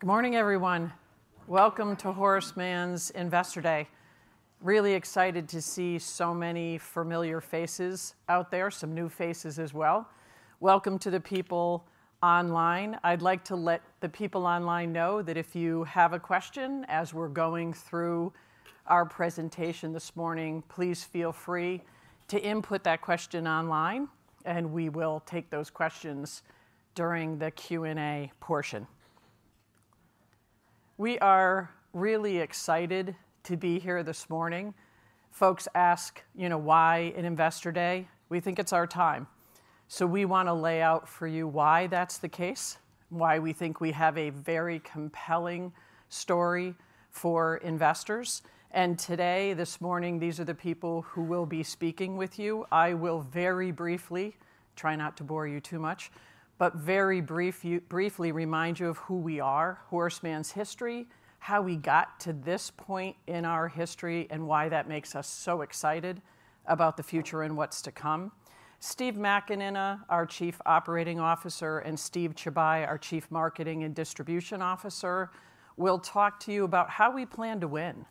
Good morning, everyone. Welcome to Horace Mann's Investor Day. Really excited to see so many familiar faces out there, some new faces as well. Welcome to the people online. I'd like to let the people online know that if you have a question as we're going through our presentation this morning, please feel free to input that question online, and we will take those questions during the Q&A portion. We are really excited to be here this morning. Folks ask, you know, why an Investor Day? We think it's our time. We want to lay out for you why that's the case, why we think we have a very compelling story for investors. Today, this morning, these are the people who will be speaking with you. I will very briefly try not to bore you too much, but very briefly remind you of who we are, Horace Mann's history, how we got to this point in our history, and why that makes us so excited about the future and what's to come. Steve McAnena, our Chief Operating Officer, and Steve Chauby, our Chief Marketing and Distribution Officer, will talk to you about how we plan to win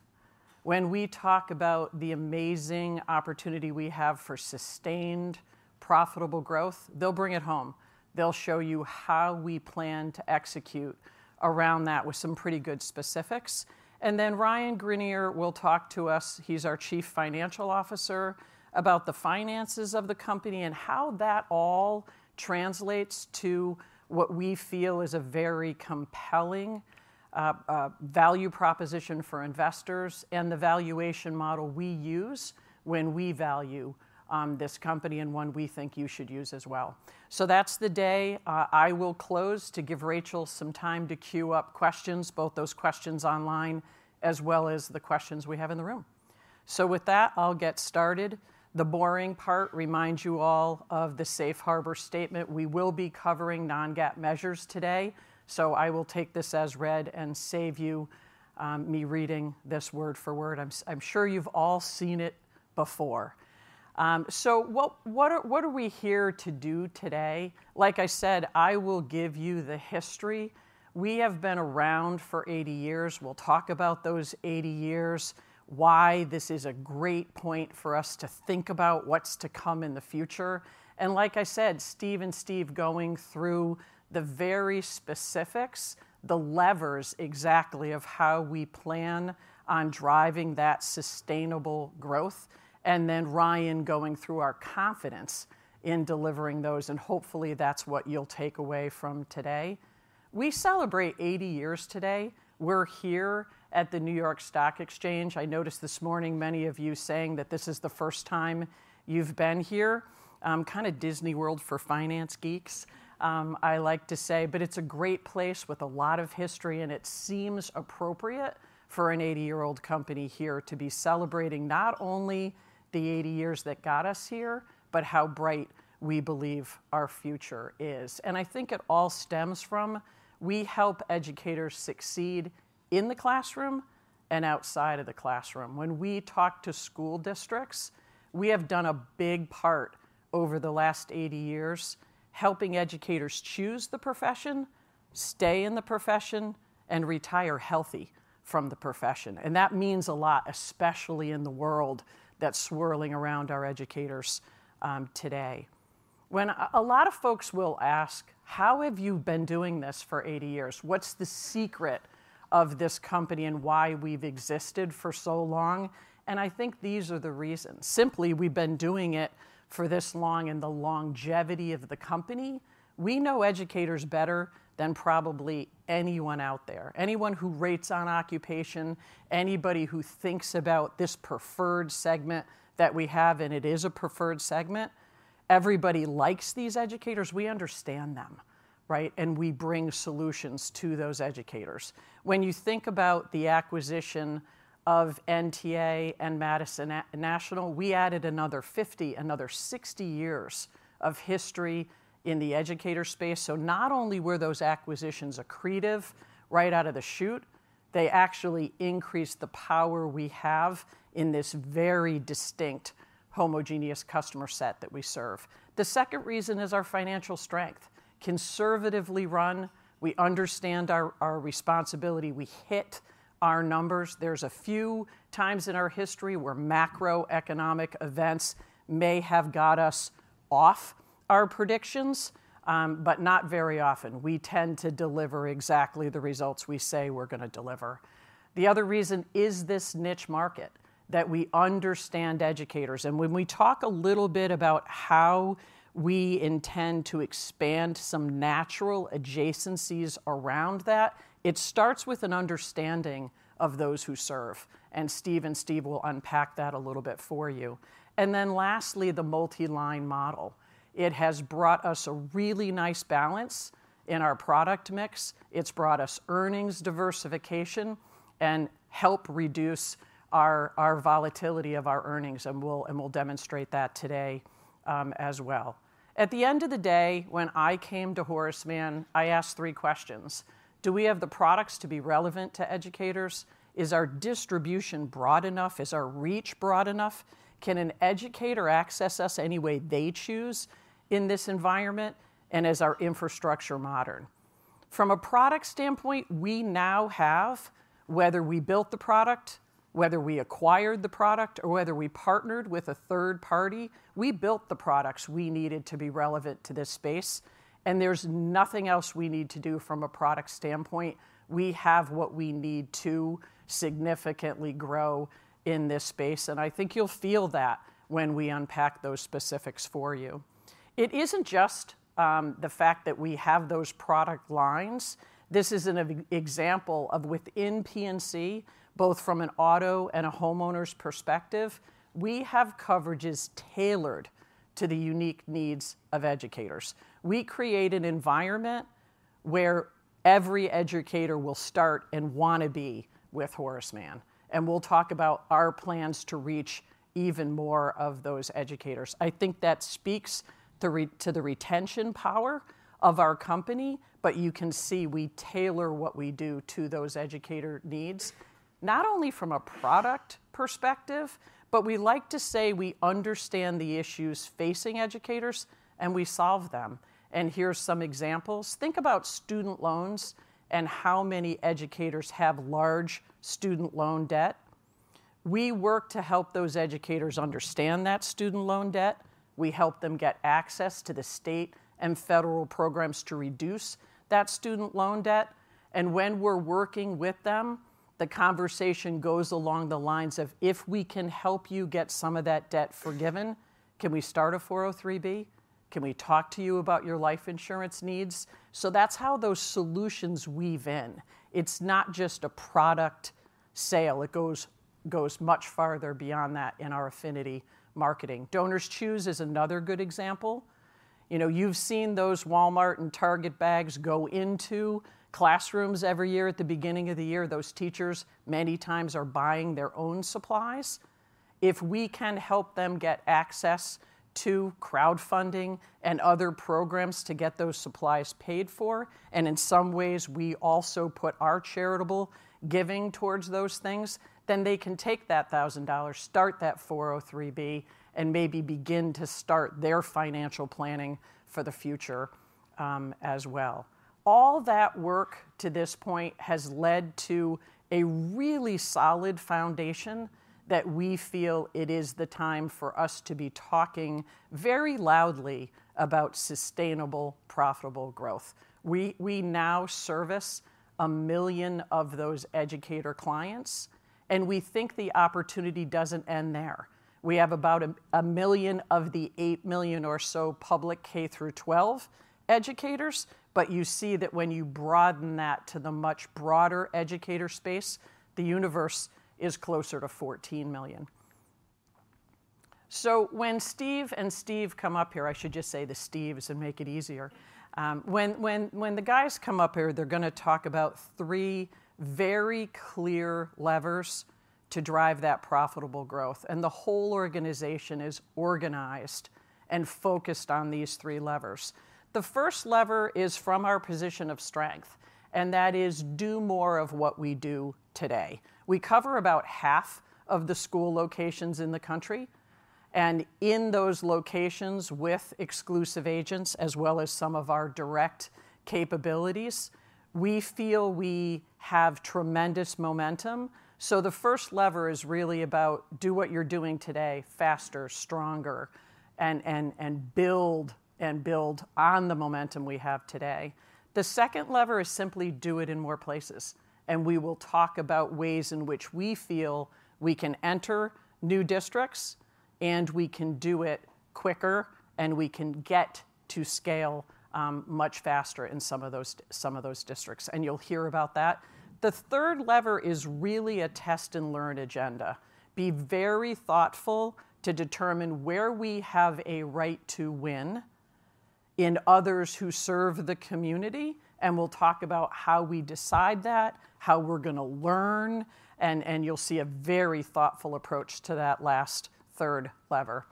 when we talk about the amazing opportunity we have for sustained, profitable growth. They'll bring it home. They'll show you how we plan to execute around that with some pretty good specifics. Then Ryan Greenier will talk to us. He's our Chief Financial Officer about the finances of the company and how that all translates to what we feel is a very compelling value proposition for investors and the valuation model we use when we value this company and one we think you should use as well. That's the day. I will close to give Rachel some time to queue up questions, both those questions online as well as the questions we have in the room. With that, I'll get started. The boring part, remind you all of the safe harbor statement. We will be covering non-GAAP measures today. I will take this as read and save you me reading this word for word. I'm sure you've all seen it before. What are we here to do today? Like I said, I will give you the history. We have been around for 80 years. We'll talk about those 80 years, why this is a great point for us to think about what's to come in the future. Like I said, Steve and Steve going through the very specifics, the levers exactly of how we plan on driving that sustainable growth, and then Ryan going through our confidence in delivering those. Hopefully that's what you'll take away from today. We celebrate 80 years today. We're here at the New York Stock Exchange. I noticed this morning many of you saying that this is the first time you've been here. Kind of Disney World for finance geeks, I like to say, but it's a great place with a lot of history, and it seems appropriate for an 80-year-old company here to be celebrating not only the 80 years that got us here, but how bright we believe our future is. I think it all stems from we help educators succeed in the classroom and outside of the classroom. When we talk to school districts, we have done a big part over the last 80 years helping educators choose the profession, stay in the profession, and retire healthy from the profession. That means a lot, especially in the world that's swirling around our educators today. When a lot of folks will ask, how have you been doing this for 80 years? What's the secret of this company and why we've existed for so long? I think these are the reasons. Simply, we've been doing it for this long and the longevity of the company. We know educators better than probably anyone out there. Anyone who rates on occupation, anybody who thinks about this preferred segment that we have, and it is a preferred segment. Everybody likes these educators. We understand them, right? And we bring solutions to those educators. When you think about the acquisition of NTA and Madison National, we added another 50, another 60 years of history in the educator space. Not only were those acquisitions accretive right out of the chute, they actually increased the power we have in this very distinct, homogeneous customer set that we serve. The second reason is our financial strength. Conservatively run, we understand our responsibility. We hit our numbers. There are a few times in our history where macroeconomic events may have got us off our predictions, but not very often. We tend to deliver exactly the results we say we're going to deliver. The other reason is this niche market that we understand, educators. When we talk a little bit about how we intend to expand some natural adjacencies around that, it starts with an understanding of those who serve. Steve and Steve will unpack that a little bit for you. Lastly, the multi-line model has brought us a really nice balance in our product mix. It has brought us earnings diversification and helped reduce our volatility of our earnings. We will demonstrate that today as well. At the end of the day, when I came to Horace Mann, I asked three questions. Do we have the products to be relevant to educators? Is our distribution broad enough? Is our reach broad enough? Can an educator access us any way they choose in this environment? Is our infrastructure modern? From a product standpoint, we now have, whether we built the product, whether we acquired the product, or whether we partnered with a third party, we built the products we needed to be relevant to this space. There is nothing else we need to do from a product standpoint. We have what we need to significantly grow in this space. I think you'll feel that when we unpack those specifics for you. It isn't just the fact that we have those product lines. This is an example of within P&C, both from an auto and a homeowner's perspective, we have coverages tailored to the unique needs of educators. We create an environment where every educator will start and want to be with Horace Mann. We will talk about our plans to reach even more of those educators. I think that speaks to the retention power of our company. You can see we tailor what we do to those educator needs, not only from a product perspective, but we like to say we understand the issues facing educators and we solve them. Here are some examples. Think about student loans and how many educators have large student loan debt. We work to help those educators understand that student loan debt. We help them get access to the state and federal programs to reduce that student loan debt. When we're working with them, the conversation goes along the lines of, if we can help you get some of that debt forgiven, can we start a 403(b)? Can we talk to you about your life insurance needs? That is how those solutions weave in. It's not just a product sale. It goes much farther beyond that in our affinity marketing. DonorsChoose is another good example. You know, you've seen those Walmart and Target bags go into classrooms every year at the beginning of the year. Those teachers many times are buying their own supplies. If we can help them get access to crowdfunding and other programs to get those supplies paid for, and in some ways we also put our charitable giving towards those things, then they can take that $1,000, start that 403(b), and maybe begin to start their financial planning for the future as well. All that work to this point has led to a really solid foundation that we feel it is the time for us to be talking very loudly about sustainable, profitable growth. We now service a million of those educator clients, and we think the opportunity doesn't end there. We have about a million of the 8 million or so public K through 12 educators. You see that when you broaden that to the much broader educator space, the universe is closer to 14 million. When Steve and Steve come up here, I should just say the Steves, and make it easier. When the guys come up here, they're going to talk about three very clear levers to drive that profitable growth. The whole organization is organized and focused on these three levers. The first lever is from our position of strength, and that is do more of what we do today. We cover about half of the school locations in the country. In those locations with exclusive agents, as well as some of our direct capabilities, we feel we have tremendous momentum. The first lever is really about do what you're doing today faster, stronger, and build on the momentum we have today. The second lever is simply do it in more places. We will talk about ways in which we feel we can enter new districts, and we can do it quicker, and we can get to scale much faster in some of those districts. You will hear about that. The third lever is really a test and learn agenda. Be very thoughtful to determine where we have a right to win in others who serve the community. We will talk about how we decide that, how we are going to learn. You will see a very thoughtful approach to that last third lever.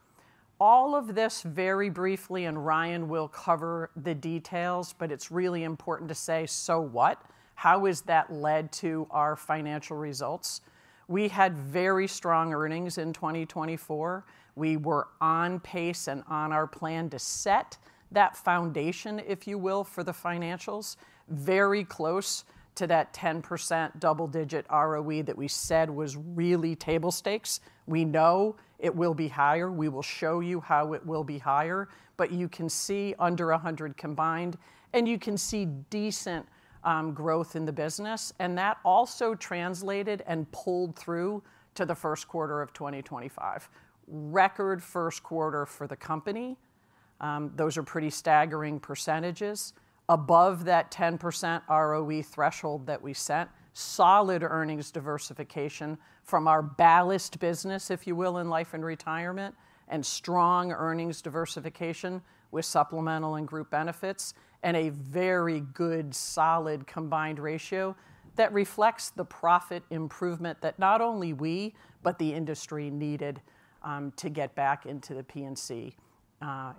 All of this very briefly, and Ryan will cover the details, but it is really important to say, so what? How has that led to our financial results? We had very strong earnings in 2024. We were on pace and on our plan to set that foundation, if you will, for the financials, very close to that 10% double-digit ROE that we said was really table stakes. We know it will be higher. We will show you how it will be higher. You can see under 100 combined, and you can see decent growth in the business. That also translated and pulled through to the first quarter of 2025. Record first quarter for the company. Those are pretty staggering percentages. Above that 10% ROE threshold that we set, solid earnings diversification from our ballast business, if you will, in Life and Retirement, and strong earnings diversification with Supplemental and Group Benefits, and a very good solid combined ratio that reflects the profit improvement that not only we, but the industry needed to get back into the P&C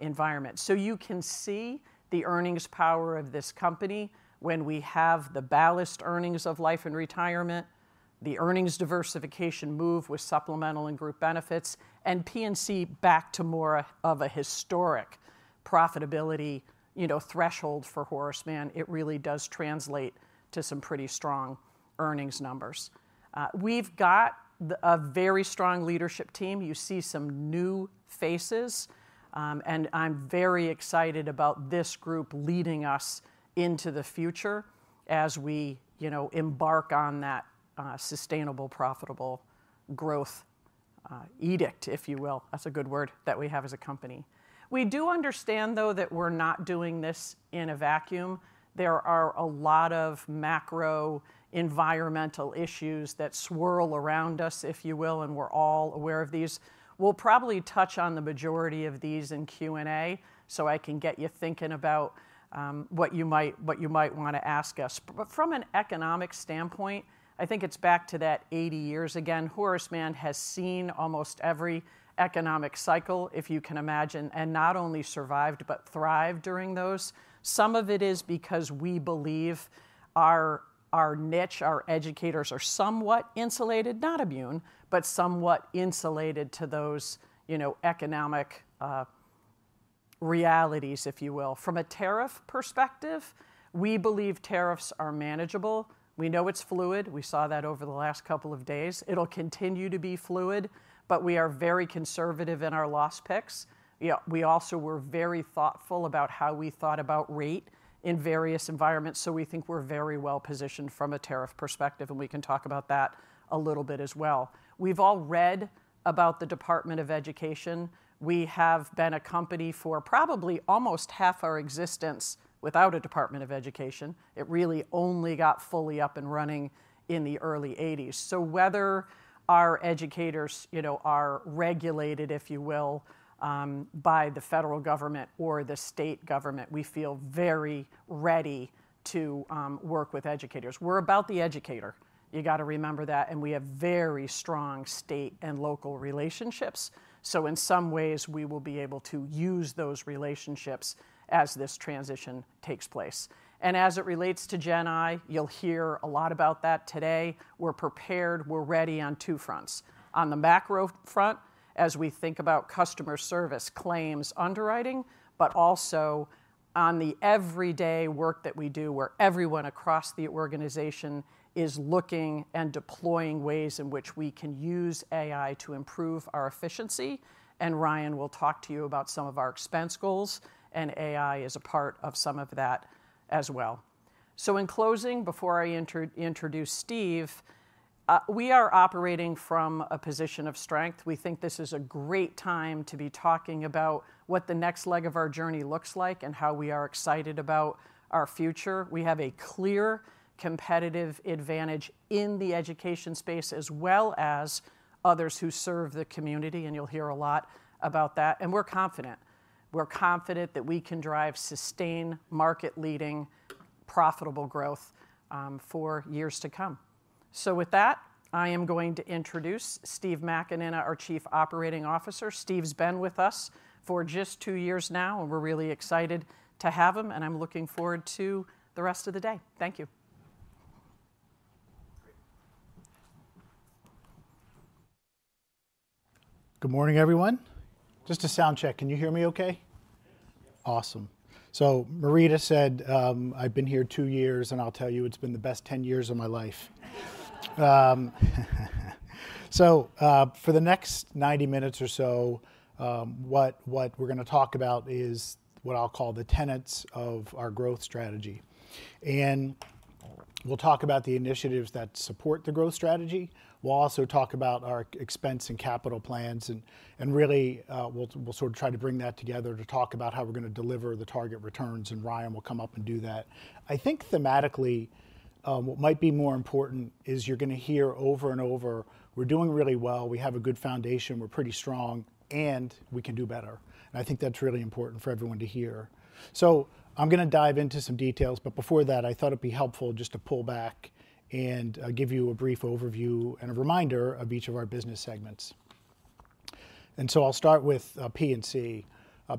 environment. You can see the earnings power of this company when we have the ballast earnings of Life and Retirement, the earnings diversification move with Supplemental and Group Benefits, and P&C back to more of a historic profitability threshold for Horace Mann, it really does translate to some pretty strong earnings numbers. We've got a very strong leadership team. You see some new faces. I'm very excited about this group leading us into the future as we embark on that sustainable, profitable growth edict, if you will. That's a good word that we have as a company. We do understand, though, that we're not doing this in a vacuum. There are a lot of macro environmental issues that swirl around us, if you will, and we're all aware of these. We'll probably touch on the majority of these in Q&A so I can get you thinking about what you might want to ask us. From an economic standpoint, I think it's back to that 80 years. Again, Horace Mann has seen almost every economic cycle, if you can imagine, and not only survived, but thrived during those. Some of it is because we believe our niche, our educators, are somewhat insulated, not immune, but somewhat insulated to those economic realities, if you will. From a tariff perspective, we believe tariffs are manageable. We know it's fluid. We saw that over the last couple of days. It'll continue to be fluid, but we are very conservative in our loss picks. We also were very thoughtful about how we thought about rate in various environments. We think we're very well positioned from a tariff perspective, and we can talk about that a little bit as well. We've all read about the Department of Education. We have been a company for probably almost half our existence without a Department of Education. It really only got fully up and running in the early 1980s. Whether our educators are regulated, if you will, by the federal government or the state government, we feel very ready to work with educators. We're about the educator. You got to remember that. We have very strong state and local relationships. In some ways, we will be able to use those relationships as this transition takes place. As it relates to GenAI, you'll hear a lot about that today. We're prepared. We're ready on two fronts. On the macro front, as we think about customer service, claims, underwriting, but also on the everyday work that we do where everyone across the organization is looking and deploying ways in which we can use AI to improve our efficiency. Ryan will talk to you about some of our expense goals, and AI is a part of some of that as well. In closing, before I introduce Steve, we are operating from a position of strength. We think this is a great time to be talking about what the next leg of our journey looks like and how we are excited about our future. We have a clear competitive advantage in the education space as well as others who serve the community. You will hear a lot about that. We are confident. We are confident that we can drive sustained, market-leading, profitable growth for years to come. With that, I am going to introduce Steve McAnena, our Chief Operating Officer. Steve's been with us for just two years now, and we're really excited to have him. I'm looking forward to the rest of the day. Thank you. Good morning, everyone. Just a sound check. Can you hear me okay? Awesome. Marita said, "I've been here two years, and I'll tell you it's been the best 10 years of my life." For the next 90 minutes or so, what we're going to talk about is what I'll call the tenets of our growth strategy. We'll talk about the initiatives that support the growth strategy. We'll also talk about our expense and capital plans. Really, we'll sort of try to bring that together to talk about how we're going to deliver the target returns. Ryan will come up and do that. I think thematically, what might be more important is you're going to hear over and over, "We're doing really well. We have a good foundation. We're pretty strong. And we can do better." I think that's really important for everyone to hear. I'm going to dive into some details. Before that, I thought it'd be helpful just to pull back and give you a brief overview and a reminder of each of our business segments. I'll start with P&C.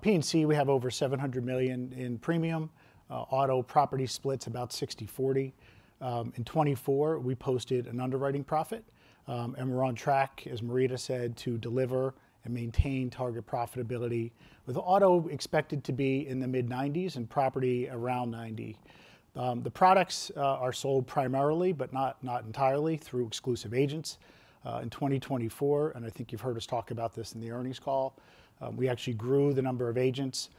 P&C, we have over $700 million in premium. Auto property splits about 60/40. In 2024, we posted an underwriting profit. We're on track, as Marita said, to deliver and maintain target profitability with auto expected to be in the mid-90s and property around 90. The products are sold primarily, but not entirely, through exclusive agents in 2024. I think you've heard us talk about this in the earnings call. We actually grew the number of agents.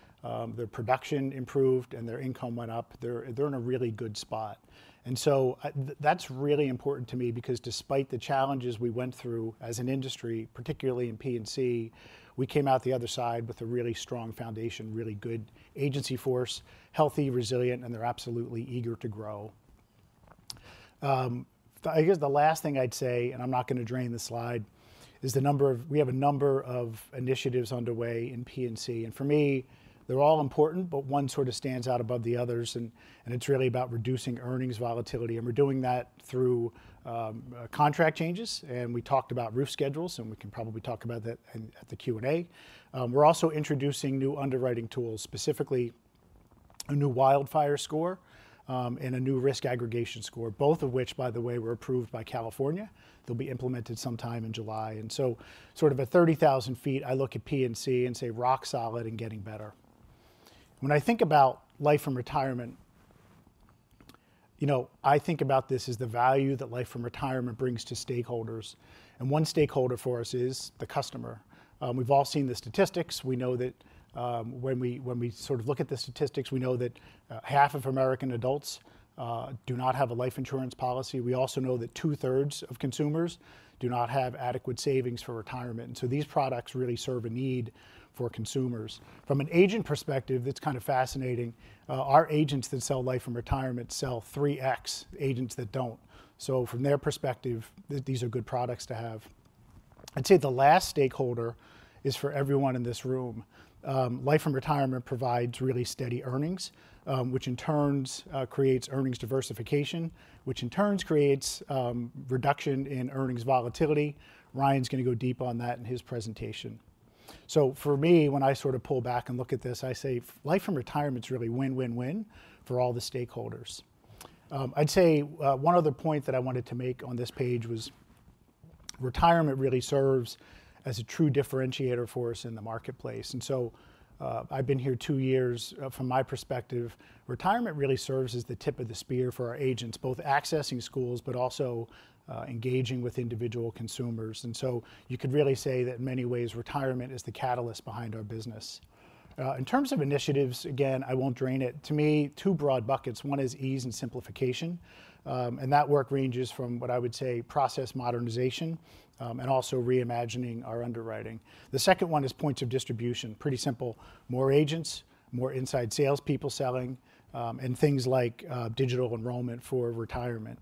Their production improved, and their income went up. They're in a really good spot. That is really important to me because despite the challenges we went through as an industry, particularly in P&C, we came out the other side with a really strong foundation, really good agency force, healthy, resilient, and they're absolutely eager to grow. I guess the last thing I'd say, and I'm not going to drain the slide, is we have a number of initiatives underway in P&C. For me, they're all important, but one sort of stands out above the others. It is really about reducing earnings volatility. We're doing that through contract changes. We talked about roof schedules, and we can probably talk about that at the Q&A. We're also introducing new underwriting tools, specifically a new wildfire score and a new risk aggregation score, both of which, by the way, were approved by California. They'll be implemented sometime in July. At 30,000 feet, I look at P&C and say, "Rock solid and getting better." When I think about life and retirement, I think about this as the value that life and retirement brings to stakeholders. One stakeholder for us is the customer. We've all seen the statistics. We know that when we sort of look at the statistics, we know that half of American adults do not have a life insurance policy. We also know that two-thirds of consumers do not have adequate savings for retirement. These products really serve a need for consumers. From an agent perspective, that's kind of fascinating. Our agents that sell life and retirement sell 3X agents that do not. From their perspective, these are good products to have. I would say the last stakeholder is for everyone in this room. Life and retirement provides really steady earnings, which in turn creates earnings diversification, which in turn creates reduction in earnings volatility. Ryan is going to go deep on that in his presentation. For me, when I sort of pull back and look at this, I say life and retirement is really win, win, win for all the stakeholders. I would say one other point that I wanted to make on this page was retirement really serves as a true differentiator for us in the marketplace. I have been here two years. From my perspective, retirement really serves as the tip of the spear for our agents, both accessing schools, but also engaging with individual consumers. You could really say that in many ways, retirement is the catalyst behind our business. In terms of initiatives, again, I won't drain it. To me, two broad buckets. One is ease and simplification. That work ranges from what I would say process modernization and also reimagining our underwriting. The second one is points of distribution. Pretty simple. More agents, more inside salespeople selling, and things like digital enrollment for retirement.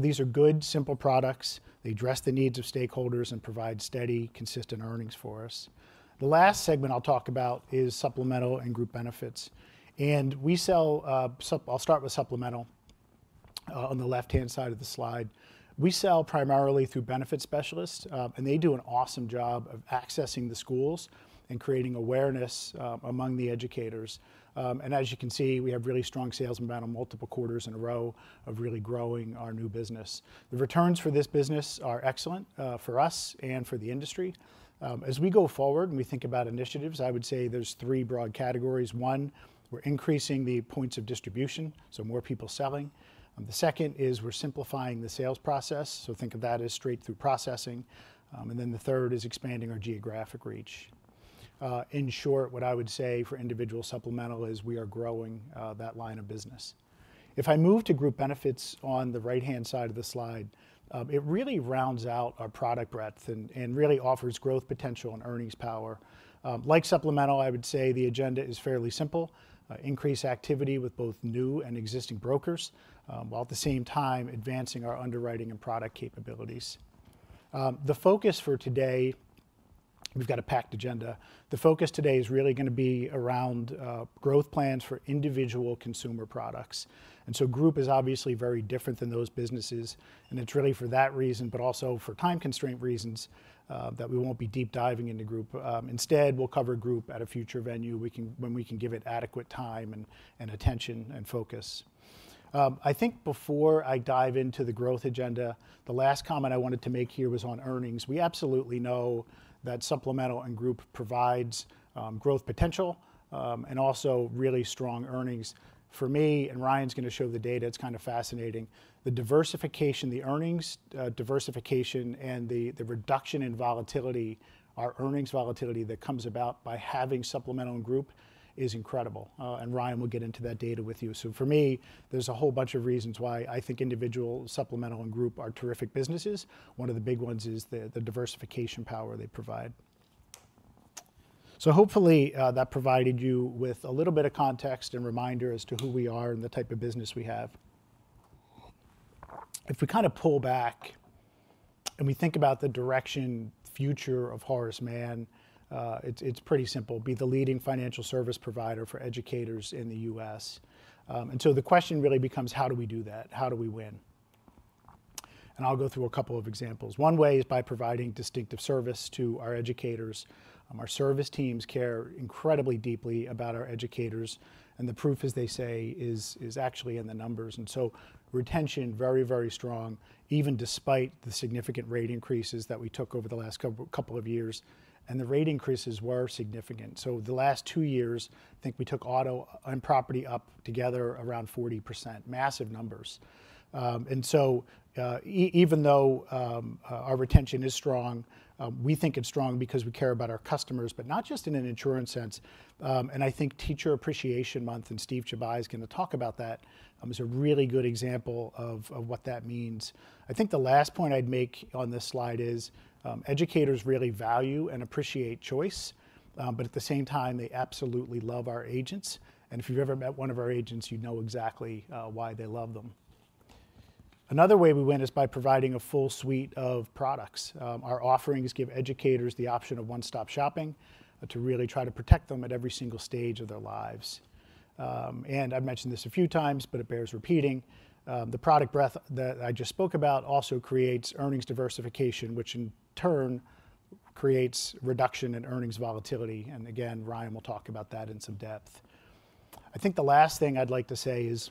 These are good, simple products. They address the needs of stakeholders and provide steady, consistent earnings for us. The last segment I'll talk about is supplemental and group benefits. I'll start with supplemental on the left-hand side of the slide. We sell primarily through benefit specialists, and they do an awesome job of accessing the schools and creating awareness among the educators. As you can see, we have really strong sales and multiple quarters in a row of really growing our new business. The returns for this business are excellent for us and for the industry. As we go forward and we think about initiatives, I would say there are three broad categories. One, we are increasing the points of distribution, so more people selling. The second is we are simplifying the sales process. Think of that as straight-through processing. The third is expanding our geographic reach. In short, what I would say for individual supplemental is we are growing that line of business. If I move to group benefits on the right-hand side of the slide, it really rounds out our product breadth and really offers growth potential and earnings power. Like supplemental, I would say the agenda is fairly simple. Increase activity with both new and existing brokers while at the same time advancing our underwriting and product capabilities. The focus for today, we've got a packed agenda. The focus today is really going to be around growth plans for individual consumer products. Group is obviously very different than those businesses. It is really for that reason, but also for time constraint reasons, that we will not be deep diving into group. Instead, we will cover group at a future venue when we can give it adequate time and attention and focus. I think before I dive into the growth agenda, the last comment I wanted to make here was on earnings. We absolutely know that supplemental and group provides growth potential and also really strong earnings. For me, and Ryan's going to show the data, it is kind of fascinating. The diversification, the earnings diversification and the reduction in volatility, our earnings volatility that comes about by having supplemental and group is incredible. Ryan will get into that data with you. For me, there is a whole bunch of reasons why I think individual supplemental and group are terrific businesses. One of the big ones is the diversification power they provide. Hopefully that provided you with a little bit of context and reminder as to who we are and the type of business we have. If we kind of pull back and we think about the direction, future of Horace Mann, it is pretty simple. Be the leading financial service provider for educators in the US. The question really becomes, how do we do that? How do we win? I will go through a couple of examples. One way is by providing distinctive service to our educators. Our service teams care incredibly deeply about our educators. The proof, as they say, is actually in the numbers. Retention is very, very strong, even despite the significant rate increases that we took over the last couple of years. The rate increases were significant. The last two years, I think we took auto and property up together around 40%. Massive numbers. Even though our retention is strong, we think it is strong because we care about our customers, but not just in an insurance sense. I think Teacher Appreciation Month and Steve Chauby is going to talk about that. It is a really good example of what that means. I think the last point I would make on this slide is educators really value and appreciate choice, but at the same time, they absolutely love our agents. If you've ever met one of our agents, you know exactly why they love them. Another way we win is by providing a full suite of products. Our offerings give educators the option of one-stop shopping to really try to protect them at every single stage of their lives. I've mentioned this a few times, but it bears repeating. The product breadth that I just spoke about also creates earnings diversification, which in turn creates reduction in earnings volatility. Again, Ryan will talk about that in some depth. I think the last thing I'd like to say is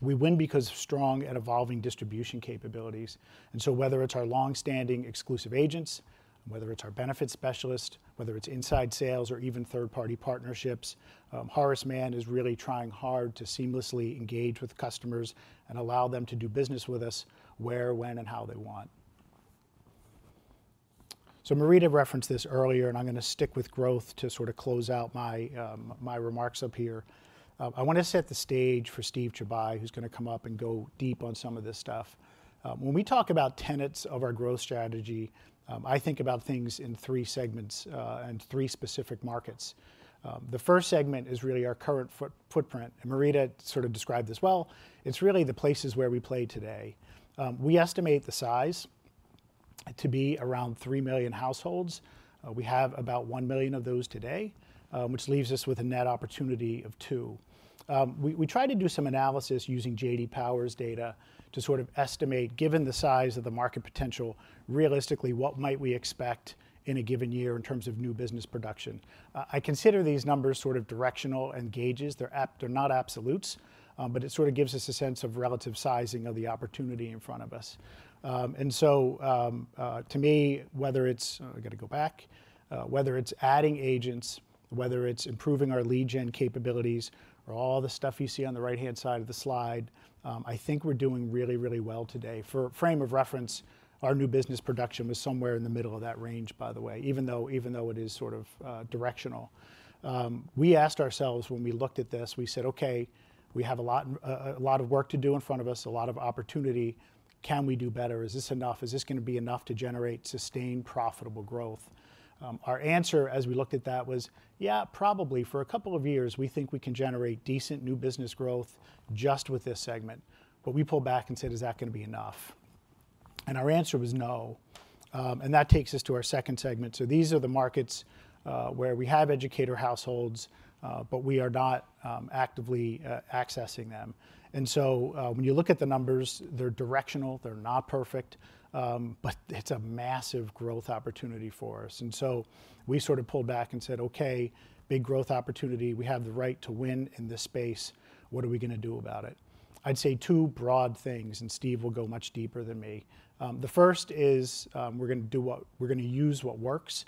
we win because of strong and evolving distribution capabilities. Whether it is our long-standing exclusive agents, our benefit specialists, inside sales, or even third-party partnerships, Horace Mann is really trying hard to seamlessly engage with customers and allow them to do business with us where, when, and how they want. Marita referenced this earlier, and I am going to stick with growth to sort of close out my remarks up here. I want to set the stage for Steve Chauby, who is going to come up and go deep on some of this stuff. When we talk about tenets of our growth strategy, I think about things in three segments and three specific markets. The first segment is really our current footprint. Marita described this well. It is really the places where we play today. We estimate the size to be around 3 million households. We have about 1 million of those today, which leaves us with a net opportunity of 2. We try to do some analysis using J.D. Power's data to sort of estimate, given the size of the market potential, realistically, what might we expect in a given year in terms of new business production. I consider these numbers sort of directional and gauges. They're not absolutes, but it sort of gives us a sense of relative sizing of the opportunity in front of us. To me, whether it's I've got to go back. Whether it's adding agents, whether it's improving our lead gen capabilities, or all the stuff you see on the right-hand side of the slide, I think we're doing really, really well today. For frame of reference, our new business production was somewhere in the middle of that range, by the way, even though it is sort of directional. We asked ourselves when we looked at this, we said, "Okay, we have a lot of work to do in front of us, a lot of opportunity. Can we do better? Is this enough? Is this going to be enough to generate sustained profitable growth?" Our answer as we looked at that was, "Yeah, probably for a couple of years, we think we can generate decent new business growth just with this segment." We pulled back and said, "Is that going to be enough?" Our answer was no. That takes us to our second segment. These are the markets where we have educator households, but we are not actively accessing them. When you look at the numbers, they're directional. They're not perfect, but it's a massive growth opportunity for us. We sort of pulled back and said, "Okay, big growth opportunity. We have the right to win in this space. What are we going to do about it?" I'd say two broad things, and Steve will go much deeper than me. The first is we're going to use what works.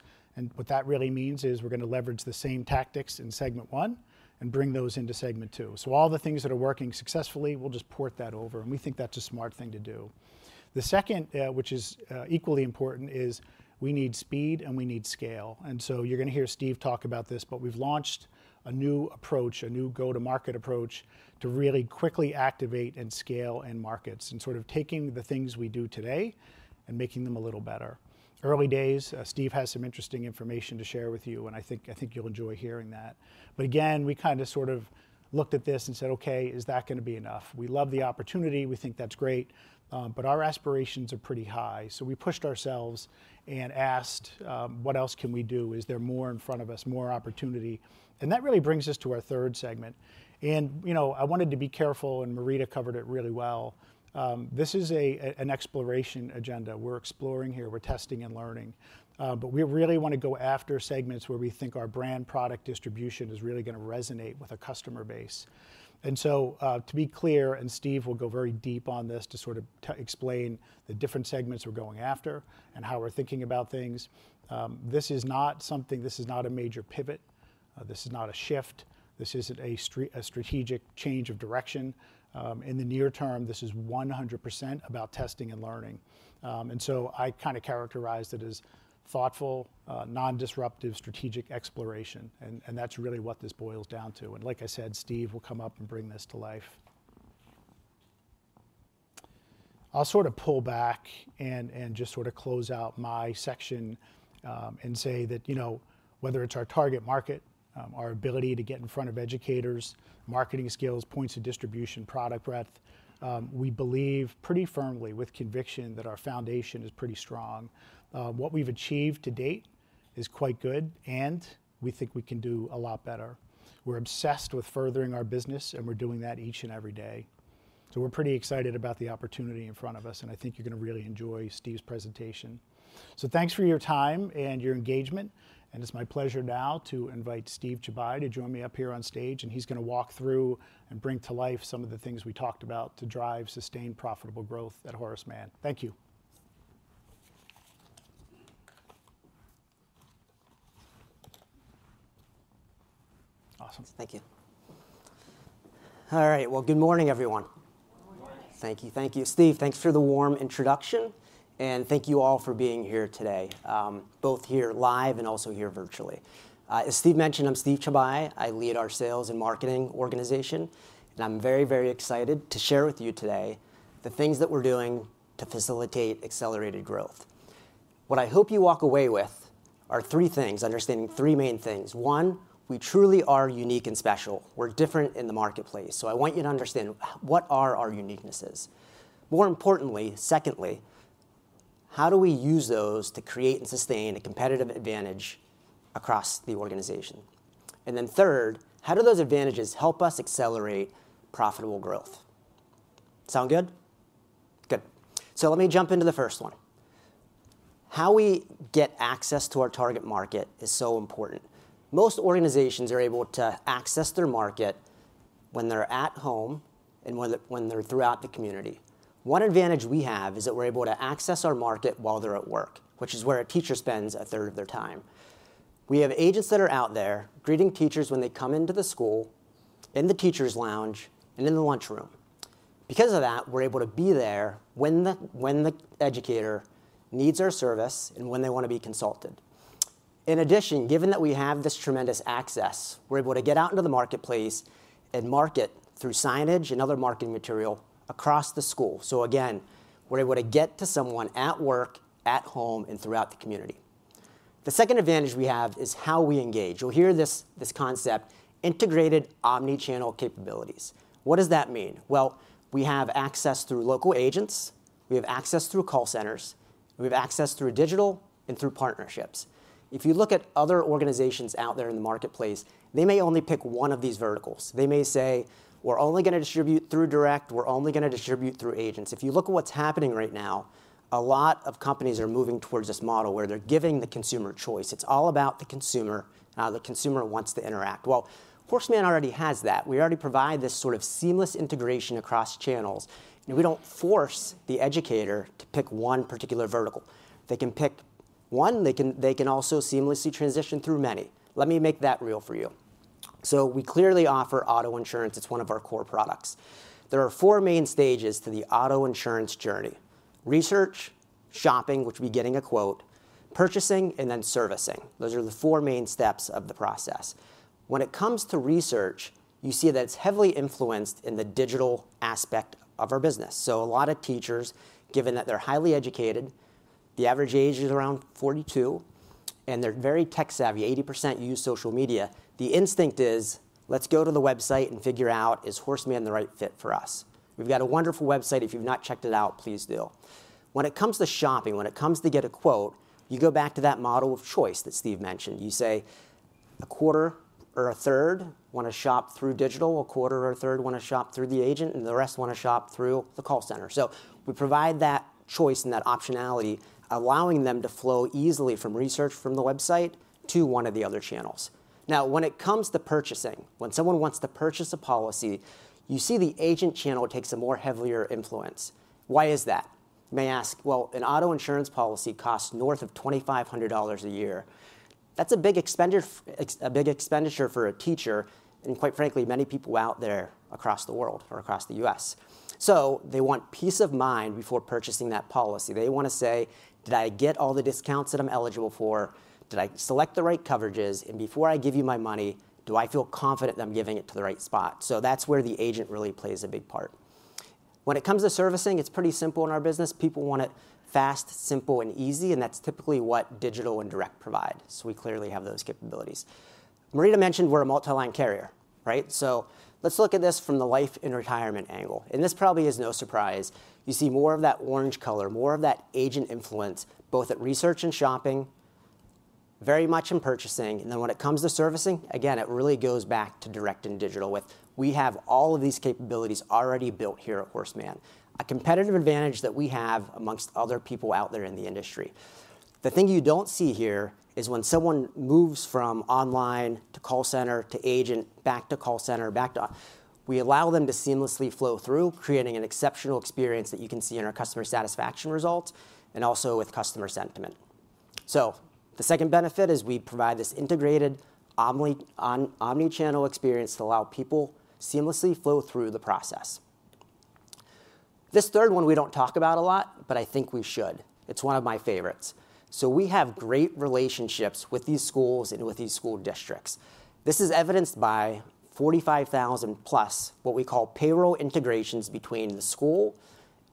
What that really means is we're going to leverage the same tactics in segment one and bring those into segment two. All the things that are working successfully, we'll just port that over. We think that's a smart thing to do. The second, which is equally important, is we need speed and we need scale. You're going to hear Steve talk about this, but we've launched a new approach, a new go-to-market approach to really quickly activate and scale in markets and sort of taking the things we do today and making them a little better. Early days, Steve has some interesting information to share with you, and I think you'll enjoy hearing that. Again, we kind of sort of looked at this and said, "Okay, is that going to be enough?" We love the opportunity. We think that's great. Our aspirations are pretty high. We pushed ourselves and asked, "What else can we do? Is there more in front of us, more opportunity?" That really brings us to our third segment. I wanted to be careful, and Marita covered it really well. This is an exploration agenda. We're exploring here. We're testing and learning. We really want to go after segments where we think our brand, product, distribution is really going to resonate with a customer base. To be clear, and Steve will go very deep on this to sort of explain the different segments we are going after and how we are thinking about things. This is not something, this is not a major pivot. This is not a shift. This is not a strategic change of direction. In the near term, this is 100% about testing and learning. I kind of characterized it as thoughtful, non-disruptive strategic exploration. That is really what this boils down to. Like I said, Steve will come up and bring this to life. I'll sort of pull back and just sort of close out my section and say that whether it's our target market, our ability to get in front of educators, marketing skills, points of distribution, product breadth, we believe pretty firmly with conviction that our foundation is pretty strong. What we've achieved to date is quite good, and we think we can do a lot better. We're obsessed with furthering our business, and we're doing that each and every day. We're pretty excited about the opportunity in front of us, and I think you're going to really enjoy Steve's presentation. Thanks for your time and your engagement. It's my pleasure now to invite Steve Chauby to join me up here on stage. He's going to walk through and bring to life some of the things we talked about to drive sustained profitable growth at Horace Mann.Thank you. Awesome. Thank you. All right. Good morning, everyone. Good morning. Thank you. Thank you. Steve, thanks for the warm introduction. Thank you all for being here today, both here live and also here virtually. As Steve mentioned, I'm Steve Chauby. I lead our sales and marketing organization. I'm very, very excited to share with you today the things that we're doing to facilitate accelerated growth. What I hope you walk away with are three things, understanding three main things. One, we truly are unique and special. We're different in the marketplace. I want you to understand what are our uniquenesses. More importantly, secondly, how do we use those to create and sustain a competitive advantage across the organization? Then third, how do those advantages help us accelerate profitable growth? Sound good? Good. Let me jump into the first one. How we get access to our target market is so important. Most organizations are able to access their market when they're at home and when they're throughout the community. One advantage we have is that we're able to access our market while they're at work, which is where a teacher spends a third of their time. We have agents that are out there greeting teachers when they come into the school, in the teacher's lounge, and in the lunchroom. Because of that, we're able to be there when the educator needs our service and when they want to be consulted. In addition, given that we have this tremendous access, we're able to get out into the marketplace and market through signage and other marketing material across the school. Again, we're able to get to someone at work, at home, and throughout the community. The second advantage we have is how we engage. You'll hear this concept, integrated omnichannel capabilities. What does that mean? We have access through local agents. We have access through call centers. We have access through digital and through partnerships. If you look at other organizations out there in the marketplace, they may only pick one of these verticals. They may say, "We're only going to distribute through direct. We're only going to distribute through agents." If you look at what's happening right now, a lot of companies are moving towards this model where they're giving the consumer choice. It's all about the consumer. The consumer wants to interact. Horace Mann already has that. We already provide this sort of seamless integration across channels. We do not force the educator to pick one particular vertical. They can pick one. They can also seamlessly transition through many. Let me make that real for you. We clearly offer auto insurance. It is one of our core products. There are four main stages to the auto insurance journey: research, shopping, which would be getting a quote, purchasing, and then servicing. Those are the four main steps of the process. When it comes to research, you see that it is heavily influenced in the digital aspect of our business. A lot of teachers, given that they are highly educated, the average age is around 42, and they are very tech-savvy. 80% use social media. The instinct is, "Let's go to the website and figure out, is Horace Mann the right fit for us?" We have got a wonderful website. If you have not checked it out, please do. When it comes to shopping, when it comes to get a quote, you go back to that model of choice that Steve mentioned. You say, "A quarter or a third want to shop through digital, a quarter or a third want to shop through the agent, and the rest want to shop through the call center." We provide that choice and that optionality, allowing them to flow easily from research from the website to one of the other channels. Now, when it comes to purchasing, when someone wants to purchase a policy, you see the agent channel takes a more heavier influence. Why is that? You may ask, "Well, an auto insurance policy costs north of $2,500 a year." That's a big expenditure for a teacher and, quite frankly, many people out there across the world or across the U.S. They want peace of mind before purchasing that policy. They want to say, "Did I get all the discounts that I'm eligible for? Did I select the right coverages? Before I give you my money, do I feel confident that I'm giving it to the right spot? That is where the agent really plays a big part. When it comes to servicing, it is pretty simple in our business. People want it fast, simple, and easy. That is typically what digital and direct provide. We clearly have those capabilities. Marita mentioned we are a multi-line carrier, right? Let us look at this from the life and retirement angle. This probably is no surprise. You see more of that orange color, more of that agent influence, both at research and shopping, very much in purchasing. When it comes to servicing, again, it really goes back to direct and digital with, we have all of these capabilities already built here at Horace Mann, a competitive advantage that we have amongst other people out there in the industry. The thing you do not see here is when someone moves from online to call center to agent, back to call center, back to we allow them to seamlessly flow through, creating an exceptional experience that you can see in our customer satisfaction results and also with customer sentiment. The second benefit is we provide this integrated omnichannel experience to allow people to seamlessly flow through the process. This third one we do not talk about a lot, but I think we should. It is one of my favorites. We have great relationships with these schools and with these school districts. This is evidenced by 45,000-plus what we call payroll integrations between the school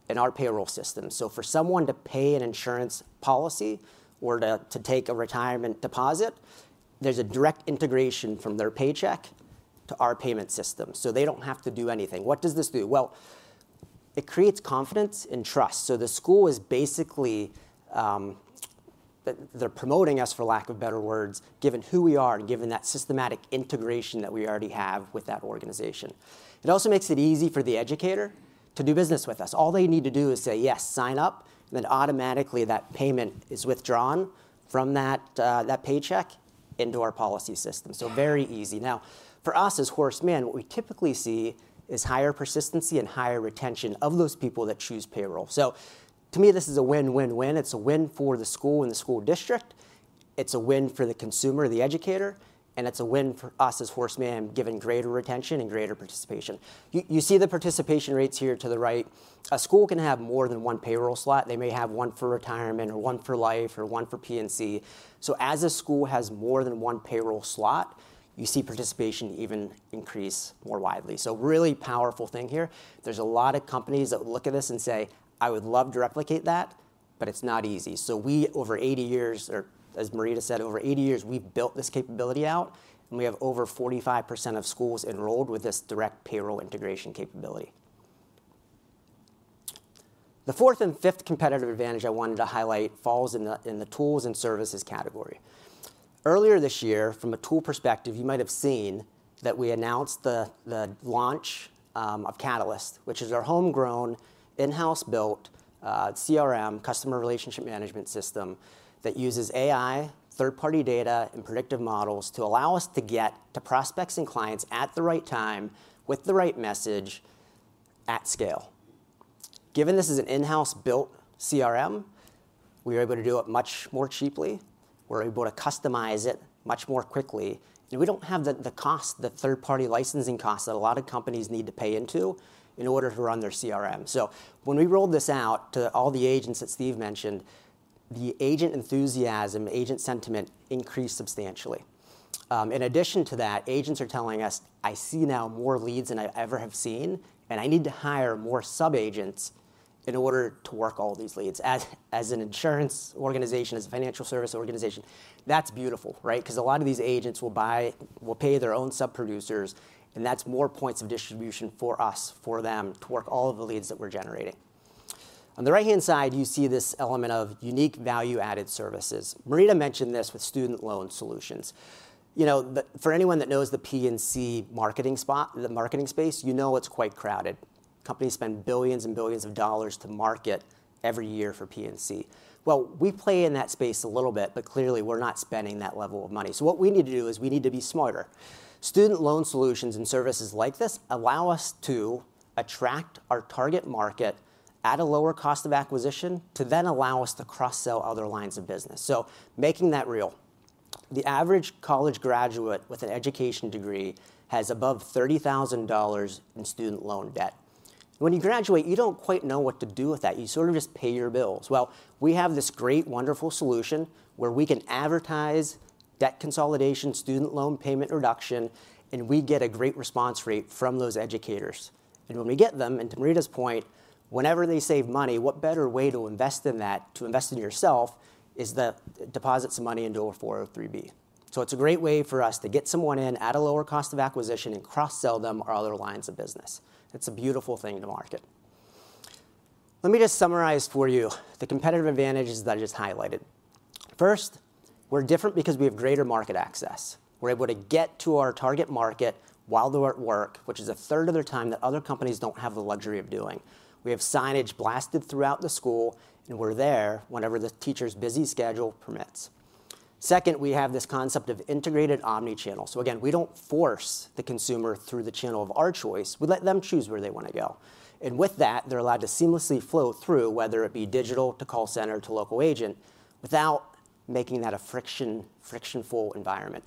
and our payroll system. For someone to pay an insurance policy or to take a retirement deposit, there is a direct integration from their paycheck to our payment system. They do not have to do anything. What does this do? It creates confidence and trust. The school is basically promoting us, for lack of better words, given who we are and given that systematic integration that we already have with that organization. It also makes it easy for the educator to do business with us. All they need to do is say, "Yes, sign up." Then automatically that payment is withdrawn from that paycheck into our policy system. Very easy. For us as Horace Mann, what we typically see is higher persistency and higher retention of those people that choose payroll. To me, this is a win-win-win. It is a win for the school and the school district. It is a win for the consumer, the educator, and it is a win for us as Horace Mann, given greater retention and greater participation. You see the participation rates here to the right. A school can have more than one payroll slot. They may have one for retirement or one for life or one for P&C. As a school has more than one payroll slot, you see participation even increase more widely. Really powerful thing here. There are a lot of companies that look at this and say, "I would love to replicate that, but it's not easy." Over 80 years, or as Marita said, over 80 years, we've built this capability out. We have over 45% of schools enrolled with this direct payroll integration capability. The fourth and fifth competitive advantage I wanted to highlight falls in the tools and services category. Earlier this year, from a tool perspective, you might have seen that we announced the launch of Catalyst, which is our homegrown, in-house-built CRM, customer relationship management system that uses AI, third-party data, and predictive models to allow us to get to prospects and clients at the right time with the right message at scale. Given this is an in-house-built CRM, we are able to do it much more cheaply. We're able to customize it much more quickly. We don't have the third-party licensing costs that a lot of companies need to pay into in order to run their CRM. When we rolled this out to all the agents that Steve mentioned, the agent enthusiasm, agent sentiment increased substantially. In addition to that, agents are telling us, "I see now more leads than I ever have seen, and I need to hire more sub-agents in order to work all these leads." As an insurance organization, as a financial service organization, that's beautiful, right? Because a lot of these agents will pay their own sub-producers, and that's more points of distribution for us, for them to work all of the leads that we're generating. On the right-hand side, you see this element of unique value-added services. Marita mentioned this with Student Loan Solutions. For anyone that knows the P&C marketing space, you know it's quite crowded. Companies spend billions and billions of dollars to market every year for P&C. We play in that space a little bit, but clearly we're not spending that level of money. What we need to do is we need to be smarter. Student Loan Solutions and services like this allow us to attract our target market at a lower cost of acquisition to then allow us to cross-sell other lines of business. Making that real, the average college graduate with an education degree has above $30,000 in student loan debt. When you graduate, you do not quite know what to do with that. You sort of just pay your bills. We have this great, wonderful solution where we can advertise debt consolidation, student loan payment reduction, and we get a great response rate from those educators. When we get them, and to Marita's point, whenever they save money, what better way to invest in that, to invest in yourself, is to deposit some money into a 403(b). It's a great way for us to get someone in at a lower cost of acquisition and cross-sell them our other lines of business. It's a beautiful thing to market. Let me just summarize for you the competitive advantages that I just highlighted. First, we're different because we have greater market access. We're able to get to our target market while they're at work, which is a third of the time that other companies don't have the luxury of doing. We have signage blasted throughout the school, and we're there whenever the teacher's busy schedule permits. Second, we have this concept of integrated omnichannel. Again, we don't force the consumer through the channel of our choice. We let them choose where they want to go. With that, they're allowed to seamlessly flow through, whether it be digital to call center to local agent, without making that a friction-full environment.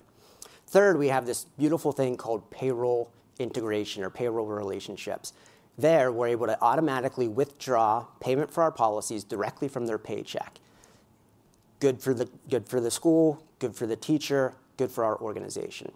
Third, we have this beautiful thing called payroll integration or payroll relationships. There, we're able to automatically withdraw payment for our policies directly from their paycheck. Good for the school, good for the teacher, good for our organization.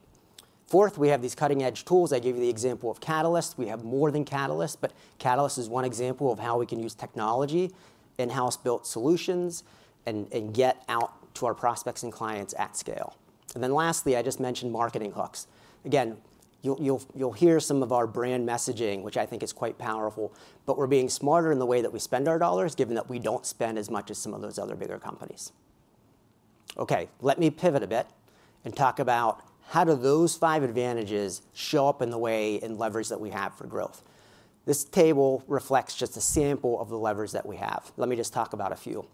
Fourth, we have these cutting-edge tools. I gave you the example of Catalyst. We have more than Catalyst, but Catalyst is one example of how we can use technology, in-house-built solutions, and get out to our prospects and clients at scale. Lastly, I just mentioned marketing hooks. Again, you'll hear some of our brand messaging, which I think is quite powerful, but we're being smarter in the way that we spend our dollars, given that we don't spend as much as some of those other bigger companies. Okay, let me pivot a bit and talk about how do those five advantages show up in the way and leverage that we have for growth. This table reflects just a sample of the leverage that we have. Let me just talk about a few.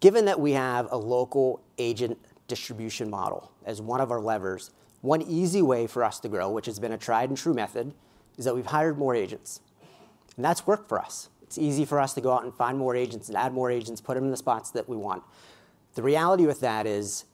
Given that we have a local agent distribution model as one of our levers, one easy way for us to grow, which has been a tried-and-true method, is that we've hired more agents. That's worked for us. It's easy for us to go out and find more agents and add more agents, put them in the spots that we want. The reality with that is,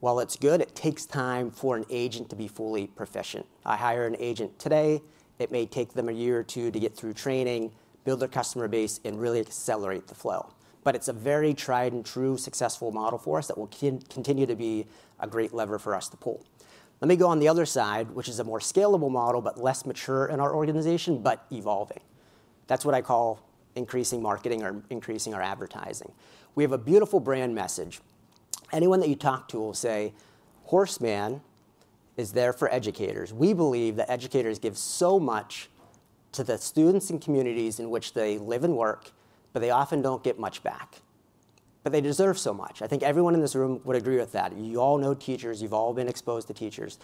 while it's good, it takes time for an agent to be fully proficient. I hire an agent today. It may take them a year or two to get through training, build their customer base, and really accelerate the flow. It is a very tried-and-true, successful model for us that will continue to be a great lever for us to pull. Let me go on the other side, which is a more scalable model, but less mature in our organization, but evolving. That is what I call increasing marketing or increasing our advertising. We have a beautiful brand message. Anyone that you talk to will say, "Horace Mann is there for educators." We believe that educators give so much to the students and communities in which they live and work, but they often do not get much back. They deserve so much. I think everyone in this room would agree with that. You all know teachers. You've all been exposed to teachers.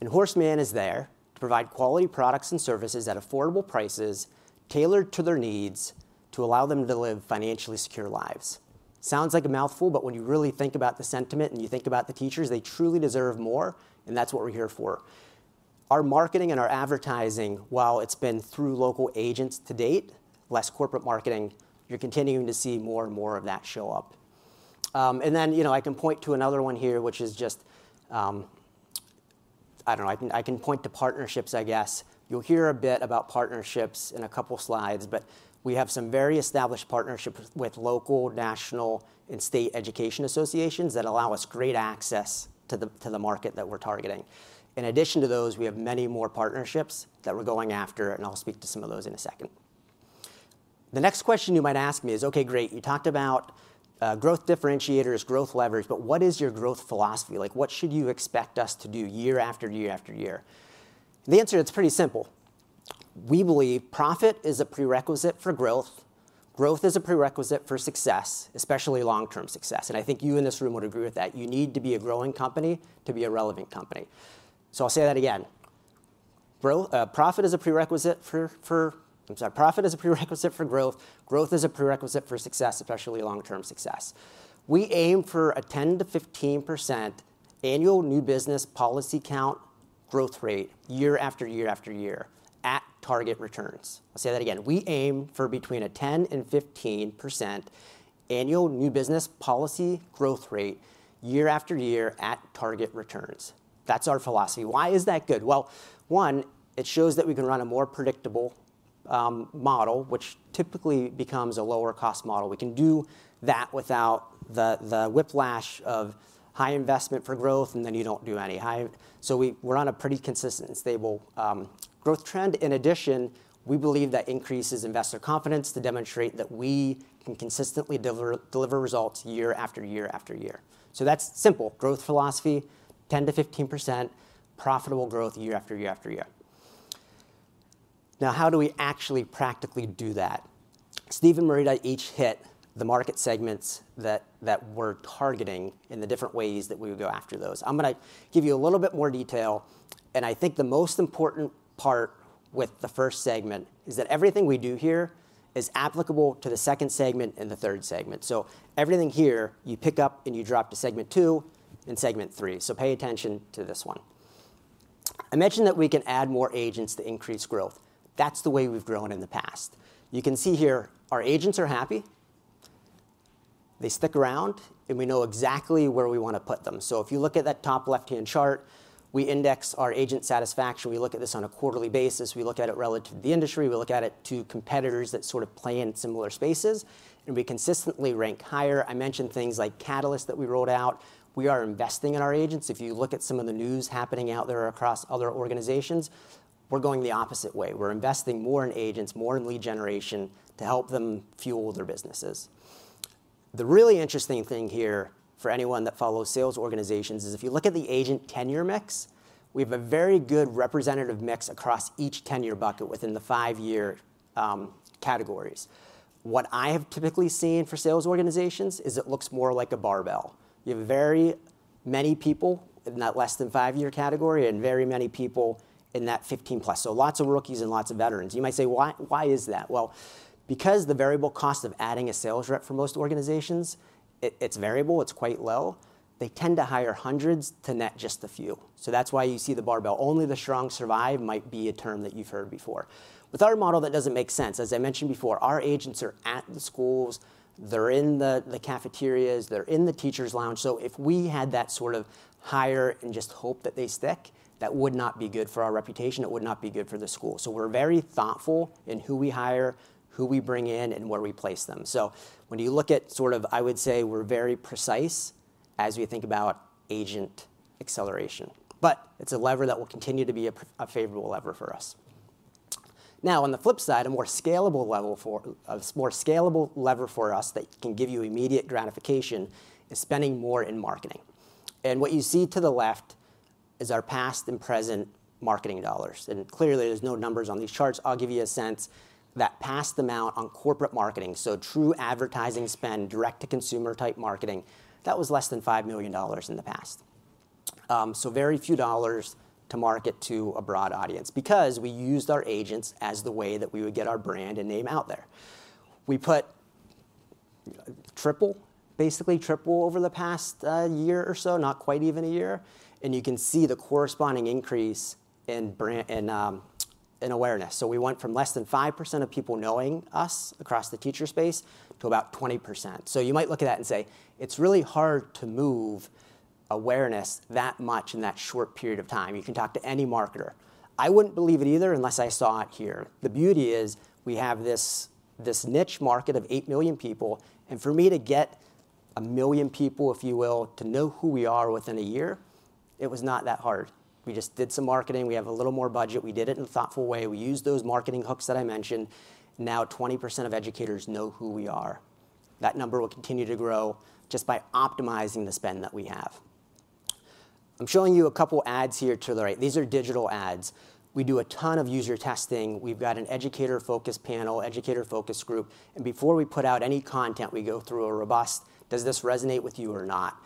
And Horace Mann is there to provide quality products and services at affordable prices tailored to their needs to allow them to live financially secure lives. Sounds like a mouthful, but when you really think about the sentiment and you think about the teachers, they truly deserve more, and that's what we're here for. Our marketing and our advertising, while it's been through local agents to date, less corporate marketing, you're continuing to see more and more of that show up. I can point to another one here, which is just, I don't know, I can point to partnerships, I guess. You'll hear a bit about partnerships in a couple of slides, but we have some very established partnerships with local, national, and state education associations that allow us great access to the market that we're targeting. In addition to those, we have many more partnerships that we're going after, and I'll speak to some of those in a second. The next question you might ask me is, "Okay, great. You talked about growth differentiators, growth leverage, but what is your growth philosophy? What should you expect us to do year after year after year?" The answer is pretty simple. We believe profit is a prerequisite for growth. Growth is a prerequisite for success, especially long-term success. I think you in this room would agree with that. You need to be a growing company to be a relevant company. I'll say that again. Profit is a prerequisite for, I'm sorry, profit is a prerequisite for growth. Growth is a prerequisite for success, especially long-term success. We aim for a 10-15% annual new business policy count growth rate year after year after year at target returns. I'll say that again. We aim for between a 10-15% annual new business policy growth rate year after year at target returns. That's our philosophy. Why is that good? One, it shows that we can run a more predictable model, which typically becomes a lower-cost model. We can do that without the whiplash of high investment for growth, and then you do not do any. We are on a pretty consistent and stable growth trend. In addition, we believe that increases investor confidence to demonstrate that we can consistently deliver results year after year after year. That's simple growth philosophy, 10-15% profitable growth year after year after year. Now, how do we actually practically do that? Steve and Marita each hit the market segments that we're targeting in the different ways that we would go after those. I'm going to give you a little bit more detail, and I think the most important part with the first segment is that everything we do here is applicable to the second segment and the third segment. Everything here, you pick up and you drop to segment two and segment three. Pay attention to this one. I mentioned that we can add more agents to increase growth. That's the way we've grown in the past. You can see here our agents are happy. They stick around, and we know exactly where we want to put them. If you look at that top left-hand chart, we index our agent satisfaction. We look at this on a quarterly basis. We look at it relative to the industry. We look at it to competitors that sort of play in similar spaces, and we consistently rank higher. I mentioned things like Catalyst that we rolled out. We are investing in our agents. If you look at some of the news happening out there across other organizations, we're going the opposite way. We're investing more in agents, more in lead generation to help them fuel their businesses. The really interesting thing here for anyone that follows sales organizations is if you look at the agent tenure mix, we have a very good representative mix across each tenure bucket within the five-year categories. What I have typically seen for sales organizations is it looks more like a barbell. You have very many people in that less-than-five-year category and very many people in that 15-plus. Lots of rookies and lots of veterans. You might say, "Why is that?" Because the variable cost of adding a sales rep for most organizations, it's variable. It's quite low. They tend to hire hundreds to net just a few. That's why you see the barbell. Only the strong survive might be a term that you've heard before. With our model, that doesn't make sense. As I mentioned before, our agents are at the schools. They're in the cafeterias. They're in the teacher's lounge. If we had that sort of hire and just hope that they stick, that would not be good for our reputation. It would not be good for the school. We're very thoughtful in who we hire, who we bring in, and where we place them. When you look at sort of, I would say we're very precise as we think about agent acceleration. But it's a lever that will continue to be a favorable lever for us. Now, on the flip side, a more scalable lever for us that can give you immediate gratification is spending more in marketing. What you see to the left is our past and present marketing dollars. Clearly, there are no numbers on these charts. I'll give you a sense that past amount on corporate marketing, so true advertising spend, direct-to-consumer type marketing, that was less than $5 million in the past. Very few dollars to market to a broad audience because we used our agents as the way that we would get our brand and name out there. We put basically triple over the past year or so, not quite even a year. You can see the corresponding increase in awareness. We went from less than 5% of people knowing us across the teacher space to about 20%. You might look at that and say, "It's really hard to move awareness that much in that short period of time." You can talk to any marketer. I wouldn't believe it either unless I saw it here. The beauty is we have this niche market of 8 million people. For me to get a million people, if you will, to know who we are within a year, it was not that hard. We just did some marketing. We have a little more budget. We did it in a thoughtful way. We used those marketing hooks that I mentioned. Now 20% of educators know who we are. That number will continue to grow just by optimizing the spend that we have. I'm showing you a couple of ads here to the right. These are digital ads. We do a ton of user testing. We've got an educator-focused panel, educator-focused group. Before we put out any content, we go through a robust, "Does this resonate with you or not?"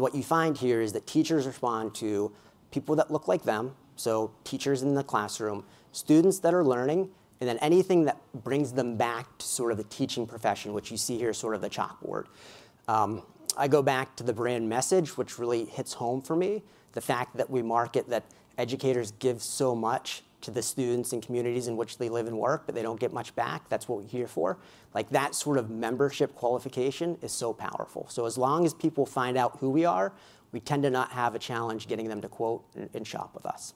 What you find here is that teachers respond to people that look like them, so teachers in the classroom, students that are learning, and anything that brings them back to sort of the teaching profession, which you see here is sort of the chalkboard. I go back to the brand message, which really hits home for me. The fact that we market that educators give so much to the students and communities in which they live and work, but they don't get much back. That's what we're here for. That sort of membership qualification is so powerful. As long as people find out who we are, we tend to not have a challenge getting them to quote and shop with us.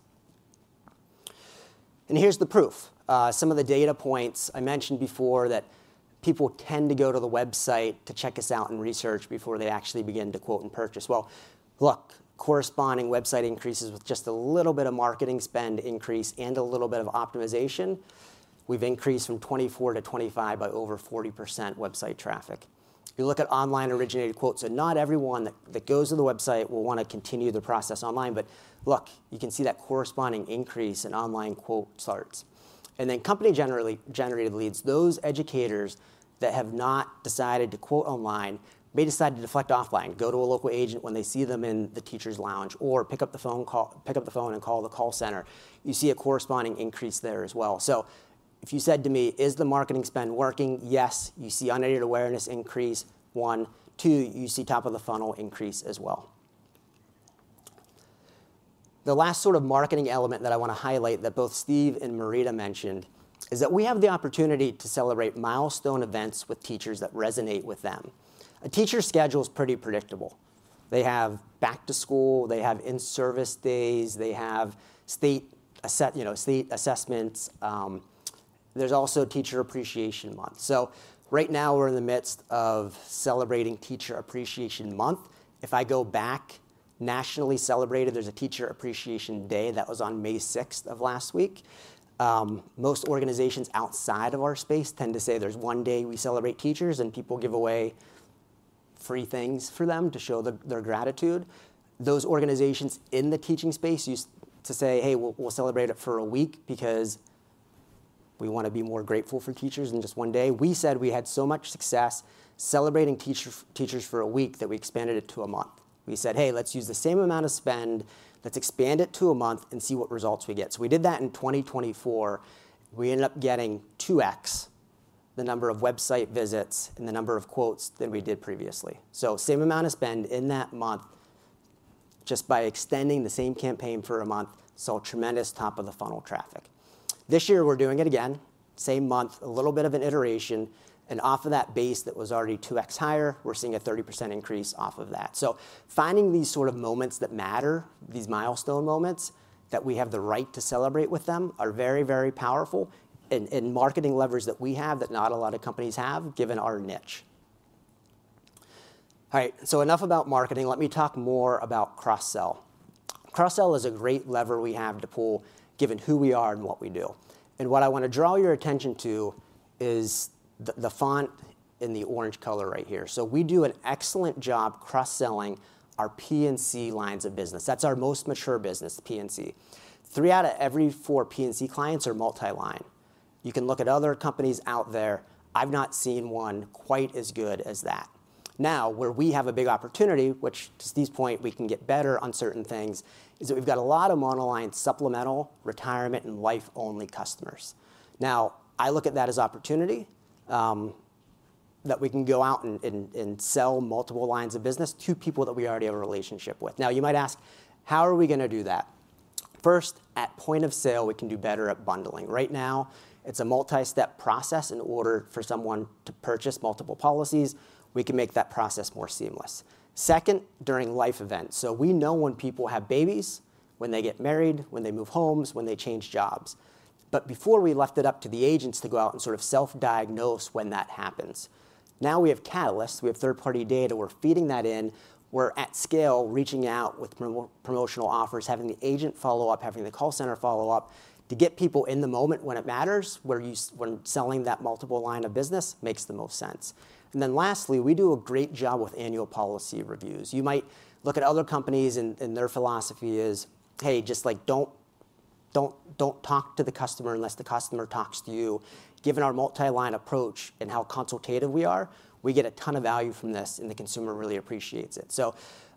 Here's the proof. Some of the data points I mentioned before that people tend to go to the website to check us out and research before they actually begin to quote and purchase. Look, corresponding website increases with just a little bit of marketing spend increase and a little bit of optimization. We've increased from 2024 to 2025 by over 40% website traffic. You look at online-originated quotes. Not everyone that goes to the website will want to continue the process online. Look, you can see that corresponding increase in online quote starts. And then company-generated leads. Those educators that have not decided to quote online may decide to deflect offline, go to a local agent when they see them in the teacher's lounge, or pick up the phone and call the call center. You see a corresponding increase there as well. If you said to me, "Is the marketing spend working?" Yes, you see unadulterated awareness increase, one. Two, you see top of the funnel increase as well. The last sort of marketing element that I want to highlight that both Steve and Marita mentioned is that we have the opportunity to celebrate milestone events with teachers that resonate with them. A teacher's schedule is pretty predictable. They have back-to-school. They have in-service days. They have state assessments. There is also Teacher Appreciation Month. Right now, we're in the midst of celebrating Teacher Appreciation Month. If I go back, nationally celebrated, there's a Teacher Appreciation Day that was on May 6th of last week. Most organizations outside of our space tend to say there's one day we celebrate teachers, and people give away free things for them to show their gratitude. Those organizations in the teaching space used to say, "Hey, we'll celebrate it for a week because we want to be more grateful for teachers than just one day." We said we had so much success celebrating teachers for a week that we expanded it to a month. We said, "Hey, let's use the same amount of spend. Let's expand it to a month and see what results we get." We did that in 2024. We ended up getting 2X the number of website visits and the number of quotes that we did previously. Same amount of spend in that month just by extending the same campaign for a month saw tremendous top-of-the-funnel traffic. This year, we're doing it again. Same month, a little bit of an iteration. Off of that base that was already 2X higher, we're seeing a 30% increase off of that. Finding these sort of moments that matter, these milestone moments that we have the right to celebrate with them are very, very powerful in marketing levers that we have that not a lot of companies have given our niche. All right. Enough about marketing. Let me talk more about cross-sell. Cross-sell is a great lever we have to pull given who we are and what we do. What I want to draw your attention to is the font in the orange color right here. We do an excellent job cross-selling our P&C lines of business. That's our most mature business, P&C. Three out of every four P&C clients are multi-line. You can look at other companies out there. I've not seen one quite as good as that. Now, where we have a big opportunity, which to Steve's point, we can get better on certain things, is that we've got a lot of mono-line, supplemental, retirement, and life-only customers. Now, I look at that as opportunity that we can go out and sell multiple lines of business to people that we already have a relationship with. Now, you might ask, "How are we going to do that?" First, at point of sale, we can do better at bundling. Right now, it's a multi-step process in order for someone to purchase multiple policies. We can make that process more seamless. Second, during life events. We know when people have babies, when they get married, when they move homes, when they change jobs. Before, we left it up to the agents to go out and sort of self-diagnose when that happens. Now we have Catalyst. We have third-party data. We're feeding that in. We're at scale, reaching out with promotional offers, having the agent follow up, having the call center follow up to get people in the moment when it matters, when selling that multiple line of business makes the most sense. Lastly, we do a great job with annual policy reviews. You might look at other companies, and their philosophy is, "Hey, just don't talk to the customer unless the customer talks to you." Given our multi-line approach and how consultative we are, we get a ton of value from this, and the consumer really appreciates it. So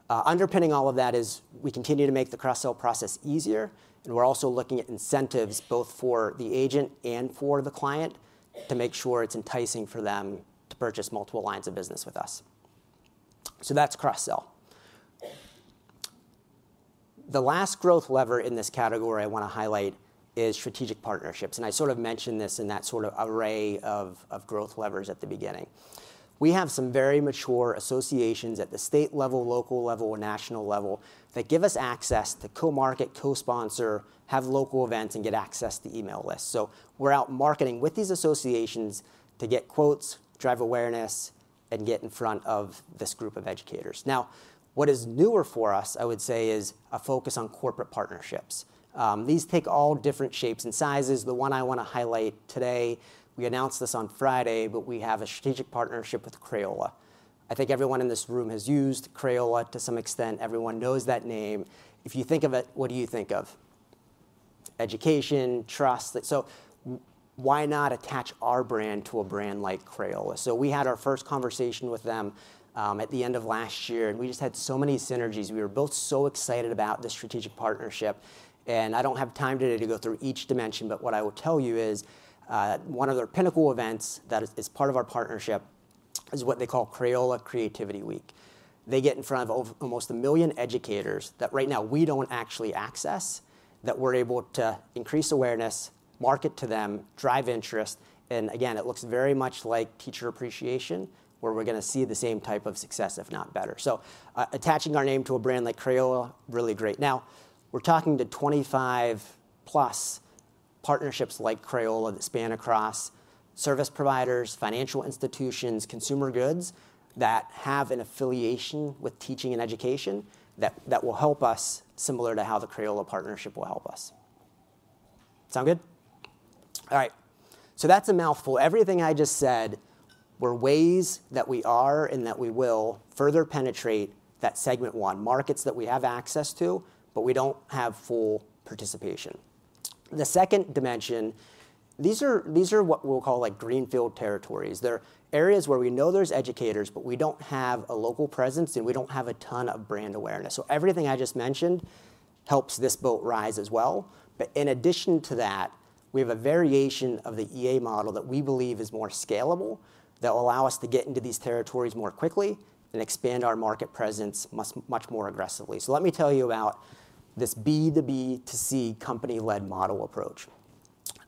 underpinning all of that is we continue to make the cross-sell process easier, and we're also looking at incentives both for the agent and for the client to make sure it's enticing for them to purchase multiple lines of business with us. That's cross-sell. The last growth lever in this category I want to highlight is strategic partnerships. I sort of mentioned this in that sort of array of growth levers at the beginning. We have some very mature associations at the state level, local level, and national level that give us access to co-market, co-sponsor, have local events, and get access to email lists. We're out marketing with these associations to get quotes, drive awareness, and get in front of this group of educators. Now, what is newer for us, I would say, is a focus on corporate partnerships. These take all different shapes and sizes. The one I want to highlight today, we announced this on Friday, but we have a strategic partnership with Crayola. I think everyone in this room has used Crayola to some extent. Everyone knows that name. If you think of it, what do you think of? Education, trust. Why not attach our brand to a brand like Crayola? We had our first conversation with them at the end of last year, and we just had so many synergies. We were both so excited about this strategic partnership. I do not have time today to go through each dimension, but what I will tell you is one of their pinnacle events that is part of our partnership is what they call Crayola Creativity Week. They get in front of almost a million educators that right now we do not actually access, that we are able to increase awareness, market to them, drive interest. Again, it looks very much like teacher appreciation, where we are going to see the same type of success, if not better. Attaching our name to a brand like Crayola, really great. Now, we are talking to 25-plus partnerships like Crayola that span across service providers, financial institutions, consumer goods that have an affiliation with teaching and education that will help us similar to how the Crayola partnership will help us. Sound good? All right. That is a mouthful. Everything I just said were ways that we are and that we will further penetrate that segment one, markets that we have access to, but we do not have full participation. The second dimension, these are what we will call greenfield territories. They're areas where we know there's educators, but we don't have a local presence, and we don't have a ton of brand awareness. Everything I just mentioned helps this boat rise as well. In addition to that, we have a variation of the EA model that we believe is more scalable that will allow us to get into these territories more quickly and expand our market presence much more aggressively. Let me tell you about this B2B to C company-led model approach.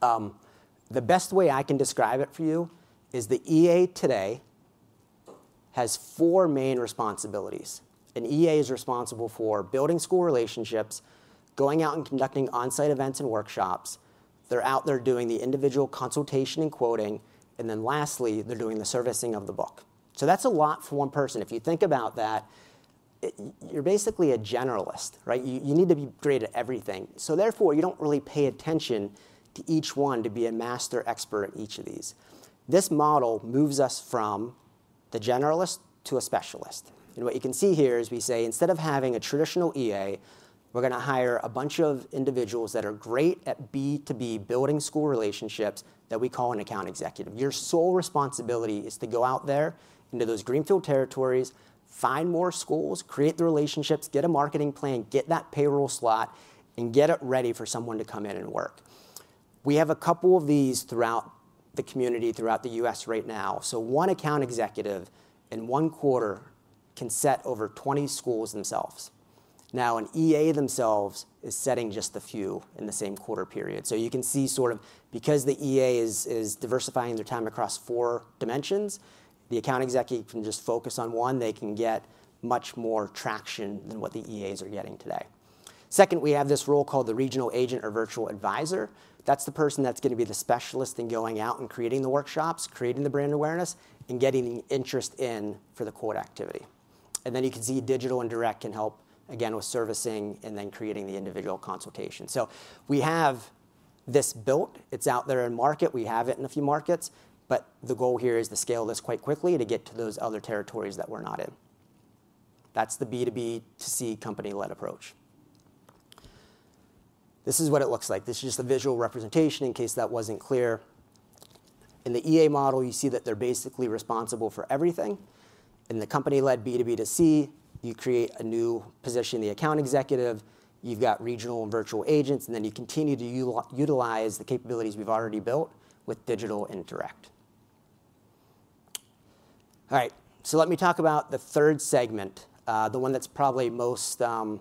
The best way I can describe it for you is the EA today has four main responsibilities. An EA is responsible for building school relationships, going out and conducting onsite events and workshops. They're out there doing the individual consultation and quoting. Lastly, they're doing the servicing of the book. That's a lot for one person. If you think about that, you're basically a generalist, right? You need to be great at everything. Therefore, you don't really pay attention to each one to be a master expert in each of these. This model moves us from the generalist to a specialist. What you can see here is we say, instead of having a traditional EA, we're going to hire a bunch of individuals that are great at B2B building school relationships that we call an account executive. Your sole responsibility is to go out there into those greenfield territories, find more schools, create the relationships, get a marketing plan, get that payroll slot, and get it ready for someone to come in and work. We have a couple of these throughout the community throughout the US right now. One account executive in one quarter can set over 20 schools themselves. Now, an EA themselves is setting just a few in the same quarter period. You can see sort of because the EA is diversifying their time across four dimensions, the account executive can just focus on one. They can get much more traction than what the EAs are getting today. Second, we have this role called the regional agent or virtual advisor. That is the person that is going to be the specialist in going out and creating the workshops, creating the brand awareness, and getting the interest in for the quote activity. You can see digital and direct can help, again, with servicing and then creating the individual consultation. We have this built. It is out there in market. We have it in a few markets. The goal here is to scale this quite quickly to get to those other territories that we are not in. That's the B2B to C company-led approach. This is what it looks like. This is just a visual representation in case that was not clear. In the EA model, you see that they are basically responsible for everything. In the company-led B2B to C, you create a new position, the account executive. You have got regional and virtual agents. You continue to utilize the capabilities we have already built with digital and direct. All right. Let me talk about the third segment, the one that is probably most, I would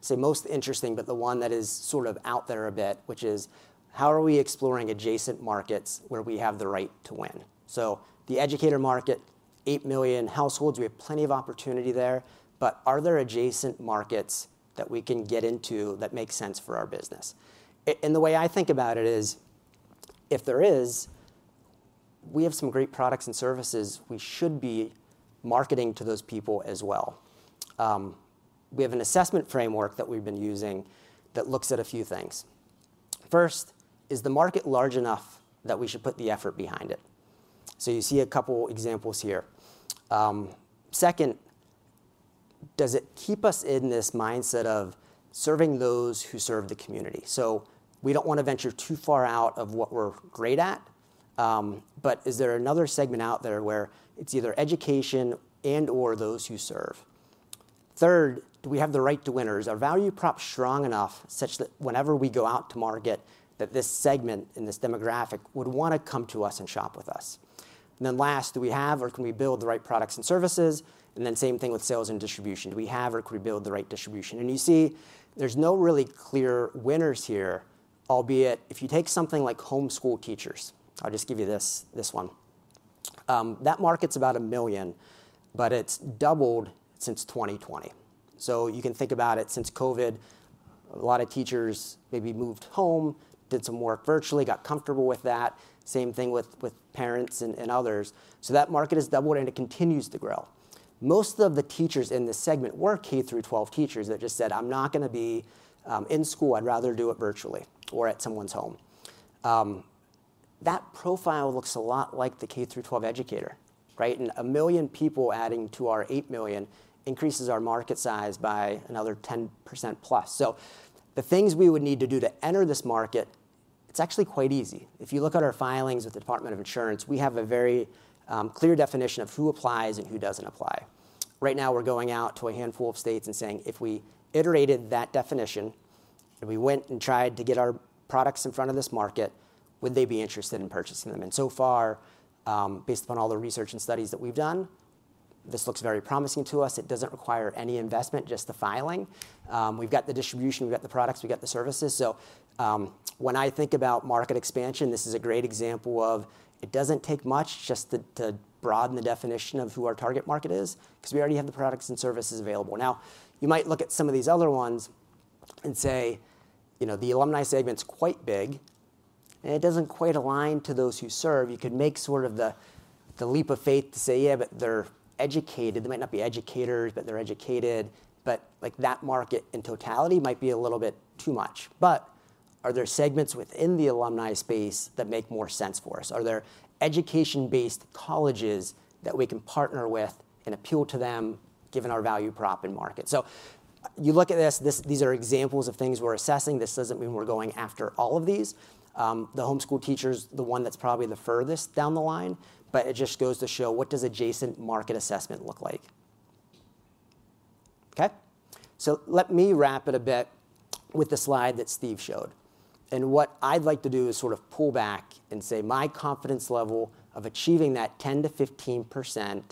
say most interesting, but the one that is sort of out there a bit, which is how are we exploring adjacent markets where we have the right to win? The educator market, 8 million households. We have plenty of opportunity there. Are there adjacent markets that we can get into that make sense for our business? The way I think about it is, if there is, we have some great products and services we should be marketing to those people as well. We have an assessment framework that we've been using that looks at a few things. First, is the market large enough that we should put the effort behind it? You see a couple of examples here. Second, does it keep us in this mindset of serving those who serve the community? We do not want to venture too far out of what we're great at. Is there another segment out there where it's either education and/or those who serve? Third, do we have the right to winners? Are value props strong enough such that whenever we go out to market, that this segment and this demographic would want to come to us and shop with us? Do we have or can we build the right products and services? Same thing with sales and distribution. Do we have or can we build the right distribution? You see there are no really clear winners here, albeit if you take something like homeschool teachers, I'll just give you this one. That market is about 1 million, but it has doubled since 2020. You can think about it since COVID. A lot of teachers maybe moved home, did some work virtually, got comfortable with that. Same thing with parents and others. That market has doubled, and it continues to grow. Most of the teachers in this segment were K-12 teachers that just said, "I'm not going to be in school. I'd rather do it virtually or at someone's home." That profile looks a lot like the K-12 educator, right? A million people adding to our 8 million increases our market size by another 10% plus. The things we would need to do to enter this market, it's actually quite easy. If you look at our filings with the Department of Insurance, we have a very clear definition of who applies and who does not apply. Right now, we are going out to a handful of states and saying, "If we iterated that definition and we went and tried to get our products in front of this market, would they be interested in purchasing them?" So far, based upon all the research and studies that we have done, this looks very promising to us. It does not require any investment, just the filing. We have got the distribution. We have got the products. We have got the services. When I think about market expansion, this is a great example of it does not take much just to broaden the definition of who our target market is because we already have the products and services available. Now, you might look at some of these other ones and say, "The alumni segment's quite big, and it does not quite align to those who serve." You could make sort of the leap of faith to say, "Yeah, but they're educated. They might not be educators, but they're educated." That market in totality might be a little bit too much. Are there segments within the alumni space that make more sense for us? Are there education-based colleges that we can partner with and appeal to them given our value prop and market? You look at this. These are examples of things we're assessing. This does not mean we are going after all of these. The homeschool teachers, the one that is probably the furthest down the line, but it just goes to show what does adjacent market assessment look like. Okay? Let me wrap it a bit with the slide that Steve showed. What I would like to do is sort of pull back and say my confidence level of achieving that 10-15%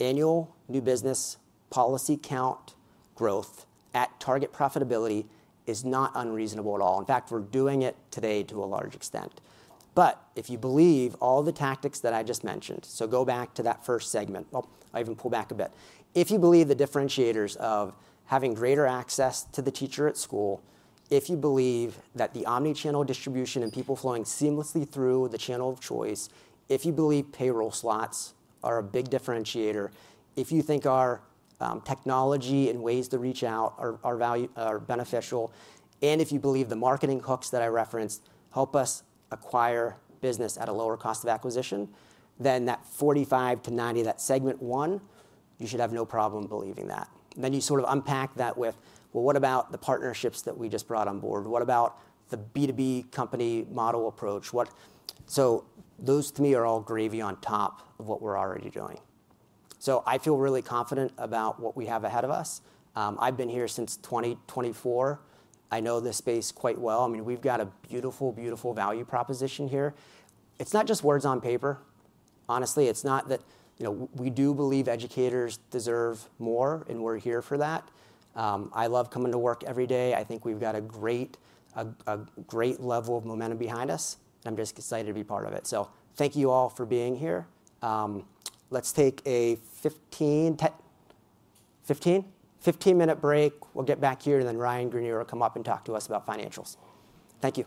annual new business policy count growth at target profitability is not unreasonable at all. In fact, we are doing it today to a large extent. If you believe all the tactics that I just mentioned, go back to that first segment. I even pull back a bit. If you believe the differentiators of having greater access to the teacher at school, if you believe that the omnichannel distribution and people flowing seamlessly through the channel of choice, if you believe payroll slots are a big differentiator, if you think our technology and ways to reach out are beneficial, and if you believe the marketing hooks that I referenced help us acquire business at a lower cost of acquisition, then that 45-90, that segment one, you should have no problem believing that. You sort of unpack that with, "What about the partnerships that we just brought on board? What about the B2B company model approach?" Those, to me, are all gravy on top of what we're already doing. I feel really confident about what we have ahead of us. I've been here since 2024. I know this space quite well. I mean, we've got a beautiful, beautiful value proposition here. It's not just words on paper. Honestly, it's not that we do believe educators deserve more, and we're here for that. I love coming to work every day. I think we've got a great level of momentum behind us. I'm just excited to be part of it. Thank you all for being here. Let's take a 15-minute break. We'll get back here, and then Ryan Greenier will come up and talk to us about financials. Thank you.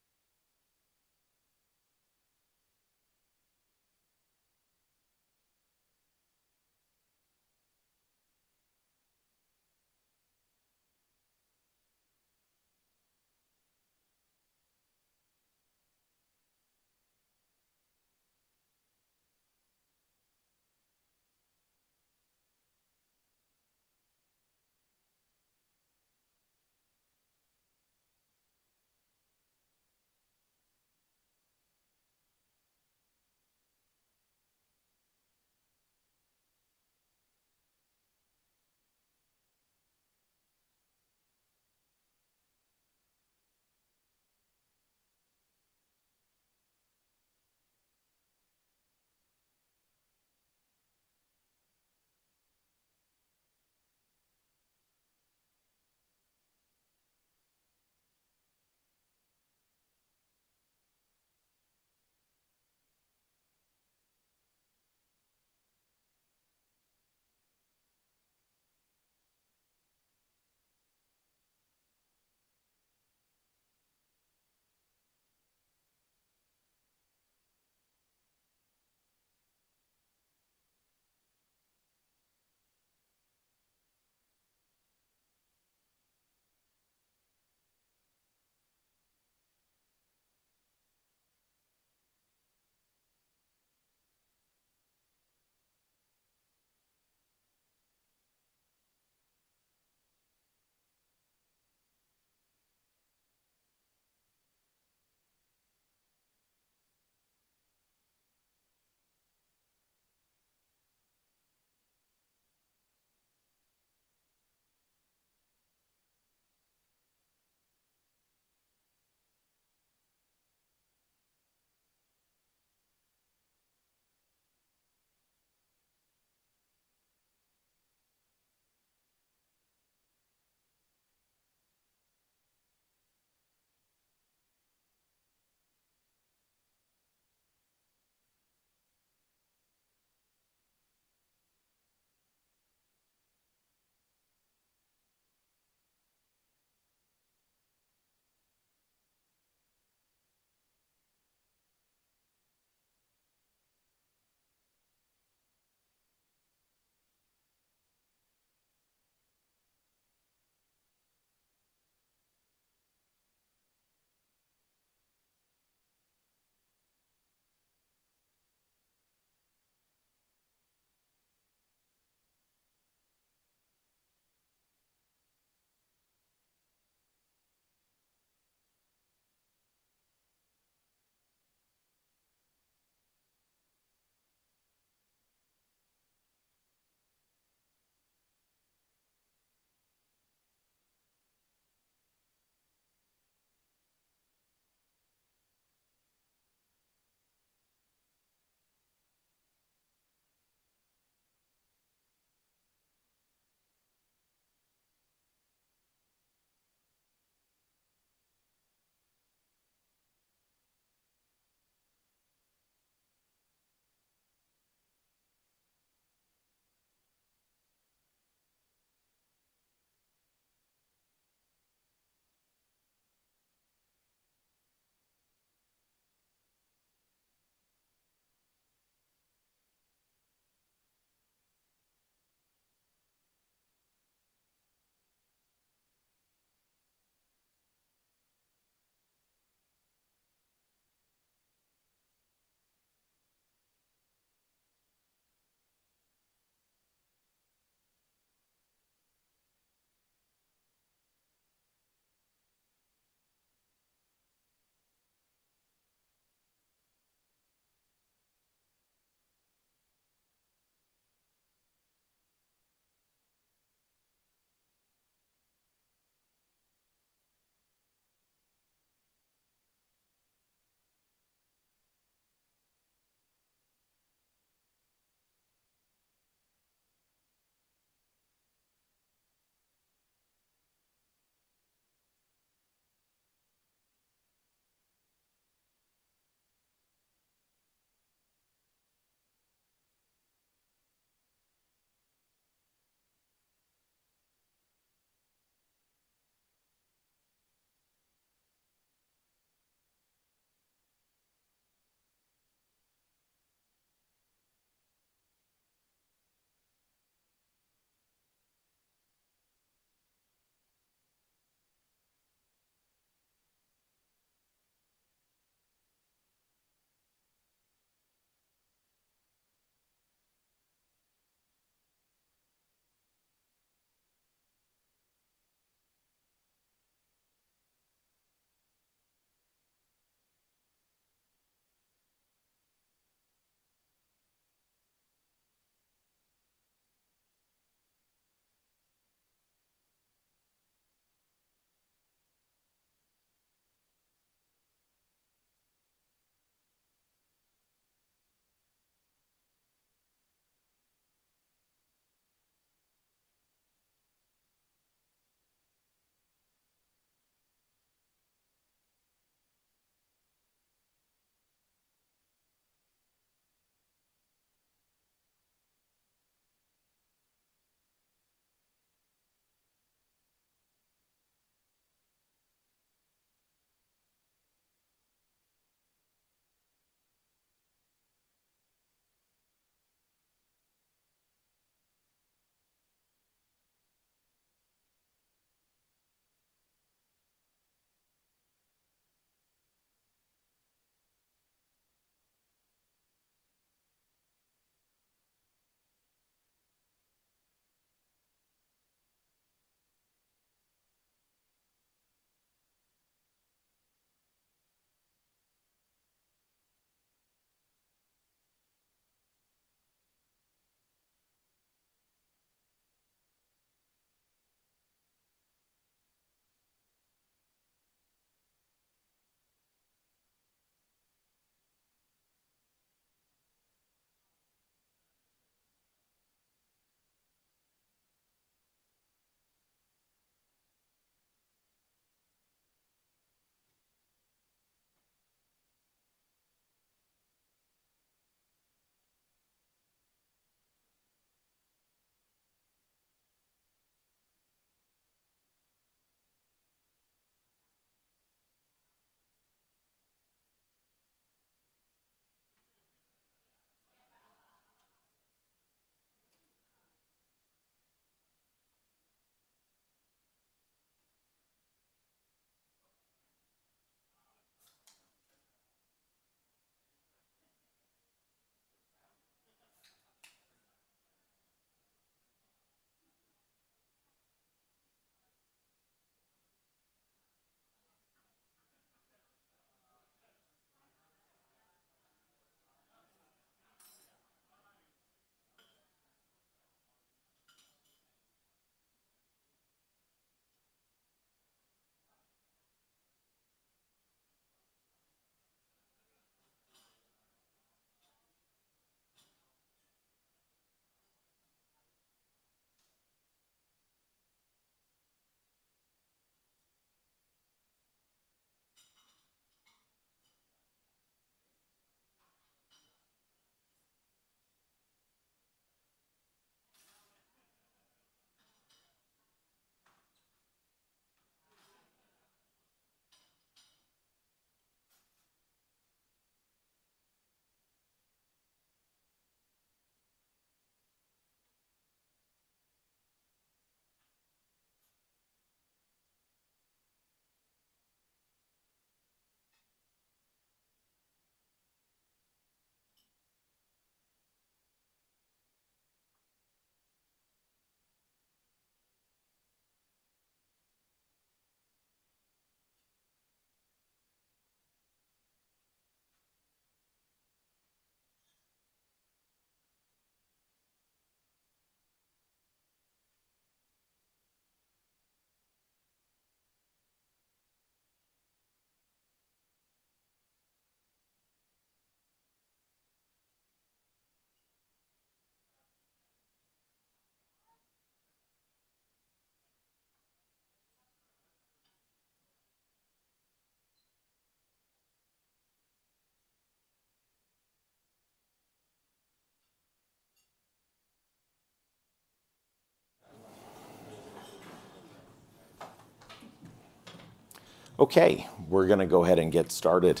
Okay, we're going to go ahead and get started.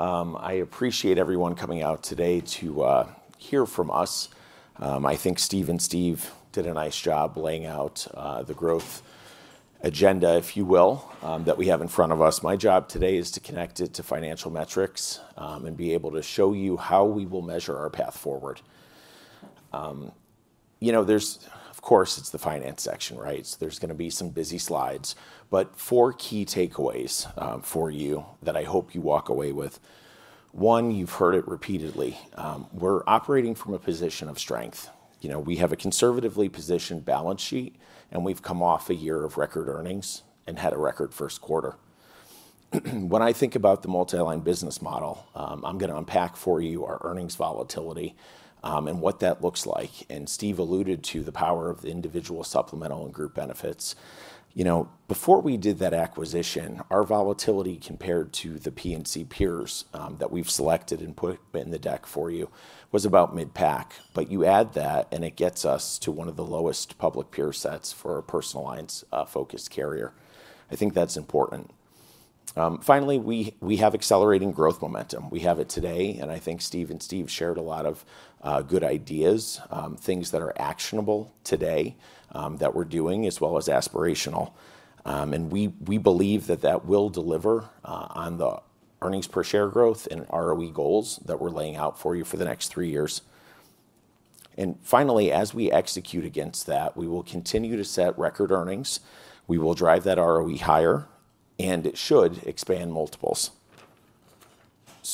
I appreciate everyone coming out today to hear from us. I think Steve and Steve did a nice job laying out the growth agenda, if you will, that we have in front of us. My job today is to connect it to financial metrics and be able to show you how we will measure our path forward. You know, there's, of course, it's the finance section, right? So there's going to be some busy slides, but four key takeaways for you that I hope you walk away with. One, you've heard it repeatedly. We're operating from a position of strength. You know, we have a conservatively positioned balance sheet, and we've come off a year of record earnings and had a record first quarter. When I think about the multi-line business model, I'm going to unpack for you our earnings volatility and what that looks like. And Steve alluded to the power of the individual supplemental and group benefits. You know, before we did that acquisition, our volatility compared to the P&C peers that we've selected and put in the deck for you was about mid-pack. You add that, and it gets us to one of the lowest public peer sets for a personalized focus carrier. I think that's important. Finally, we have accelerating growth momentum. We have it today, and I think Steve and Steve shared a lot of good ideas, things that are actionable today that we're doing, as well as aspirational. We believe that that will deliver on the earnings per share growth and ROE goals that we're laying out for you for the next three years. Finally, as we execute against that, we will continue to set record earnings. We will drive that ROE higher, and it should expand multiples.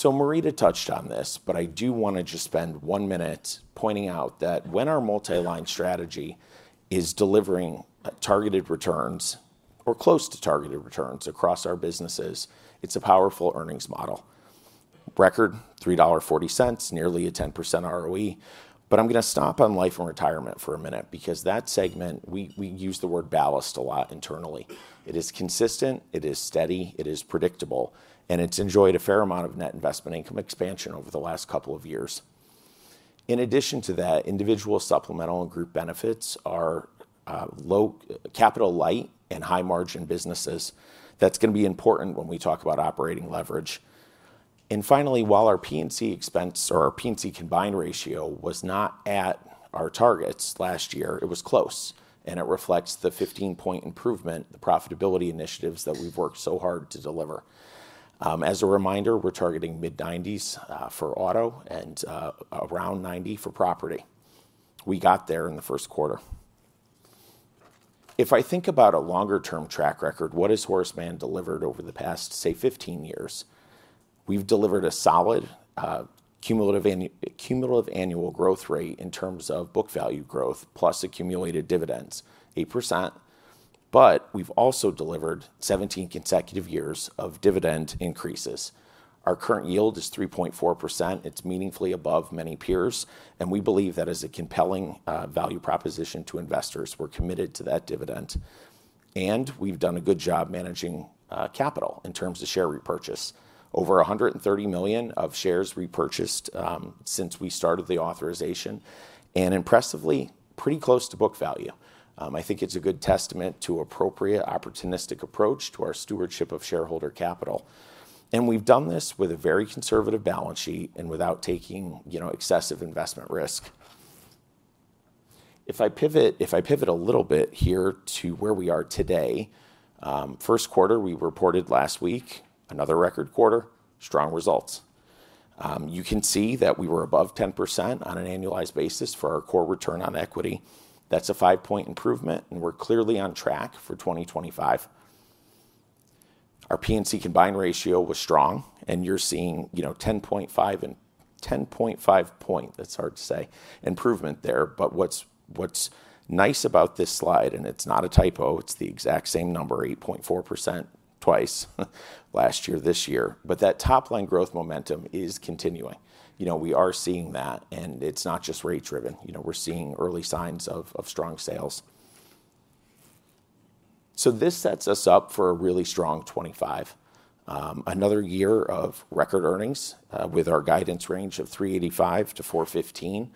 Marita touched on this, but I do want to just spend one minute pointing out that when our multi-line strategy is delivering targeted returns or close to targeted returns across our businesses, it's a powerful earnings model. Record $3.40, nearly a 10% ROE. I'm going to stop on life and retirement for a minute because that segment, we use the word ballast a lot internally. It is consistent, it is steady, it is predictable, and it's enjoyed a fair amount of net investment income expansion over the last couple of years. In addition to that, individual supplemental and group benefits are low capital, light, and high margin businesses. That's going to be important when we talk about operating leverage. Finally, while our P&C expense or our P&C combined ratio was not at our targets last year, it was close, and it reflects the 15-point improvement, the profitability initiatives that we've worked so hard to deliver. As a reminder, we're targeting mid-90s for auto and around 90 for property. We got there in the first quarter. If I think about a longer-term track record, what has Horace Mann delivered over the past, say, 15 years? We've delivered a solid cumulative annual growth rate in terms of book value growth plus accumulated dividends, 8%. We've also delivered 17 consecutive years of dividend increases. Our current yield is 3.4%. It's meaningfully above many peers, and we believe that is a compelling value proposition to investors. We're committed to that dividend. We've done a good job managing capital in terms of share repurchase. Over $130 million of shares repurchased since we started the authorization, and impressively, pretty close to book value. I think it's a good testament to an appropriate opportunistic approach to our stewardship of shareholder capital. We've done this with a very conservative balance sheet and without taking excessive investment risk. If I pivot a little bit here to where we are today, first quarter, we reported last week another record quarter, strong results. You can see that we were above 10% on an annualized basis for our core return on equity. That's a five-point improvement, and we're clearly on track for 2025. Our P&C combined ratio was strong, and you're seeing 10.5 and 10.5 point, that's hard to say, improvement there. What is nice about this slide, and it is not a typo, it is the exact same number, 8.4% twice last year, this year, but that top-line growth momentum is continuing. We are seeing that, and it is not just rate-driven. We are seeing early signs of strong sales. This sets us up for a really strong 2025. Another year of record earnings with our guidance range of $385-$415.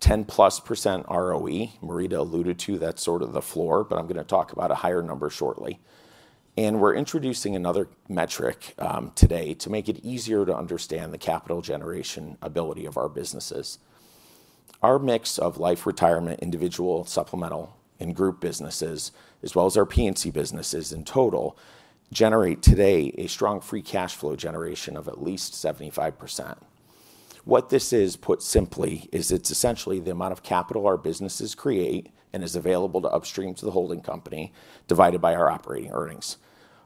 10% plus ROE, Marita alluded to that as sort of the floor, but I am going to talk about a higher number shortly. We are introducing another metric today to make it easier to understand the capital generation ability of our businesses. Our mix of life, retirement, individual, supplemental, and group businesses, as well as our P&C businesses in total, generate today a strong free cash flow generation of at least 75%. What this is, put simply, is it's essentially the amount of capital our businesses create and is available to upstream to the holding company divided by our operating earnings.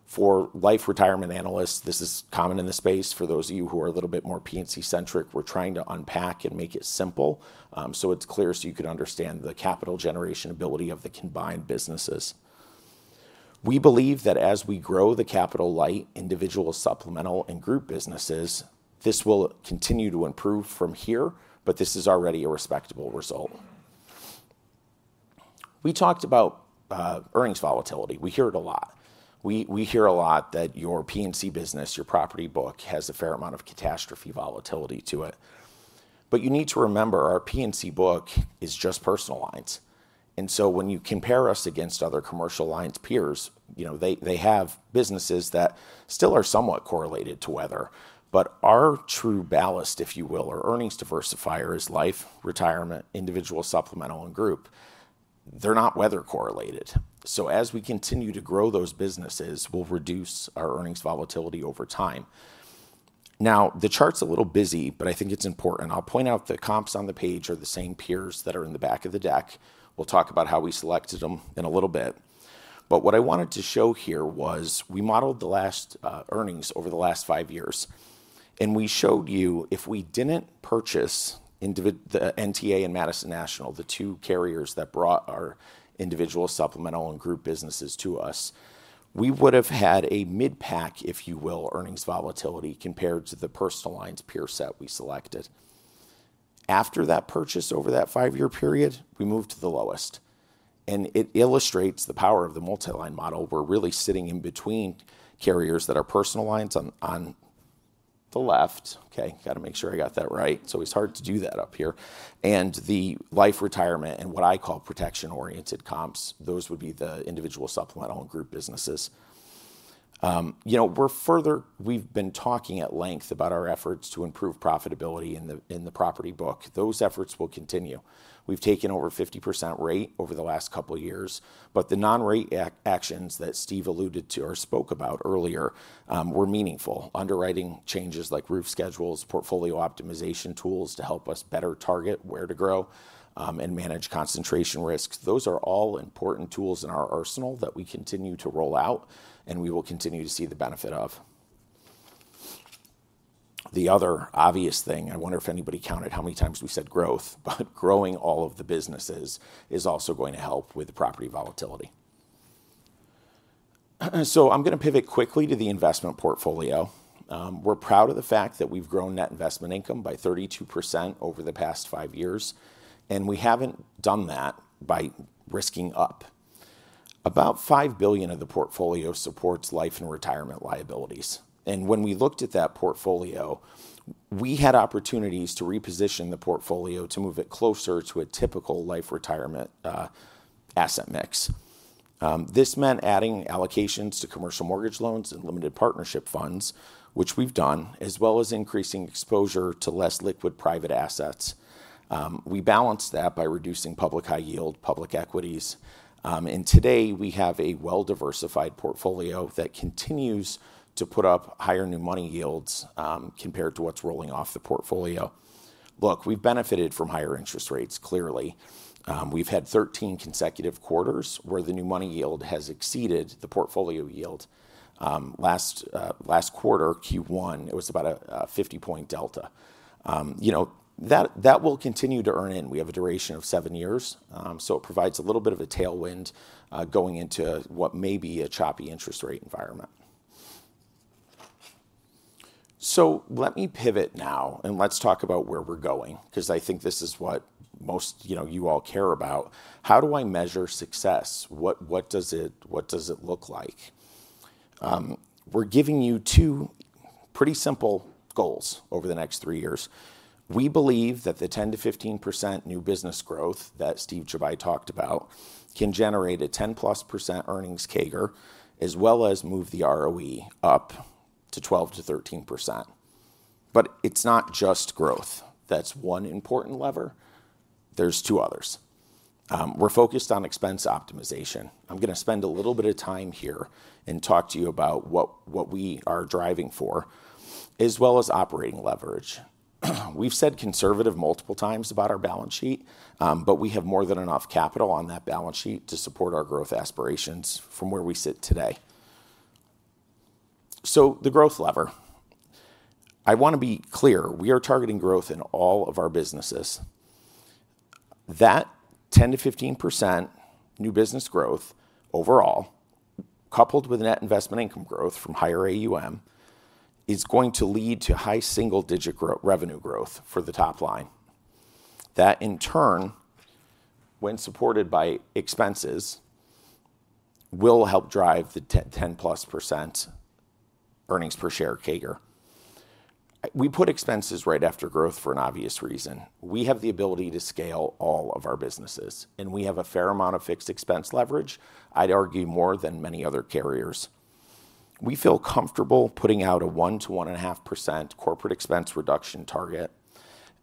For life retirement analysts, this is common in the space. For those of you who are a little bit more P&C-centric, we're trying to unpack and make it simple so it's clear so you can understand the capital generation ability of the combined businesses. We believe that as we grow the capital light, individual supplemental, and group businesses, this will continue to improve from here, but this is already a respectable result. We talked about earnings volatility. We hear it a lot. We hear a lot that your P&C business, your property book has a fair amount of catastrophe volatility to it. You need to remember our P&C book is just personal lines. When you compare us against other commercial lines peers, they have businesses that still are somewhat correlated to weather. Our true ballast, if you will, or earnings diversifier is life, retirement, individual supplemental, and group. They're not weather-correlated. As we continue to grow those businesses, we'll reduce our earnings volatility over time. The chart's a little busy, but I think it's important. I'll point out the comps on the page are the same peers that are in the back of the deck. We'll talk about how we selected them in a little bit. What I wanted to show here was we modeled the last earnings over the last five years. We showed you if we did not purchase NTA and Madison National, the two carriers that brought our individual supplemental and group businesses to us, we would have had a mid-pack, if you will, earnings volatility compared to the personal lines peer set we selected. After that purchase over that five-year period, we moved to the lowest. It illustrates the power of the multi-line model. We are really sitting in between carriers that are personal lines on the left. Okay, got to make sure I got that right. It is hard to do that up here. The life, retirement, and what I call protection-oriented comps, those would be the individual supplemental and group businesses. We have been talking at length about our efforts to improve profitability in the property book. Those efforts will continue. We have taken over 50% rate over the last couple of years. The non-rate actions that Steve alluded to or spoke about earlier were meaningful. Underwriting changes like roof schedules, portfolio optimization tools to help us better target where to grow and manage concentration risks. Those are all important tools in our arsenal that we continue to roll out and we will continue to see the benefit of. The other obvious thing, I wonder if anybody counted how many times we said growth, but growing all of the businesses is also going to help with the property volatility. I'm going to pivot quickly to the investment portfolio. We're proud of the fact that we've grown net investment income by 32% over the past five years, and we haven't done that by risking up. About $5 billion of the portfolio supports life and retirement liabilities. When we looked at that portfolio, we had opportunities to reposition the portfolio to move it closer to a typical life retirement asset mix. This meant adding allocations to commercial mortgage loans and limited partnership funds, which we've done, as well as increasing exposure to less liquid private assets. We balanced that by reducing public high yield, public equities. Today we have a well-diversified portfolio that continues to put up higher new money yields compared to what's rolling off the portfolio. Look, we've benefited from higher interest rates, clearly. We've had 13 consecutive quarters where the new money yield has exceeded the portfolio yield. Last quarter, Q1, it was about a 50 basis point delta. That will continue to earn in. We have a duration of seven years, so it provides a little bit of a tailwind going into what may be a choppy interest rate environment. Let me pivot now and let's talk about where we're going because I think this is what most of you all care about. How do I measure success? What does it look like? We're giving you two pretty simple goals over the next three years. We believe that the 10-15% new business growth that Steve McAnena talked about can generate a 10+% earnings CAGR, as well as move the ROE up to 12-13%. It's not just growth. That's one important lever. There are two others. We're focused on expense optimization. I'm going to spend a little bit of time here and talk to you about what we are driving for, as well as operating leverage. We've said conservative multiple times about our balance sheet, but we have more than enough capital on that balance sheet to support our growth aspirations from where we sit today. The growth lever. I want to be clear. We are targeting growth in all of our businesses. That 10-15% new business growth overall, coupled with net investment income growth from higher AUM, is going to lead to high single-digit revenue growth for the top line. That, in turn, when supported by expenses, will help drive the 10+% earnings per share CAGR. We put expenses right after growth for an obvious reason. We have the ability to scale all of our businesses, and we have a fair amount of fixed expense leverage, I'd argue more than many other carriers. We feel comfortable putting out a 1-1.5% corporate expense reduction target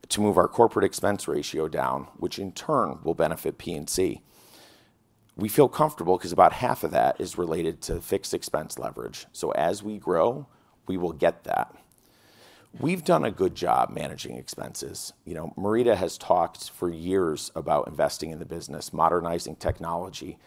to move our corporate expense ratio down, which in turn will benefit P&C. We feel comfortable because about half of that is related to fixed expense leverage. As we grow, we will get that. We've done a good job managing expenses. Marita has talked for years about investing in the business, modernizing technology,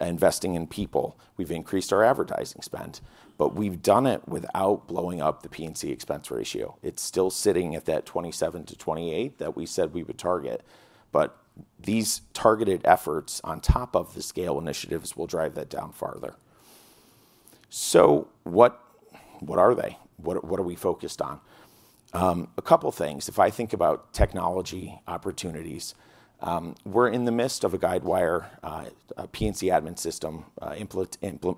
investing in people. We've increased our advertising spend, but we've done it without blowing up the P&C expense ratio. It's still sitting at that 27-28% that we said we would target. These targeted efforts on top of the scale initiatives will drive that down farther. What are they? What are we focused on? A couple of things. If I think about technology opportunities, we're in the midst of a Guidewire P&C admin system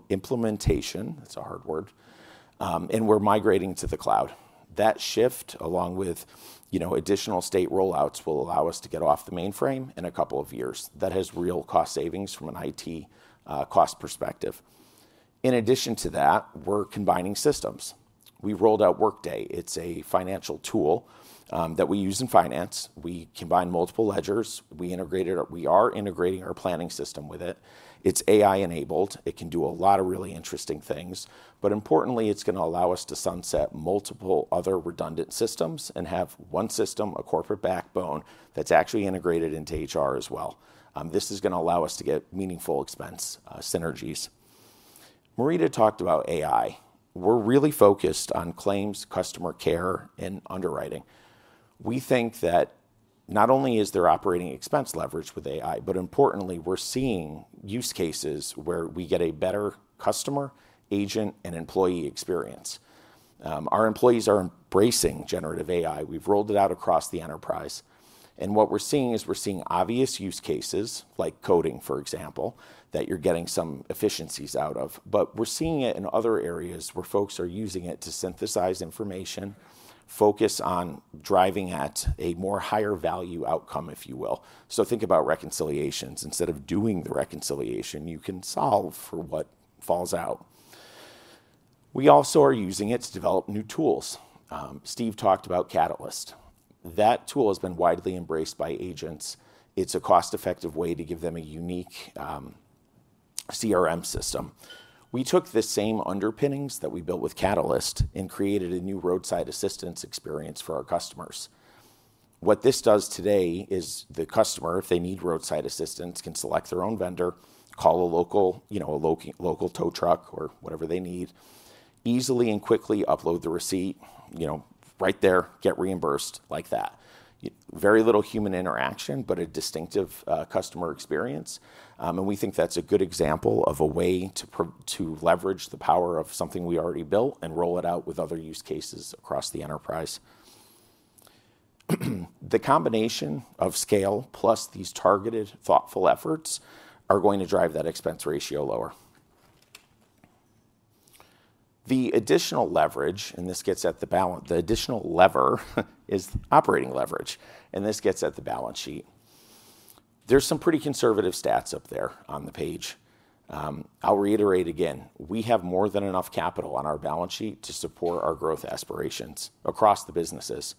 implementation. That's a hard word. We're migrating to the cloud. That shift, along with additional state rollouts, will allow us to get off the mainframe in a couple of years. That has real cost savings from an IT cost perspective. In addition to that, we're combining systems. We rolled out Workday. It's a financial tool that we use in finance. We combine multiple ledgers. We are integrating our planning system with it. It's AI-enabled. It can do a lot of really interesting things. Importantly, it's going to allow us to sunset multiple other redundant systems and have one system, a corporate backbone that's actually integrated into HR as well. This is going to allow us to get meaningful expense synergies. Marita talked about AI. We're really focused on claims, customer care, and underwriting. We think that not only is there operating expense leverage with AI, but importantly, we're seeing use cases where we get a better customer, agent, and employee experience. Our employees are embracing generative AI. We've rolled it out across the enterprise. What we're seeing is we're seeing obvious use cases, like coding, for example, that you're getting some efficiencies out of. We're seeing it in other areas where folks are using it to synthesize information, focus on driving at a more higher value outcome, if you will. Think about reconciliations. Instead of doing the reconciliation, you can solve for what falls out. We also are using it to develop new tools. Steve talked about Catalyst. That tool has been widely embraced by agents. It's a cost-effective way to give them a unique CRM system. We took the same underpinnings that we built with Catalyst and created a new roadside assistance experience for our customers. What this does today is the customer, if they need roadside assistance, can select their own vendor, call a local tow truck or whatever they need, easily and quickly upload the receipt right there, get reimbursed like that. Very little human interaction, but a distinctive customer experience. We think that's a good example of a way to leverage the power of something we already built and roll it out with other use cases across the enterprise. The combination of scale plus these targeted, thoughtful efforts are going to drive that expense ratio lower. The additional leverage, and this gets at the balance, the additional lever is operating leverage, and this gets at the balance sheet. There's some pretty conservative stats up there on the page. I'll reiterate again, we have more than enough capital on our balance sheet to support our growth aspirations across the businesses.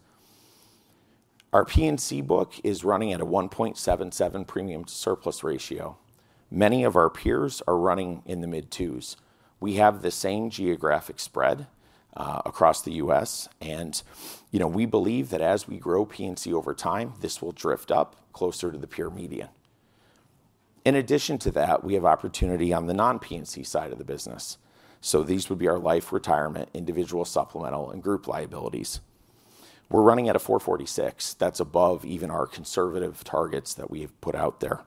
Our P&C book is running at a 1.77 premium surplus ratio. Many of our peers are running in the mid-twos. We have the same geographic spread across the U.S., and we believe that as we grow P&C over time, this will drift up closer to the peer median. In addition to that, we have opportunity on the non-P&C side of the business. So these would be our life, retirement, individual supplemental, and group liabilities. We're running at a 446. That's above even our conservative targets that we have put out there.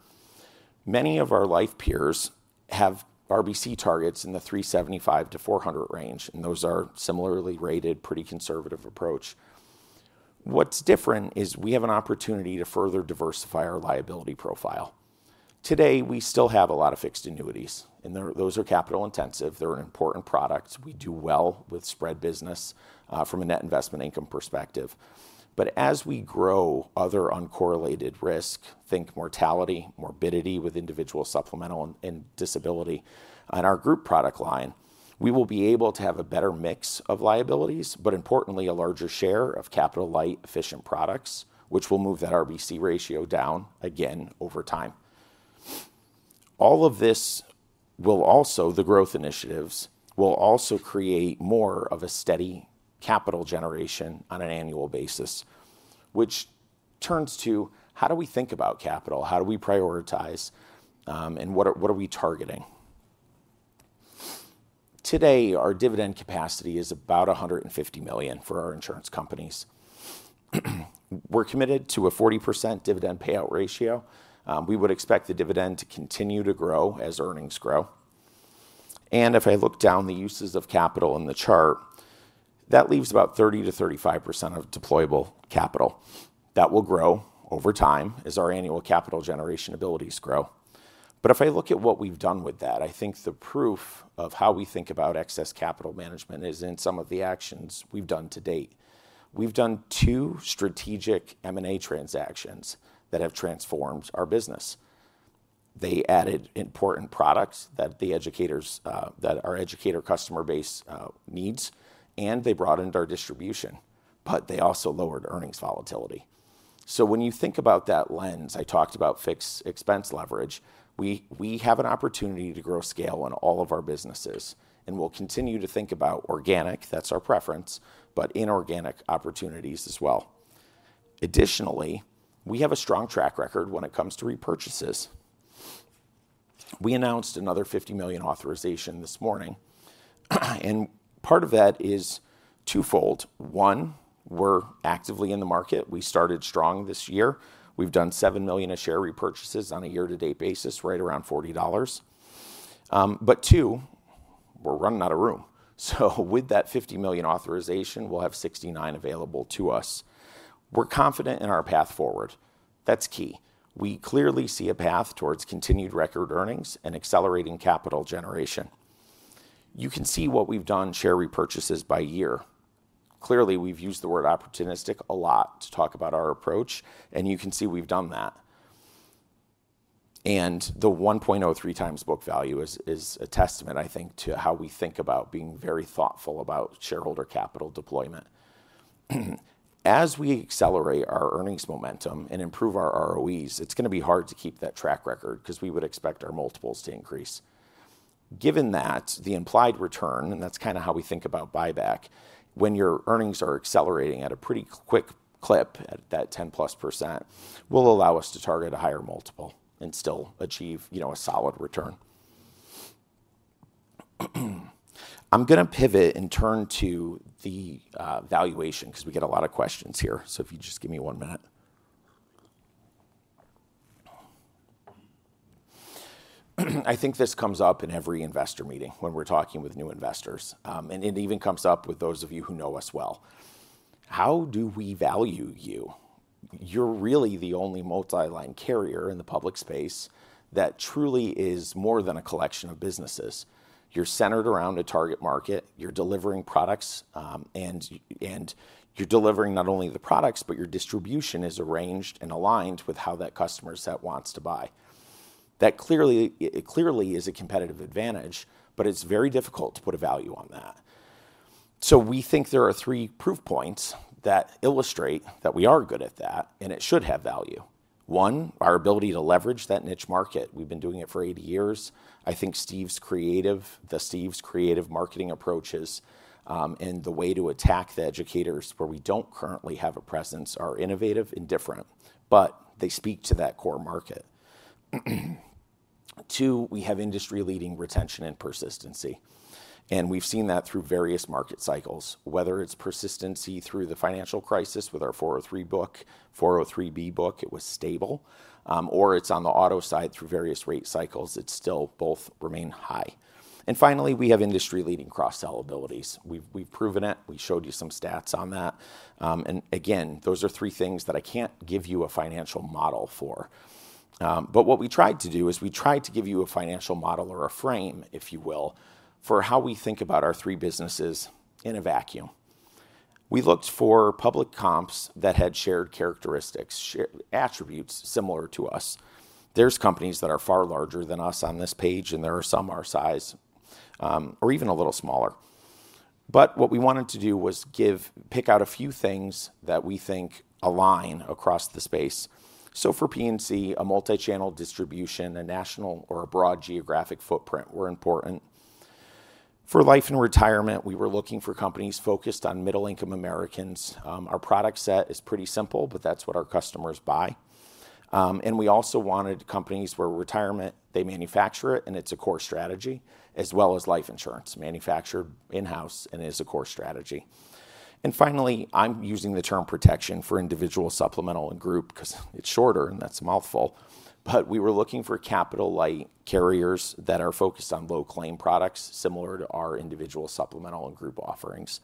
Many of our life peers have RBC targets in the 375-400 range, and those are similarly rated, pretty conservative approach. What's different is we have an opportunity to further diversify our liability profile. Today, we still have a lot of fixed annuities, and those are capital intensive. They're an important product. We do well with spread business from a net investment income perspective. As we grow other uncorrelated risk, think mortality, morbidity with individual supplemental and disability on our group product line, we will be able to have a better mix of liabilities, but importantly, a larger share of capital light efficient products, which will move that RBC ratio down again over time. All of this will also, the growth initiatives will also create more of a steady capital generation on an annual basis, which turns to how do we think about capital, how do we prioritize, and what are we targeting? Today, our dividend capacity is about $150 million for our insurance companies. We're committed to a 40% dividend payout ratio. We would expect the dividend to continue to grow as earnings grow. If I look down the uses of capital in the chart, that leaves about 30-35% of deployable capital that will grow over time as our annual capital generation abilities grow. If I look at what we've done with that, I think the proof of how we think about excess capital management is in some of the actions we've done to date. We've done two strategic M&A transactions that have transformed our business. They added important products that our educator customer base needs, and they broadened our distribution, but they also lowered earnings volatility. When you think about that lens, I talked about fixed expense leverage, we have an opportunity to grow scale on all of our businesses, and we'll continue to think about organic, that's our preference, but inorganic opportunities as well. Additionally, we have a strong track record when it comes to repurchases. We announced another $50 million authorization this morning, and part of that is twofold. One, we're actively in the market. We started strong this year. We've done $7 million a share repurchases on a year-to-date basis, right around $40. Two, we're running out of room. With that $50 million authorization, we'll have $69 million available to us. We're confident in our path forward. That's key. We clearly see a path towards continued record earnings and accelerating capital generation. You can see what we've done share repurchases by year. Clearly, we've used the word opportunistic a lot to talk about our approach, and you can see we've done that. The 1.03 times book value is a testament, I think, to how we think about being very thoughtful about shareholder capital deployment. As we accelerate our earnings momentum and improve our ROEs, it's going to be hard to keep that track record because we would expect our multiples to increase. Given that, the implied return, and that's kind of how we think about buyback, when your earnings are accelerating at a pretty quick clip at that 10% plus, will allow us to target a higher multiple and still achieve a solid return. I'm going to pivot and turn to the valuation because we get a lot of questions here. If you just give me one minute. I think this comes up in every investor meeting when we're talking with new investors, and it even comes up with those of you who know us well. How do we value you? You're really the only multi-line carrier in the public space that truly is more than a collection of businesses. You're centered around a target market. You're delivering products, and you're delivering not only the products, but your distribution is arranged and aligned with how that customer set wants to buy. That clearly is a competitive advantage, but it's very difficult to put a value on that. We think there are three proof points that illustrate that we are good at that, and it should have value. One, our ability to leverage that niche market. We've been doing it for 80 years. I think Steve's creative marketing approaches and the way to attack the educators where we don't currently have a presence are innovative and different, but they speak to that core market. Two, we have industry-leading retention and persistency. We have seen that through various market cycles, whether it is persistency through the financial crisis with our 403(b) book, it was stable, or it is on the auto side through various rate cycles. It still both remain high. Finally, we have industry-leading cross-sell abilities. We have proven it. We showed you some stats on that. Those are three things that I cannot give you a financial model for. What we tried to do is we tried to give you a financial model or a frame, if you will, for how we think about our three businesses in a vacuum. We looked for public comps that had shared characteristics, attributes similar to us. There are companies that are far larger than us on this page, and there are some our size or even a little smaller. What we wanted to do was pick out a few things that we think align across the space. For P&C, a multi-channel distribution, a national or a broad geographic footprint were important. For life and retirement, we were looking for companies focused on middle-income Americans. Our product set is pretty simple, but that's what our customers buy. We also wanted companies where retirement, they manufacture it, and it's a core strategy, as well as life insurance, manufactured in-house and is a core strategy. Finally, I'm using the term protection for individual supplemental and group because it's shorter and that's a mouthful. We were looking for capital light carriers that are focused on low-claim products similar to our individual supplemental and group offerings.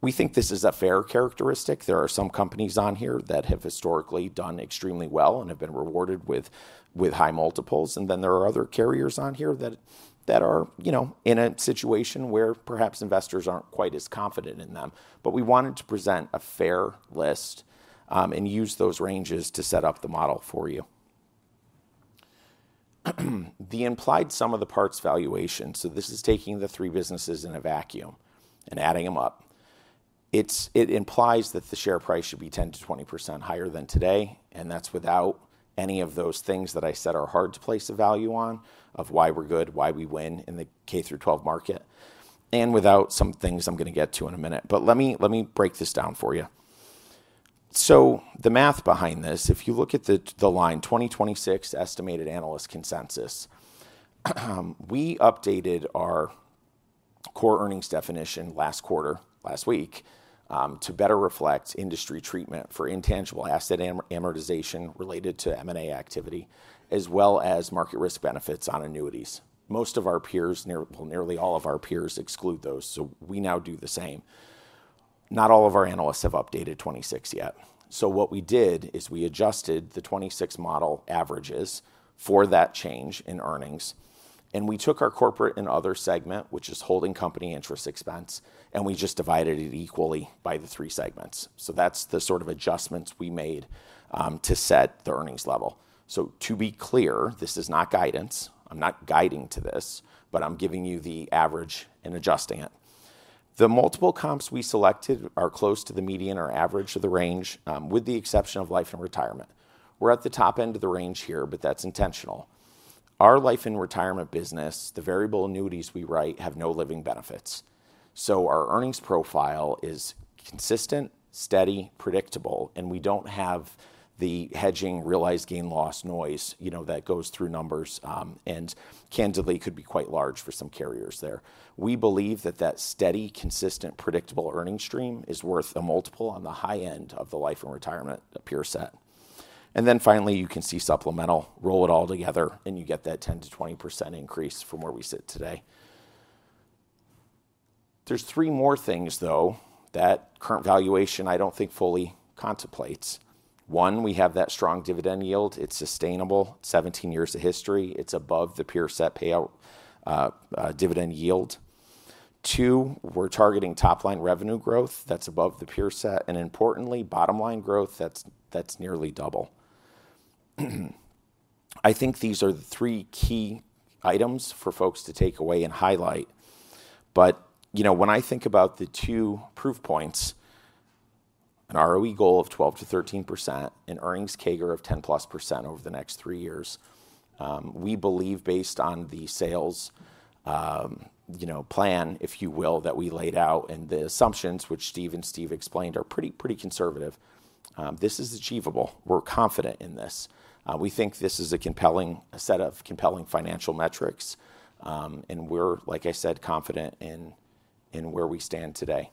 We think this is a fair characteristic. There are some companies on here that have historically done extremely well and have been rewarded with high multiples. There are other carriers on here that are in a situation where perhaps investors aren't quite as confident in them. We wanted to present a fair list and use those ranges to set up the model for you. The implied sum of the parts valuation, so this is taking the three businesses in a vacuum and adding them up. It implies that the share price should be 10%-20% higher than today, and that's without any of those things that I said are hard to place a value on of why we're good, why we win in the K through 12 market, and without some things I'm going to get to in a minute. Let me break this down for you. The math behind this, if you look at the line 2026 estimated analyst consensus, we updated our core earnings definition last quarter, last week, to better reflect industry treatment for intangible asset amortization related to M&A activity, as well as market risk benefits on annuities. Most of our peers, nearly all of our peers exclude those, so we now do the same. Not all of our analysts have updated 2026 yet. What we did is we adjusted the 2026 model averages for that change in earnings, and we took our corporate and other segment, which is holding company interest expense, and we just divided it equally by the three segments. That is the sort of adjustments we made to set the earnings level. To be clear, this is not guidance. I'm not guiding to this, but I'm giving you the average and adjusting it. The multiple comps we selected are close to the median or average of the range, with the exception of life and retirement. We're at the top end of the range here, but that's intentional. Our life and retirement business, the variable annuities we write have no living benefits. So our earnings profile is consistent, steady, predictable, and we don't have the hedging realized gain loss noise that goes through numbers and candidly could be quite large for some carriers there. We believe that that steady, consistent, predictable earnings stream is worth a multiple on the high end of the life and retirement peer set. Then finally, you can see supplemental, roll it all together, and you get that 10-20% increase from where we sit today. There's three more things, though, that current valuation I don't think fully contemplates. One, we have that strong dividend yield. It's sustainable, 17 years of history. It's above the peer set payout dividend yield. Two, we're targeting top-line revenue growth. That's above the peer set. Importantly, bottom-line growth, that's nearly double. I think these are the three key items for folks to take away and highlight. When I think about the two proof points, an ROE goal of 12-13%, an earnings CAGR of 10% plus over the next three years, we believe based on the sales plan, if you will, that we laid out and the assumptions, which Steve and Steve explained, are pretty conservative. This is achievable. We're confident in this. We think this is a set of compelling financial metrics, and we're, like I said, confident in where we stand today.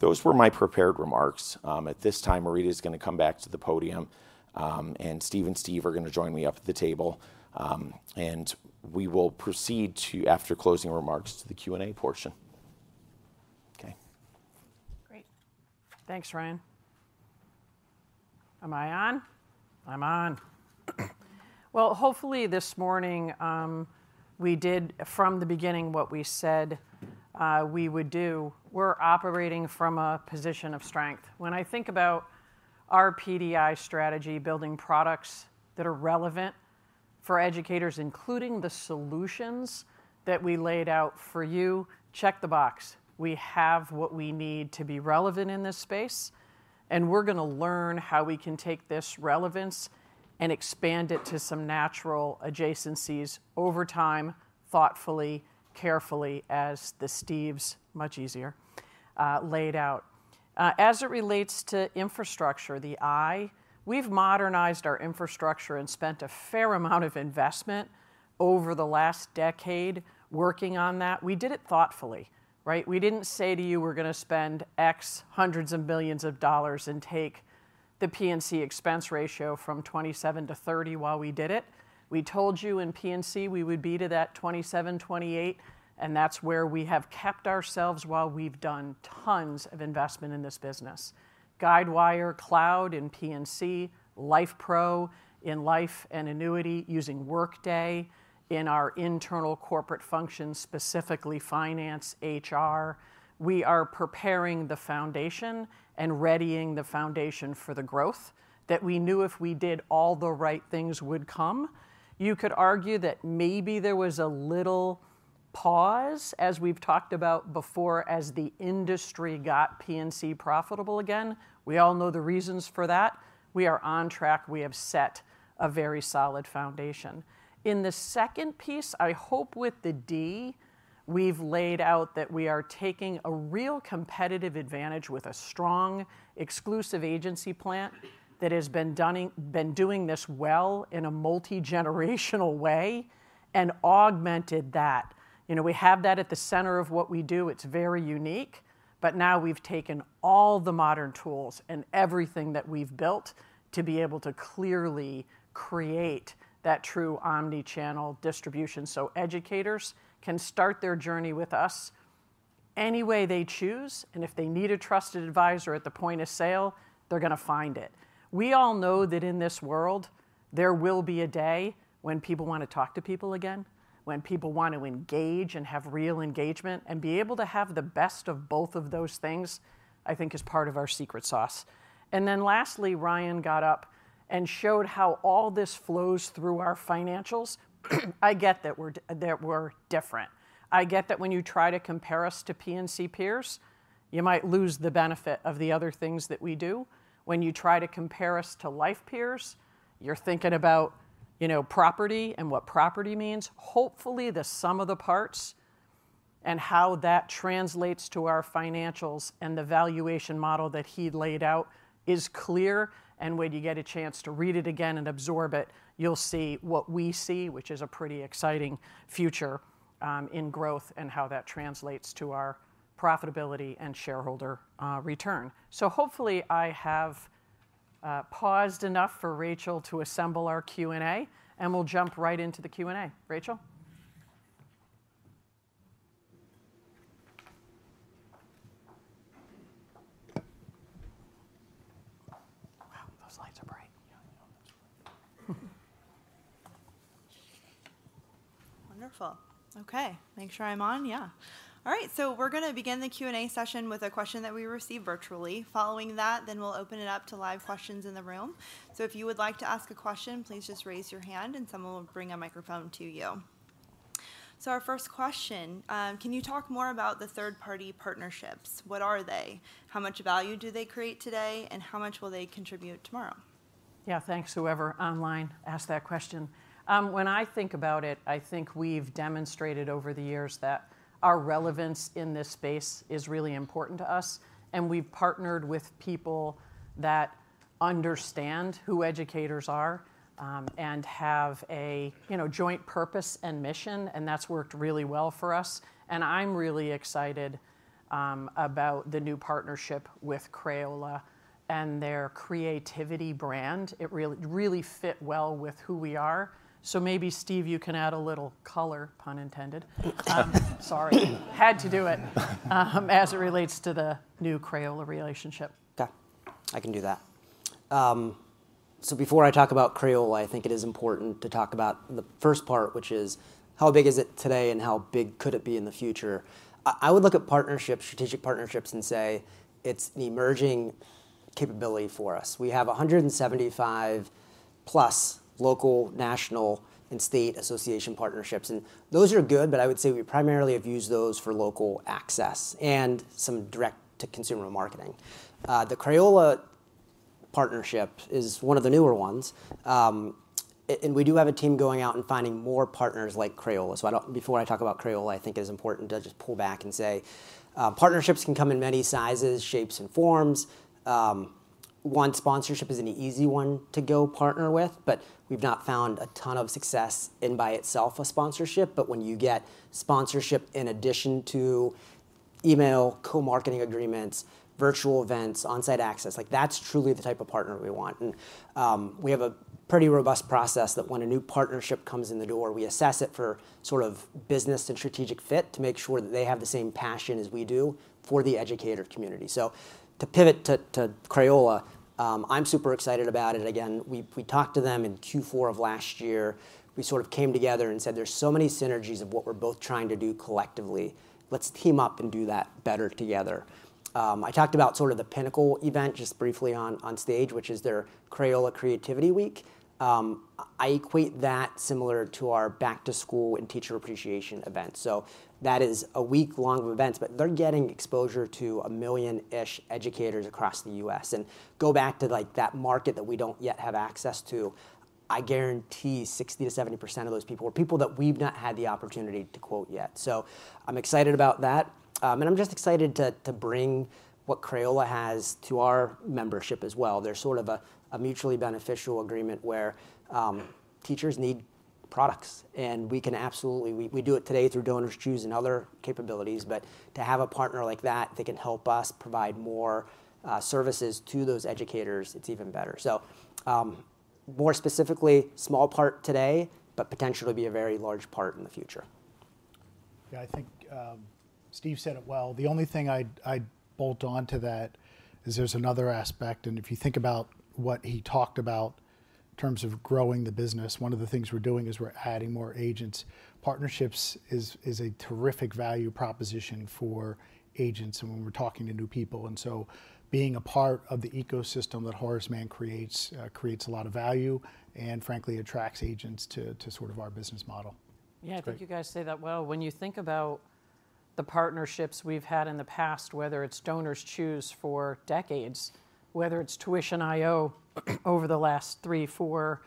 Those were my prepared remarks. At this time, Marita is going to come back to the podium, and Steve and Steve are going to join me up at the table. We will proceed to, after closing remarks, to the Q&A portion. Okay. Great. Thanks, Ryan. Am I on? I'm on. Hopefully this morning, we did from the beginning what we said we would do. We're operating from a position of strength. When I think about our PDI strategy, building products that are relevant for educators, including the solutions that we laid out for you, check the box. We have what we need to be relevant in this space, and we're going to learn how we can take this relevance and expand it to some natural adjacencies over time, thoughtfully, carefully, as the Steves much earlier laid out. As it relates to infrastructure, the I, we've modernized our infrastructure and spent a fair amount of investment over the last decade working on that. We did it thoughtfully. We didn't say to you, we're going to spend X hundreds of millions of dollars and take the P&C expense ratio from 27 to 30 while we did it. We told you in P&C we would be to that 27, 28, and that's where we have kept ourselves while we've done tons of investment in this business. Guidewire, cloud in P&C, LifePro in life and annuity using Workday in our internal corporate function, specifically finance, HR. We are preparing the foundation and readying the foundation for the growth that we knew if we did all the right things would come. You could argue that maybe there was a little pause, as we've talked about before, as the industry got P&C profitable again. We all know the reasons for that. We are on track. We have set a very solid foundation. In the second piece, I hope with the D, we've laid out that we are taking a real competitive advantage with a strong exclusive agency plant that has been doing this well in a multi-generational way and augmented that. We have that at the center of what we do. It's very unique, but now we've taken all the modern tools and everything that we've built to be able to clearly create that true omnichannel distribution so educators can start their journey with us any way they choose. If they need a trusted advisor at the point of sale, they're going to find it. We all know that in this world, there will be a day when people want to talk to people again, when people want to engage and have real engagement and be able to have the best of both of those things, I think is part of our secret sauce. Lastly, Ryan got up and showed how all this flows through our financials. I get that we're different. I get that when you try to compare us to P&C peers, you might lose the benefit of the other things that we do. When you try to compare us to life peers, you're thinking about property and what property means. Hopefully, the sum of the parts and how that translates to our financials and the valuation model that he laid out is clear. When you get a chance to read it again and absorb it, you'll see what we see, which is a pretty exciting future in growth and how that translates to our profitability and shareholder return. Hopefully, I have paused enough for Rachel to assemble our Q&A, and we'll jump right into the Q&A. Rachel? Wow, those lights are bright. Wonderful. Okay. Make sure I'm on. Yeah. All right. We're going to begin the Q&A session with a question that we received virtually. Following that, we'll open it up to live questions in the room. If you would like to ask a question, please just raise your hand, and someone will bring a microphone to you. Our first question, can you talk more about the third-party partnerships? What are they? How much value do they create today, and how much will they contribute tomorrow? Yeah, thanks whoever online asked that question. When I think about it, I think we've demonstrated over the years that our relevance in this space is really important to us. We've partnered with people that understand who educators are and have a joint purpose and mission, and that's worked really well for us. I'm really excited about the new partnership with Crayola and their creativity brand. It really fit well with who we are. Maybe, Steve, you can add a little color, pun intended. Sorry. Had to do it as it relates to the new Crayola relationship. Okay. I can do that. Before I talk about Crayola, I think it is important to talk about the first part, which is how big is it today and how big could it be in the future. I would look at strategic partnerships and say it's an emerging capability for us. We have 175-plus local, national, and state association partnerships. Those are good, but I would say we primarily have used those for local access and some direct-to-consumer marketing. The Crayola partnership is one of the newer ones. We do have a team going out and finding more partners like Crayola. Before I talk about Crayola, I think it is important to just pull back and say partnerships can come in many sizes, shapes, and forms. One sponsorship is an easy one to go partner with, but we've not found a ton of success in by itself a sponsorship. When you get sponsorship in addition to email, co-marketing agreements, virtual events, on-site access, that's truly the type of partner we want. We have a pretty robust process that when a new partnership comes in the door, we assess it for sort of business and strategic fit to make sure that they have the same passion as we do for the educator community. To pivot to Crayola, I'm super excited about it. Again, we talked to them in Q4 of last year. We sort of came together and said, "There's so many synergies of what we're both trying to do collectively. Let's team up and do that better together." I talked about sort of the pinnacle event just briefly on stage, which is their Crayola Creativity Week. I equate that similar to our back-to-school and teacher appreciation events. That is a week long of events, but they're getting exposure to a million-ish educators across the U.S. and go back to that market that we don't yet have access to. I guarantee 60-70% of those people are people that we've not had the opportunity to quote yet. I'm excited about that. I'm just excited to bring what Crayola has to our membership as well. They're sort of a mutually beneficial agreement where teachers need products, and we do it today through DonorsChoose and other capabilities. To have a partner like that, they can help us provide more services to those educators, it's even better. More specifically, small part today, but potentially be a very large part in the future. I think Steve said it well. The only thing I'd bolt on to that is there's another aspect. If you think about what he talked about in terms of growing the business, one of the things we're doing is we're adding more agents. Partnerships is a terrific value proposition for agents when we're talking to new people. Being a part of the ecosystem that Horace Mann creates creates a lot of value and, frankly, attracts agents to sort of our business model. I think you guys say that well. When you think about the partnerships we've had in the past, whether it's DonorsChoose for decades, whether it's Tuition IO over the last three, four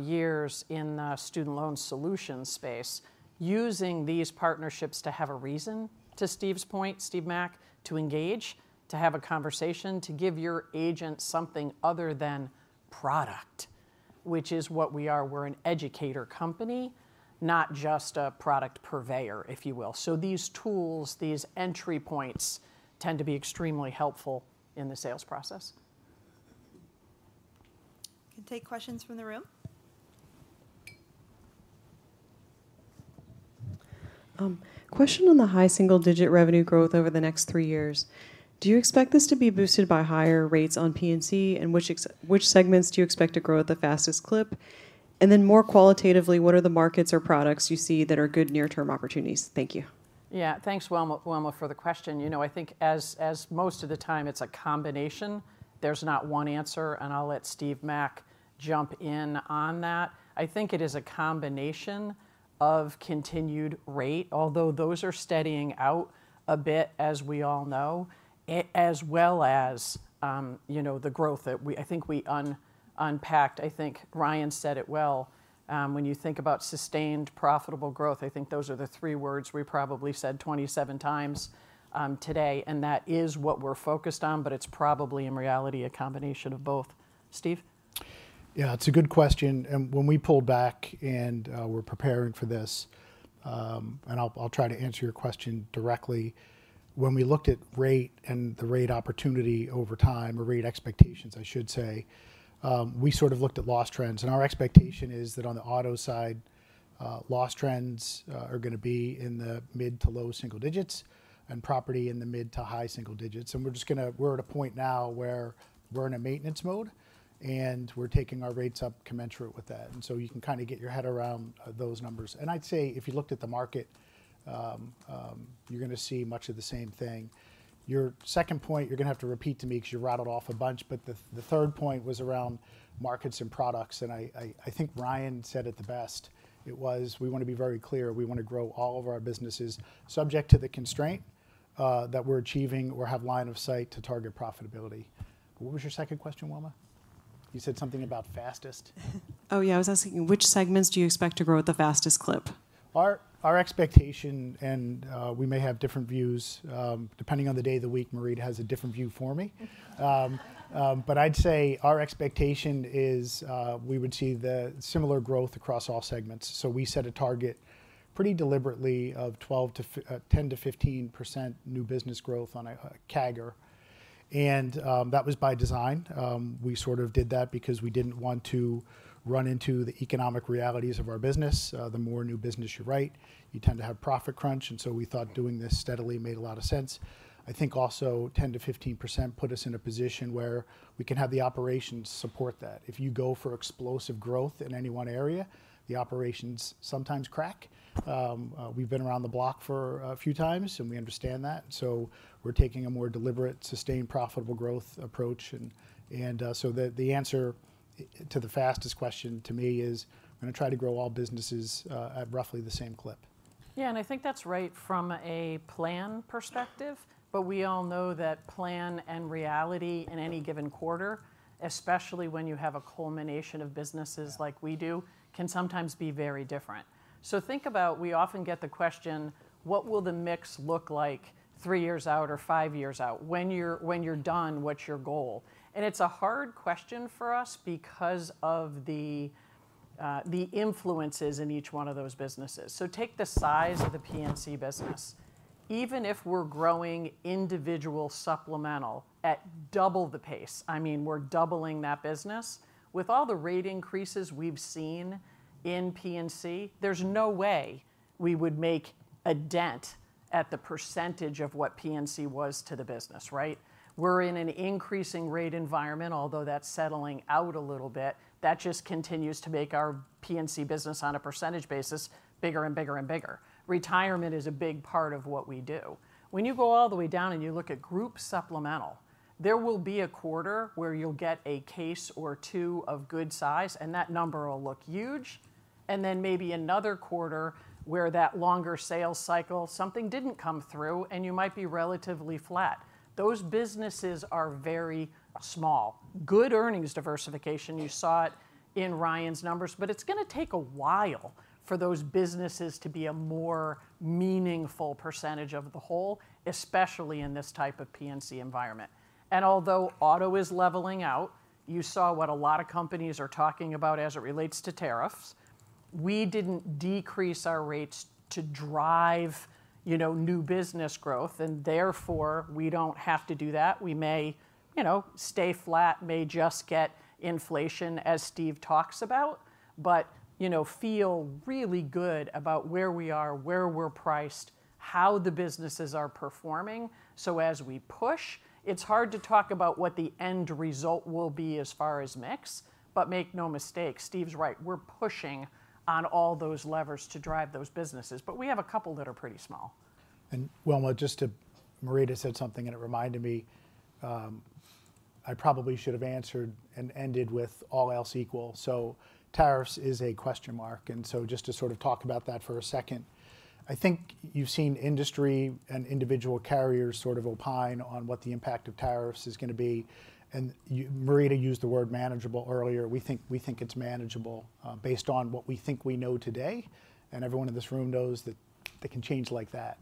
years in the student loan solution space, using these partnerships to have a reason, to Steve's point, Steve Mack, to engage, to have a conversation, to give your agent something other than product, which is what we are. We're an educator company, not just a product purveyor, if you will. These tools, these entry points tend to be extremely helpful in the sales process. Can take questions from the room. Question on the high single-digit revenue growth over the next three years. Do you expect this to be boosted by higher rates on P&C, and which segments do you expect to grow at the fastest clip? More qualitatively, what are the markets or products you see that are good near-term opportunities? Thank you. Yeah, thanks, Wilma, for the question. I think as most of the time, it's a combination. There's not one answer, and I'll let Steve McAnena jump in on that. I think it is a combination of continued rate, although those are steadying out a bit, as we all know, as well as the growth that I think we unpacked. I think Ryan said it well. When you think about sustained profitable growth, I think those are the three words we probably said 27 times today, and that is what we're focused on, but it's probably in reality a combination of both. Steve? Yeah, it's a good question. When we pulled back and were preparing for this, and I'll try to answer your question directly, when we looked at rate and the rate opportunity over time, or rate expectations, I should say, we sort of looked at loss trends. Our expectation is that on the auto side, loss trends are going to be in the mid to low single digits and property in the mid to high single digits. We're at a point now where we're in a maintenance mode, and we're taking our rates up commensurate with that. You can kind of get your head around those numbers. I'd say if you looked at the market, you're going to see much of the same thing. Your second point, you're going to have to repeat to me because you rattled off a bunch, but the third point was around markets and products. I think Ryan said it the best. It was, we want to be very clear. We want to grow all of our businesses subject to the constraint that we're achieving or have line of sight to target profitability. What was your second question, Wilma? You said something about fastest. Oh, yeah, I was asking which segments do you expect to grow at the fastest clip. Our expectation, and we may have different views depending on the day of the week. Marita has a different view from me. I'd say our expectation is we would see similar growth across all segments. We set a target pretty deliberately of 10-15% new business growth on a CAGR. That was by design. We sort of did that because we did not want to run into the economic realities of our business. The more new business you write, you tend to have profit crunch. We thought doing this steadily made a lot of sense. I think also 10-15% put us in a position where we can have the operations support that. If you go for explosive growth in any one area, the operations sometimes crack. We have been around the block a few times, and we understand that. We are taking a more deliberate, sustained profitable growth approach. The answer to the fastest question to me is we are going to try to grow all businesses at roughly the same clip. Yeah, and I think that's right from a plan perspective, but we all know that plan and reality in any given quarter, especially when you have a culmination of businesses like we do, can sometimes be very different. Think about we often get the question, what will the mix look like three years out or five years out? When you're done, what's your goal? It's a hard question for us because of the influences in each one of those businesses. Take the size of the P&C business. Even if we're growing individual supplemental at double the pace, I mean, we're doubling that business. With all the rate increases we've seen in P&C, there's no way we would make a dent at the percentage of what P&C was to the business, right? We're in an increasing rate environment, although that's settling out a little bit. That just continues to make our P&C business on a percentage basis bigger and bigger and bigger. Retirement is a big part of what we do. When you go all the way down and you look at group supplemental, there will be a quarter where you'll get a case or two of good size, and that number will look huge. Then maybe another quarter where that longer sales cycle, something did not come through, and you might be relatively flat. Those businesses are very small. Good earnings diversification, you saw it in Ryan's numbers, but it's going to take a while for those businesses to be a more meaningful percentage of the whole, especially in this type of P&C environment. Although auto is leveling out, you saw what a lot of companies are talking about as it relates to tariffs. We didn't decrease our rates to drive new business growth, and therefore we don't have to do that. We may stay flat, may just get inflation as Steve talks about, but feel really good about where we are, where we're priced, how the businesses are performing. As we push, it's hard to talk about what the end result will be as far as mix, but make no mistake, Steve's right. We're pushing on all those levers to drive those businesses, but we have a couple that are pretty small. Wilma, just to Marie just said something, and it reminded me I probably should have answered and ended with all else equal. Tariffs is a question mark. Just to sort of talk about that for a second, I think you've seen industry and individual carriers sort of opine on what the impact of tariffs is going to be. Marie used the word manageable earlier. We think it's manageable based on what we think we know today. Everyone in this room knows that they can change like that.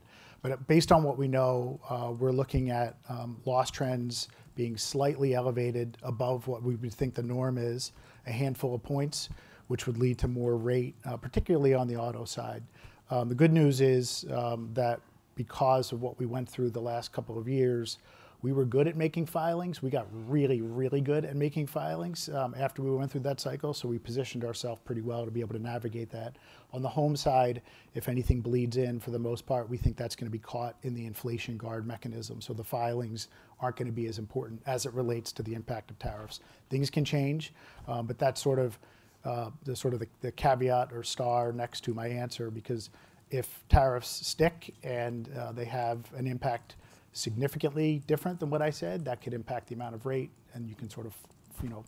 Based on what we know, we're looking at loss trends being slightly elevated above what we would think the norm is, a handful of points, which would lead to more rate, particularly on the auto side. The good news is that because of what we went through the last couple of years, we were good at making filings. We got really, really good at making filings after we went through that cycle. We positioned ourselves pretty well to be able to navigate that. On the home side, if anything bleeds in, for the most part, we think that's going to be caught in the inflation guard mechanism. The filings aren't going to be as important as it relates to the impact of tariffs. Things can change, but that's sort of the caveat or star next to my answer because if tariffs stick and they have an impact significantly different than what I said, that could impact the amount of rate, and you can sort of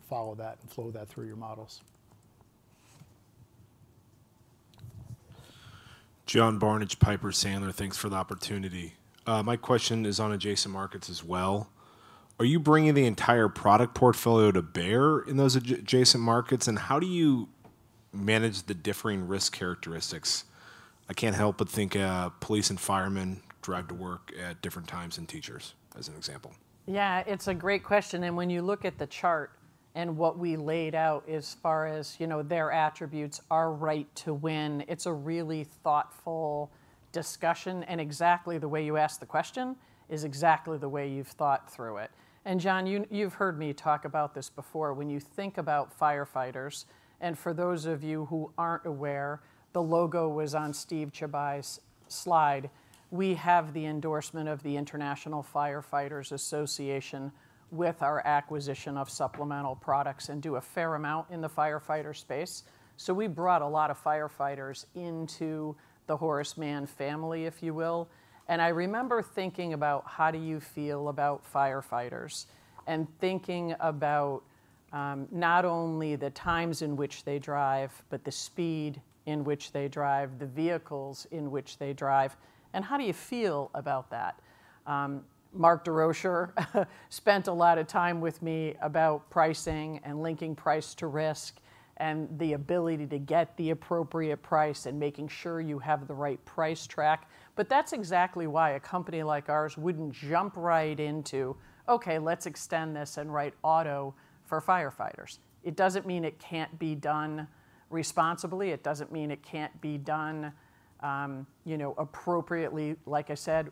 follow that and flow that through your models. John Barnidge, Piper Sandler, thanks for the opportunity. My question is on adjacent markets as well. Are you bringing the entire product portfolio to bear in those adjacent markets, and how do you manage the differing risk characteristics? I can't help but think police and firemen drive to work at different times and teachers, as an example. Yeah, it's a great question. When you look at the chart and what we laid out as far as their attributes are right to win, it's a really thoughtful discussion. Exactly the way you asked the question is exactly the way you've thought through it. John, you've heard me talk about this before. When you think about firefighters, and for those of you who aren't aware, the logo was on Steve Chauby's slide. We have the endorsement of the International Association of Fire Fighters with our acquisition of supplemental products and do a fair amount in the firefighter space. We brought a lot of firefighters into the Horace Mann family, if you will. I remember thinking about how do you feel about firefighters and thinking about not only the times in which they drive, but the speed in which they drive, the vehicles in which they drive. How do you feel about that? Mark DeRosier spent a lot of time with me about pricing and linking price to risk and the ability to get the appropriate price and making sure you have the right price track. That is exactly why a company like ours would not jump right into, okay, let's extend this and write auto for firefighters. It does not mean it cannot be done responsibly. It does not mean it cannot be done appropriately, like I said,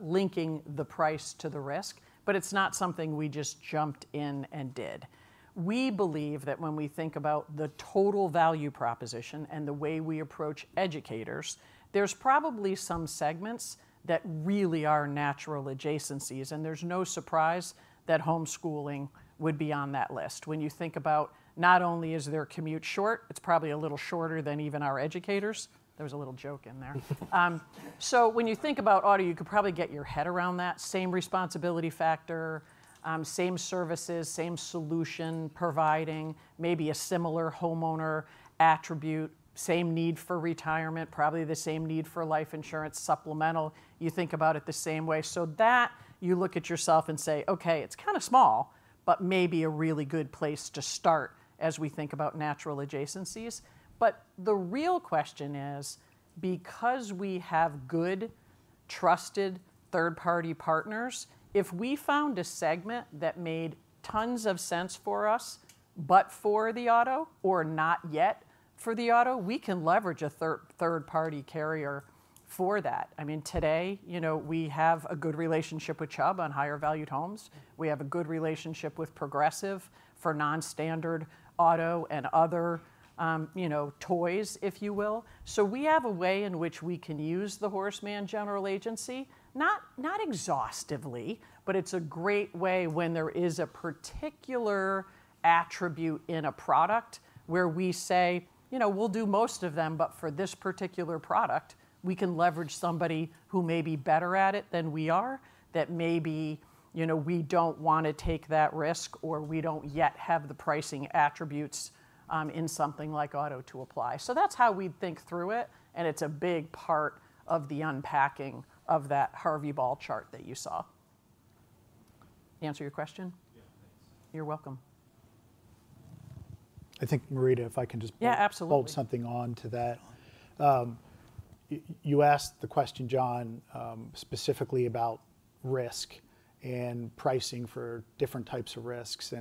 linking the price to the risk. It is not something we just jumped in and did. We believe that when we think about the total value proposition and the way we approach educators, there are probably some segments that really are natural adjacencies. There is no surprise that homeschooling would be on that list. When you think about not only is their commute short, it's probably a little shorter than even our educators. There was a little joke in there. When you think about auto, you could probably get your head around that. Same responsibility factor, same services, same solution providing, maybe a similar homeowner attribute, same need for retirement, probably the same need for life insurance supplemental. You think about it the same way. You look at yourself and say, okay, it's kind of small, but maybe a really good place to start as we think about natural adjacencies. The real question is, because we have good, trusted third-party partners, if we found a segment that made tons of sense for us, but for the auto, or not yet for the auto, we can leverage a third-party carrier for that. I mean, today we have a good relationship with Chubb on higher valued homes. We have a good relationship with Progressive for non-standard auto and other toys, if you will. We have a way in which we can use the Horace Mann General Agency, not exhaustively, but it is a great way when there is a particular attribute in a product where we say, we will do most of them, but for this particular product, we can leverage somebody who may be better at it than we are, that maybe we do not want to take that risk or we do not yet have the pricing attributes in something like auto to apply. That is how we would think through it. It is a big part of the unpacking of that Harvey Ball chart that you saw. Answer your question? Yeah, thanks. You are welcome. I think, Marie, if I can just. Yeah, absolutely. Hold something on to that. You asked the question, John, specifically about risk and pricing for different types of risks.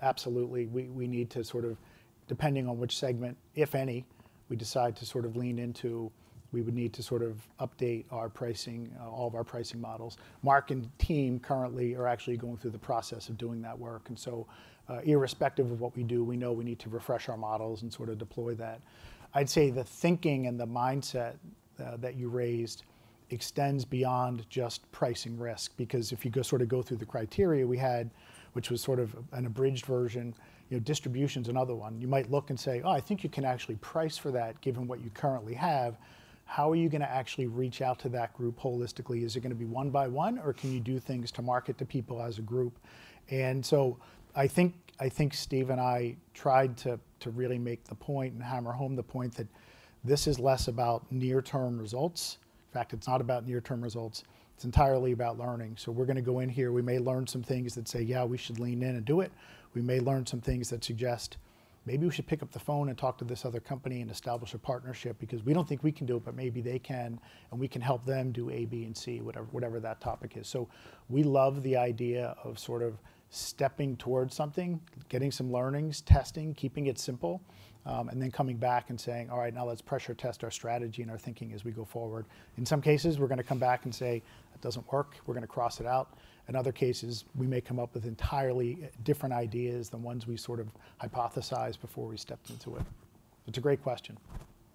Absolutely, we need to sort of, depending on which segment, if any, we decide to sort of lean into, we would need to sort of update all of our pricing models. Mark and team currently are actually going through the process of doing that work. Irrespective of what we do, we know we need to refresh our models and sort of deploy that. I'd say the thinking and the mindset that you raised extends beyond just pricing risk. Because if you sort of go through the criteria we had, which was sort of an abridged version, distribution is another one. You might look and say, oh, I think you can actually price for that given what you currently have. How are you going to actually reach out to that group holistically? Is it going to be one by one, or can you do things to market to people as a group? I think Steve and I tried to really make the point and hammer home the point that this is less about near-term results. In fact, it's not about near-term results. It's entirely about learning. We're going to go in here. We may learn some things that say, yeah, we should lean in and do it. We may learn some things that suggest maybe we should pick up the phone and talk to this other company and establish a partnership because we don't think we can do it, but maybe they can, and we can help them do A, B, and C, whatever that topic is. We love the idea of sort of stepping towards something, getting some learnings, testing, keeping it simple, and then coming back and saying, all right, now let's pressure test our strategy and our thinking as we go forward. In some cases, we're going to come back and say, it doesn't work. We're going to cross it out. In other cases, we may come up with entirely different ideas than ones we sort of hypothesized before we stepped into it. It's a great question.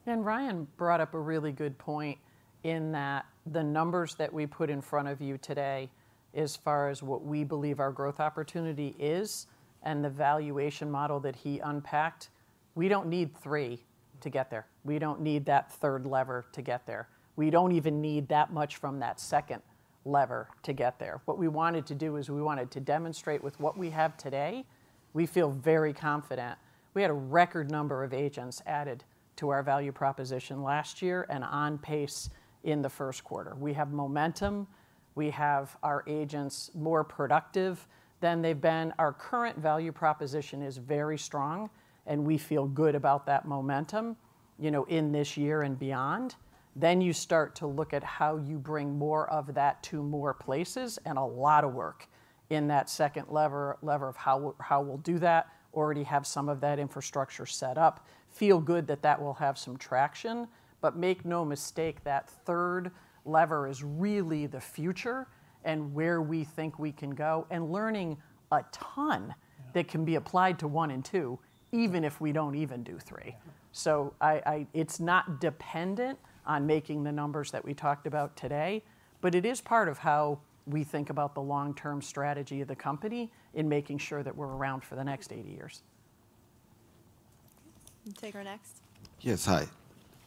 Ryan brought up a really good point in that the numbers that we put in front of you today as far as what we believe our growth opportunity is and the valuation model that he unpacked, we don't need three to get there. We don't need that third lever to get there. We don't even need that much from that second lever to get there. What we wanted to do is we wanted to demonstrate with what we have today, we feel very confident. We had a record number of agents added to our value proposition last year and on pace in the first quarter. We have momentum. We have our agents more productive than they've been. Our current value proposition is very strong, and we feel good about that momentum in this year and beyond. You start to look at how you bring more of that to more places and a lot of work in that second lever of how we'll do that, already have some of that infrastructure set up, feel good that that will have some traction. Make no mistake, that third lever is really the future and where we think we can go and learning a ton that can be applied to one and two, even if we do not even do three. It is not dependent on making the numbers that we talked about today, but it is part of how we think about the long-term strategy of the company in making sure that we are around for the next 80 years. Take our next. Yes, hi.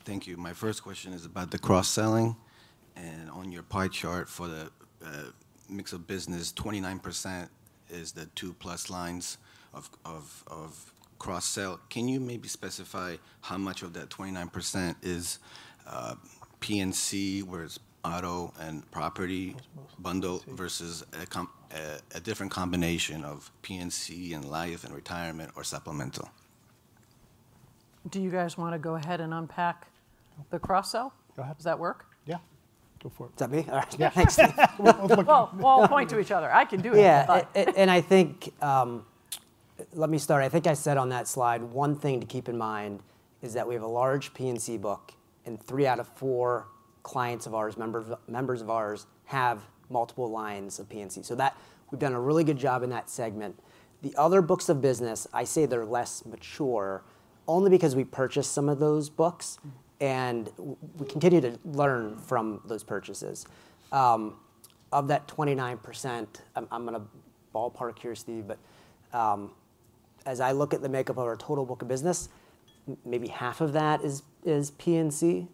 Thank you. My first question is about the cross-selling. On your pie chart for the mix of business, 29% is the two-plus lines of cross-sell. Can you maybe specify how much of that 29% is P&C, whereas auto and property bundle versus a different combination of P&C and life and retirement or supplemental? Do you guys want to go ahead and unpack the cross-sell? Go ahead. Does that work? Yeah. Go for it. Is that me? All right. Yeah. We'll point to each other. I can do it. Yeah. I think let me start. I think I said on that slide, one thing to keep in mind is that we have a large P&C book, and three out of four clients of ours, members of ours, have multiple lines of P&C. We have done a really good job in that segment. The other books of business, I say they are less mature only because we purchased some of those books, and we continue to learn from those purchases. Of that 29%, I am going to ballpark here, Steve, but as I look at the makeup of our total book of business, maybe half of that is P&C.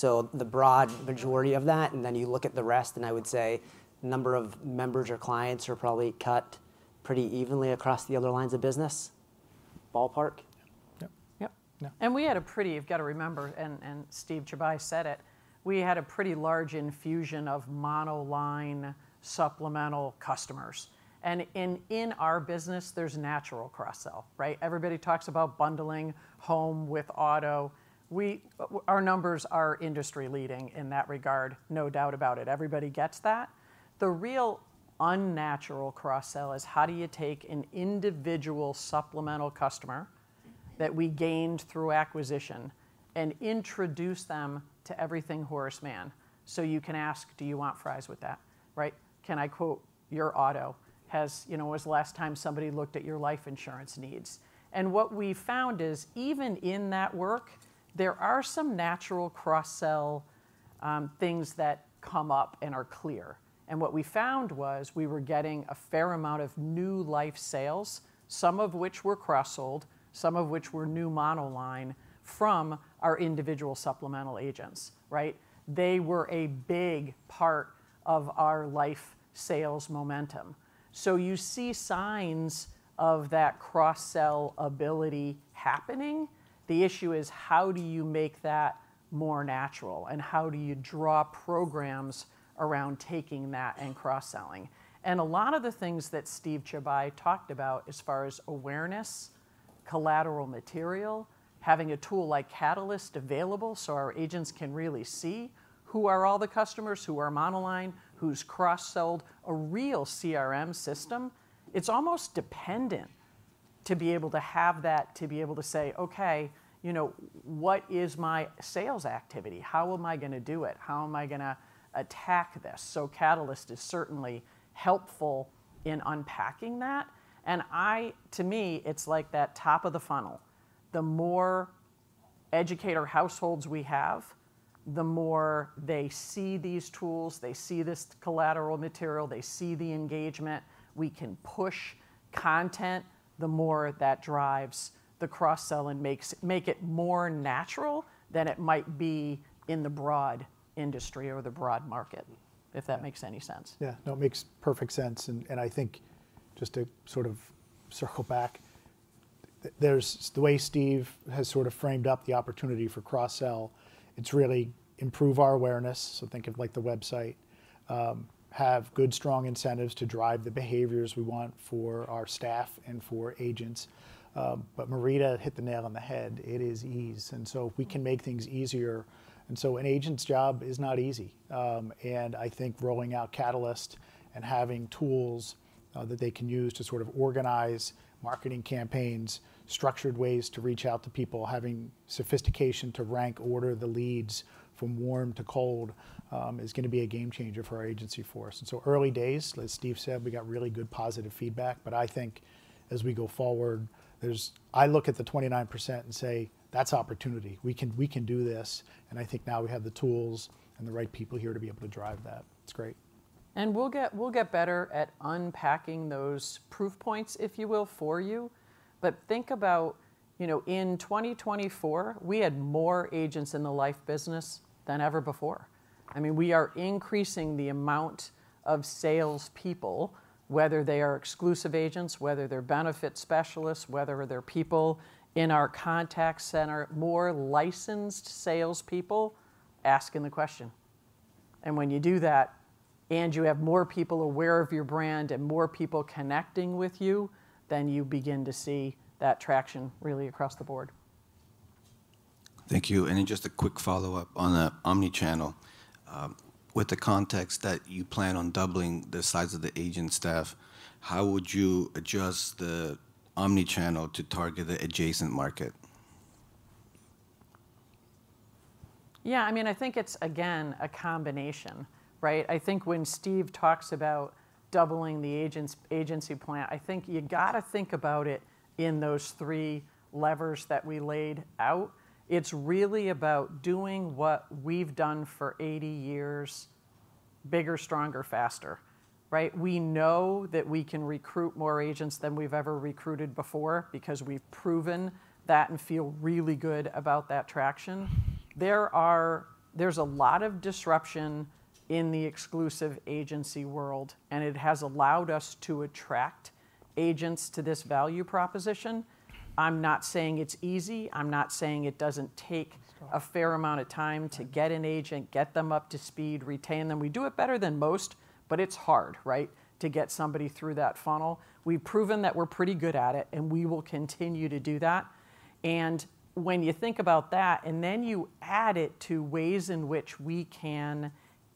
The broad majority of that, and then you look at the rest, and I would say the number of members or clients are probably cut pretty evenly across the other lines of business. Ballpark? Yep. Yep. You have to remember, and Steve Chauby said it, we had a pretty large infusion of monoline supplemental customers. In our business, there is natural cross-sell. Everybody talks about bundling home with auto. Our numbers are industry-leading in that regard, no doubt about it. Everybody gets that. The real unnatural cross-sell is how do you take an individual supplemental customer that we gained through acquisition and introduce them to everything Horace Mann? You can ask, do you want fries with that? Can I quote your auto? When was the last time somebody looked at your life insurance needs? What we found is even in that work, there are some natural cross-sell things that come up and are clear. What we found was we were getting a fair amount of new life sales, some of which were cross-sold, some of which were new monoline from our individual supplemental agents. They were a big part of our life sales momentum. You see signs of that cross-sell ability happening. The issue is how do you make that more natural and how do you draw programs around taking that and cross-selling? A lot of the things that Steve Chauby talked about as far as awareness, collateral material, having a tool like Catalyst available so our agents can really see who are all the customers who are monoline, who is cross-sold, a real CRM system, it is almost dependent to be able to have that, to be able to say, okay, what is my sales activity? How am I going to do it? How am I going to attack this? Catalyst is certainly helpful in unpacking that. To me, it is like that top of the funnel. The more educator households we have, the more they see these tools, they see this collateral material, they see the engagement. We can push content, the more that drives the cross-sell and makes it more natural than it might be in the broad industry or the broad market, if that makes any sense. Yeah. No, it makes perfect sense. I think just to sort of circle back, the way Steve has sort of framed up the opportunity for cross-sell, it is really improve our awareness. Think of like the website, have good, strong incentives to drive the behaviors we want for our staff and for agents. Marie hit the nail on the head. It is ease. If we can make things easier, an agent's job is not easy. I think rolling out Catalyst and having tools that they can use to sort of organize marketing campaigns, structured ways to reach out to people, having sophistication to rank order the leads from warm to cold is going to be a game changer for our agency, for us. Early days, as Steve said, we got really good positive feedback. I think as we go forward, I look at the 29% and say, that's opportunity. We can do this. I think now we have the tools and the right people here to be able to drive that. It's great. We'll get better at unpacking those proof points, if you will, for you. Think about in 2024, we had more agents in the life business than ever before. I mean, we are increasing the amount of salespeople, whether they are exclusive agents, whether they're benefit specialists, whether they're people in our contact center, more licensed salespeople asking the question. When you do that and you have more people aware of your brand and more people connecting with you, you begin to see that traction really across the board. Thank you. Just a quick follow-up on the omnichannel. With the context that you plan on doubling the size of the agent staff, how would you adjust the omnichannel to target the adjacent market? Yeah. I mean, I think it's, again, a combination. I think when Steve talks about doubling the agency plan, I think you got to think about it in those three levers that we laid out. It's really about doing what we've done for 80 years, bigger, stronger, faster. We know that we can recruit more agents than we've ever recruited before because we've proven that and feel really good about that traction. There's a lot of disruption in the exclusive agency world, and it has allowed us to attract agents to this value proposition. I'm not saying it's easy. I'm not saying it doesn't take a fair amount of time to get an agent, get them up to speed, retain them. We do it better than most, but it's hard to get somebody through that funnel. We've proven that we're pretty good at it, and we will continue to do that. When you think about that, and then you add it to ways in which we can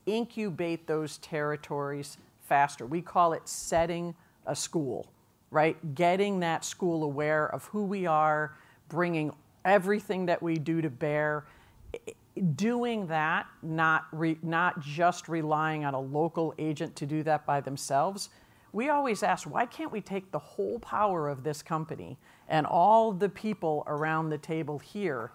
incubate those territories faster, we call it setting a school, getting that school aware of who we are, bringing everything that we do to bear, doing that, not just relying on a local agent to do that by themselves. We always ask, why can't we take the whole power of this company and all the people around the table here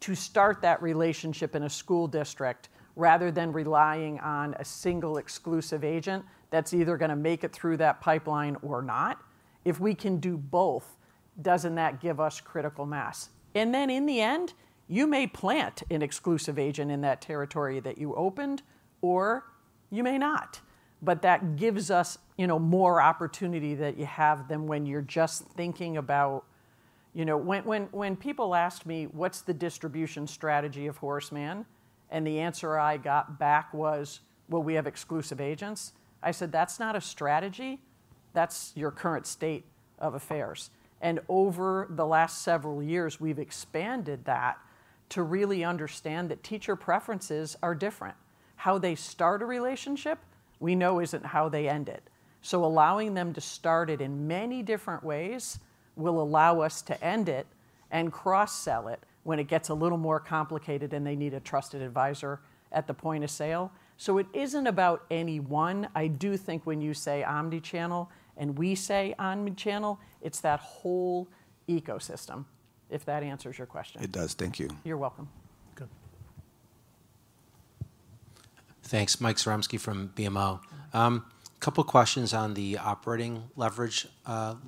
to start that relationship in a school district rather than relying on a single exclusive agent that's either going to make it through that pipeline or not? If we can do both, doesn't that give us critical mass? In the end, you may plant an exclusive agent in that territory that you opened, or you may not. That gives us more opportunity than when you're just thinking about when people asked me, what's the distribution strategy of Horace Mann? The answer I got back was, we have exclusive agents. I said, that's not a strategy. That's your current state of affairs. Over the last several years, we've expanded that to really understand that teacher preferences are different. How they start a relationship we know isn't how they end it. Allowing them to start it in many different ways will allow us to end it and cross-sell it when it gets a little more complicated and they need a trusted advisor at the point of sale. It isn't about any one. I do think when you say omnichannel and we say omnichannel, it's that whole ecosystem, if that answers your question. It does. Thank you. You're welcome. Thanks. Mike Sramsky from BMO. A couple of questions on the operating leverage. You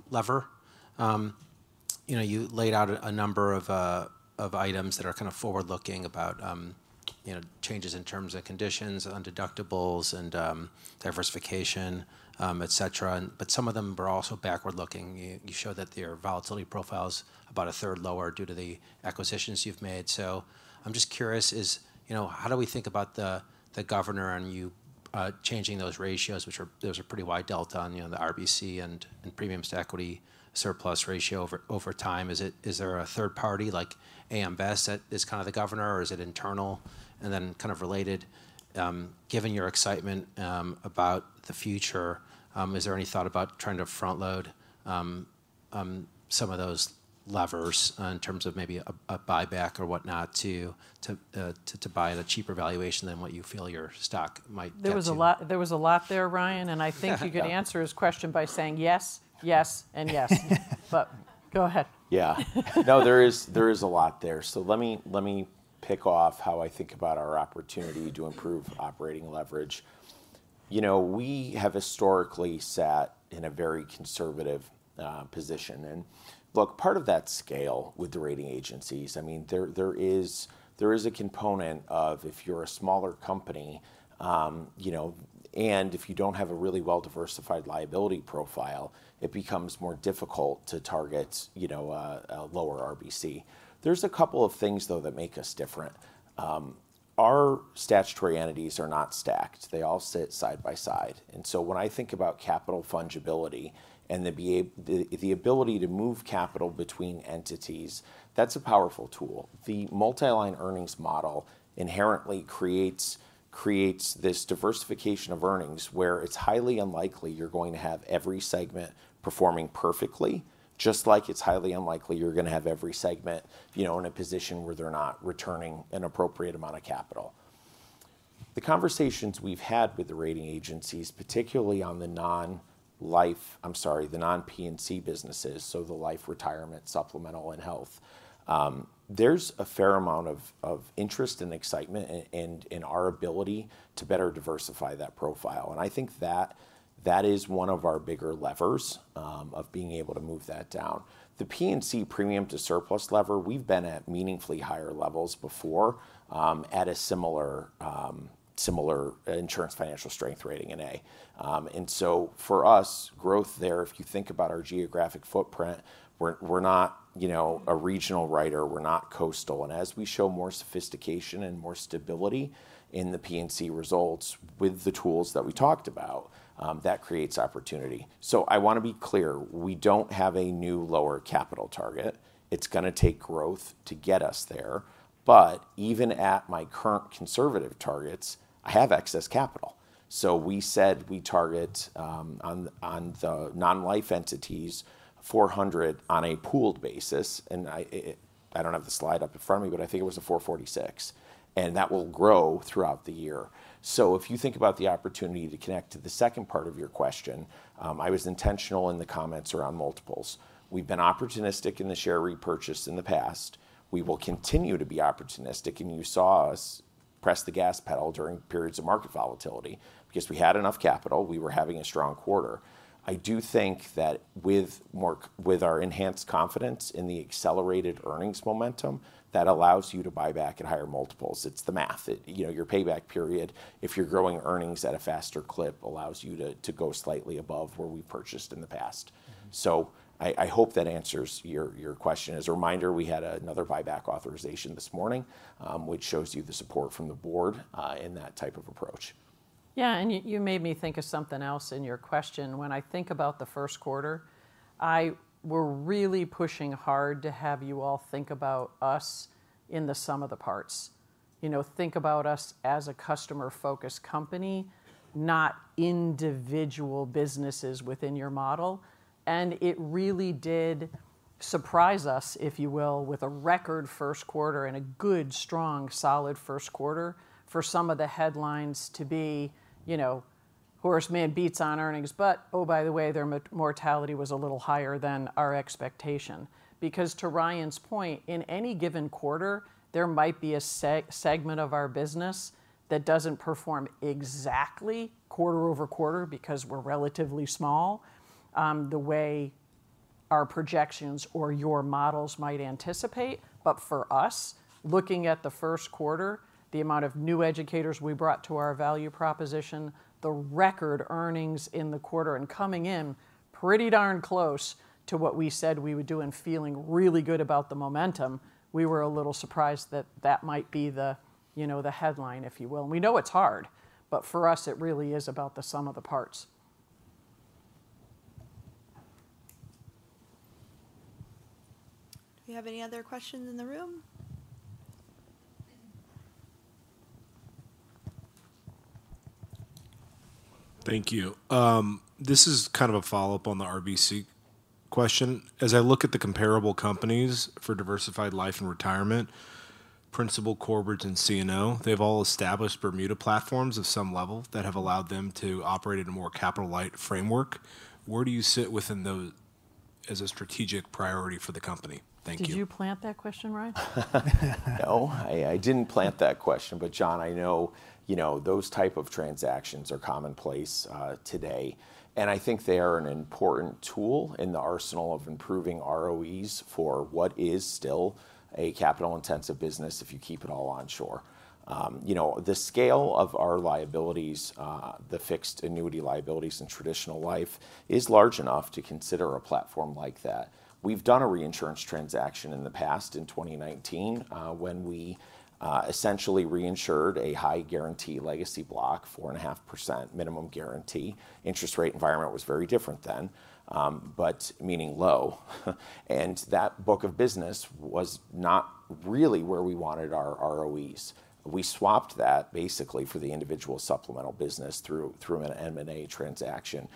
laid out a number of items that are kind of forward-looking about changes in terms of conditions, undeductibles, and diversification, et cetera. But some of them are also backward-looking. You show that your volatility profile is about a third lower due to the acquisitions you've made. So I'm just curious, how do we think about the governor and you changing those ratios, which are there's a pretty wide delta on the RBC and premiums to equity surplus ratio over time? Is there a third party like AM Best that is kind of the governor, or is it internal and then kind of related? Given your excitement about the future, is there any thought about trying to front-load some of those levers in terms of maybe a buyback or whatnot to buy at a cheaper valuation than what you feel your stock might? There was a lot there, Ryan, and I think you could answer his question by saying, yes, yes, and yes. Go ahead. Yeah. No, there is a lot there. Let me pick off how I think about our opportunity to improve operating leverage. We have historically sat in a very conservative position. Look, part of that scale with the rating agencies, I mean, there is a component of if you're a smaller company, and if you do not have a really well-diversified liability profile, it becomes more difficult to target a lower RBC. There are a couple of things, though, that make us different. Our statutory entities are not stacked. They all sit side by side. When I think about capital fungibility and the ability to move capital between entities, that's a powerful tool. The multi-line earnings model inherently creates this diversification of earnings where it's highly unlikely you're going to have every segment performing perfectly, just like it's highly unlikely you're going to have every segment in a position where they're not returning an appropriate amount of capital. The conversations we've had with the rating agencies, particularly on the non-life, I'm sorry, the non-P&C businesses, so the life, retirement, supplemental, and health, there's a fair amount of interest and excitement in our ability to better diversify that profile. I think that is one of our bigger levers of being able to move that down. The P&C premium to surplus lever, we've been at meaningfully higher levels before at a similar insurance financial strength rating in A. For us, growth there, if you think about our geographic footprint, we're not a regional writer. We're not coastal. As we show more sophistication and more stability in the P&C results with the tools that we talked about, that creates opportunity. I want to be clear. We don't have a new lower capital target. It's going to take growth to get us there. Even at my current conservative targets, I have excess capital. We said we target on the non-life entities 400 on a pooled basis. I don't have the slide up in front of me, but I think it was a 446. That will grow throughout the year. If you think about the opportunity to connect to the second part of your question, I was intentional in the comments around multiples. We've been opportunistic in the share repurchase in the past. We will continue to be opportunistic. You saw us press the gas pedal during periods of market volatility because we had enough capital. We were having a strong quarter. I do think that with our enhanced confidence in the accelerated earnings momentum that allows you to buy back at higher multiples, it's the math. Your payback period, if you're growing earnings at a faster clip, allows you to go slightly above where we purchased in the past. I hope that answers your question. As a reminder, we had another buyback authorization this morning, which shows you the support from the board in that type of approach. Yeah. You made me think of something else in your question. When I think about the first quarter, we're really pushing hard to have you all think about us in the sum of the parts. Think about us as a customer-focused company, not individual businesses within your model. It really did surprise us, if you will, with a record first quarter and a good, strong, solid first quarter for some of the headlines to be Horace Mann beats on earnings, but, oh, by the way, their mortality was a little higher than our expectation. Because to Ryan's point, in any given quarter, there might be a segment of our business that doesn't perform exactly quarter over quarter because we're relatively small the way our projections or your models might anticipate. For us, looking at the first quarter, the amount of new educators we brought to our value proposition, the record earnings in the quarter and coming in pretty darn close to what we said we would do and feeling really good about the momentum, we were a little surprised that that might be the headline, if you will. We know it's hard, but for us, it really is about the sum of the parts. Do we have any other questions in the room? Thank you. This is kind of a follow-up on the RBC question. As I look at the comparable companies for diversified life and retirement, Principal, Corbridge, and C&O, they've all established Bermuda platforms of some level that have allowed them to operate in a more capital-light framework. Where do you sit within those as a strategic priority for the company? Thank you. Did you plant that question, Ryan? No, I didn't plant that question. John, I know those type of transactions are commonplace today. I think they are an important tool in the arsenal of improving ROEs for what is still a capital-intensive business if you keep it all on shore. The scale of our liabilities, the fixed annuity liabilities in traditional life, is large enough to consider a platform like that. We've done a reinsurance transaction in the past in 2019 when we essentially reinsured a high guarantee legacy block, 4.5% minimum guarantee. Interest rate environment was very different then, meaning low. That book of business was not really where we wanted our ROEs. We swapped that basically for the individual supplemental business through an M&A transaction,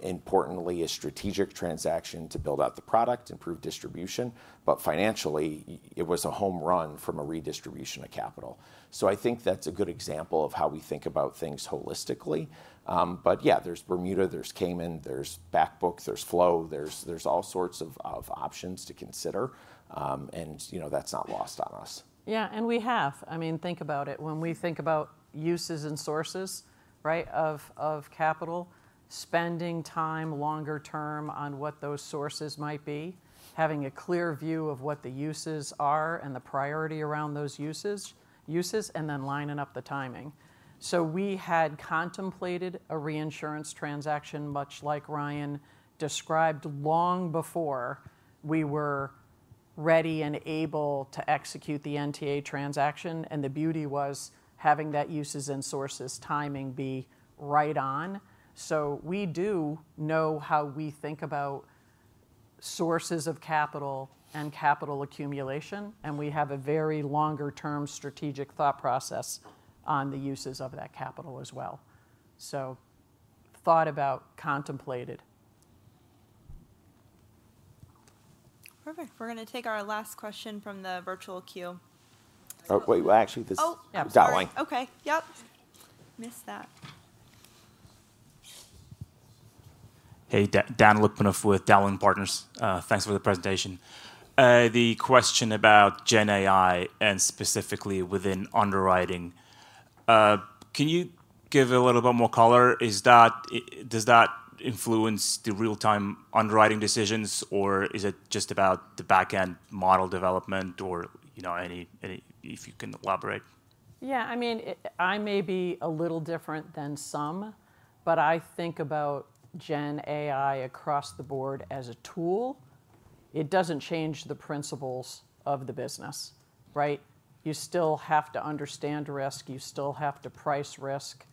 importantly a strategic transaction to build out the product, improve distribution. Financially, it was a home run from a redistribution of capital. I think that's a good example of how we think about things holistically. Yeah, there's Bermuda, there's Cayman, there's backbook, there's flow, there's all sorts of options to consider. That's not lost on us. We have, I mean, think about it. When we think about uses and sources of capital, spending time longer term on what those sources might be, having a clear view of what the uses are and the priority around those uses, and then lining up the timing. We had contemplated a reinsurance transaction, much like Ryan described long before we were ready and able to execute the NTA transaction. The beauty was having that uses and sources timing be right on. We do know how we think about sources of capital and capital accumulation. We have a very longer-term strategic thought process on the uses of that capital as well. Thought about, contemplated. Perfect. We're going to take our last question from the virtual queue. Oh, wait. Oh, yeah. Okay. Yep. Missed that. Hey, Dan Lipkunov with Dowling & Partners. Thanks for the presentation. The question about GenAI and specifically within underwriting, can you give a little bit more color? Does that influence the real-time underwriting decisions, or is it just about the backend model development or any, if you can elaborate? Yeah. I mean, I may be a little different than some, but I think about GenAI across the board as a tool. It doesn't change the principles of the business. You still have to understand risk. You still have to price risk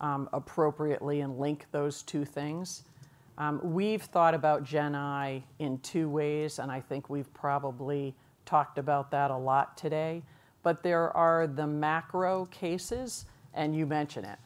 appropriately and link those two things. We've thought about GenAI in two ways, and I think we've probably talked about that a lot today. There are the macro cases, and you mention it.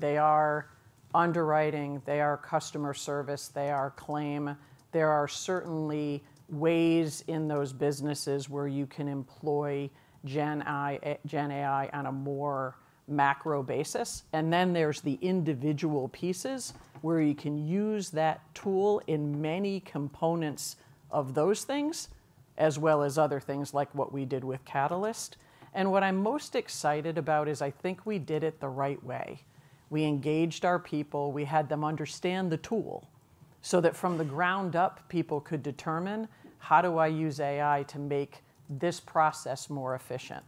They are underwriting. They are customer service. They are claim. There are certainly ways in those businesses where you can employ GenAI on a more macro basis. Then there's the individual pieces where you can use that tool in many components of those things, as well as other things like what we did with Catalyst. What I'm most excited about is I think we did it the right way. We engaged our people. We had them understand the tool so that from the ground up, people could determine, "How do I use AI to make this process more efficient?"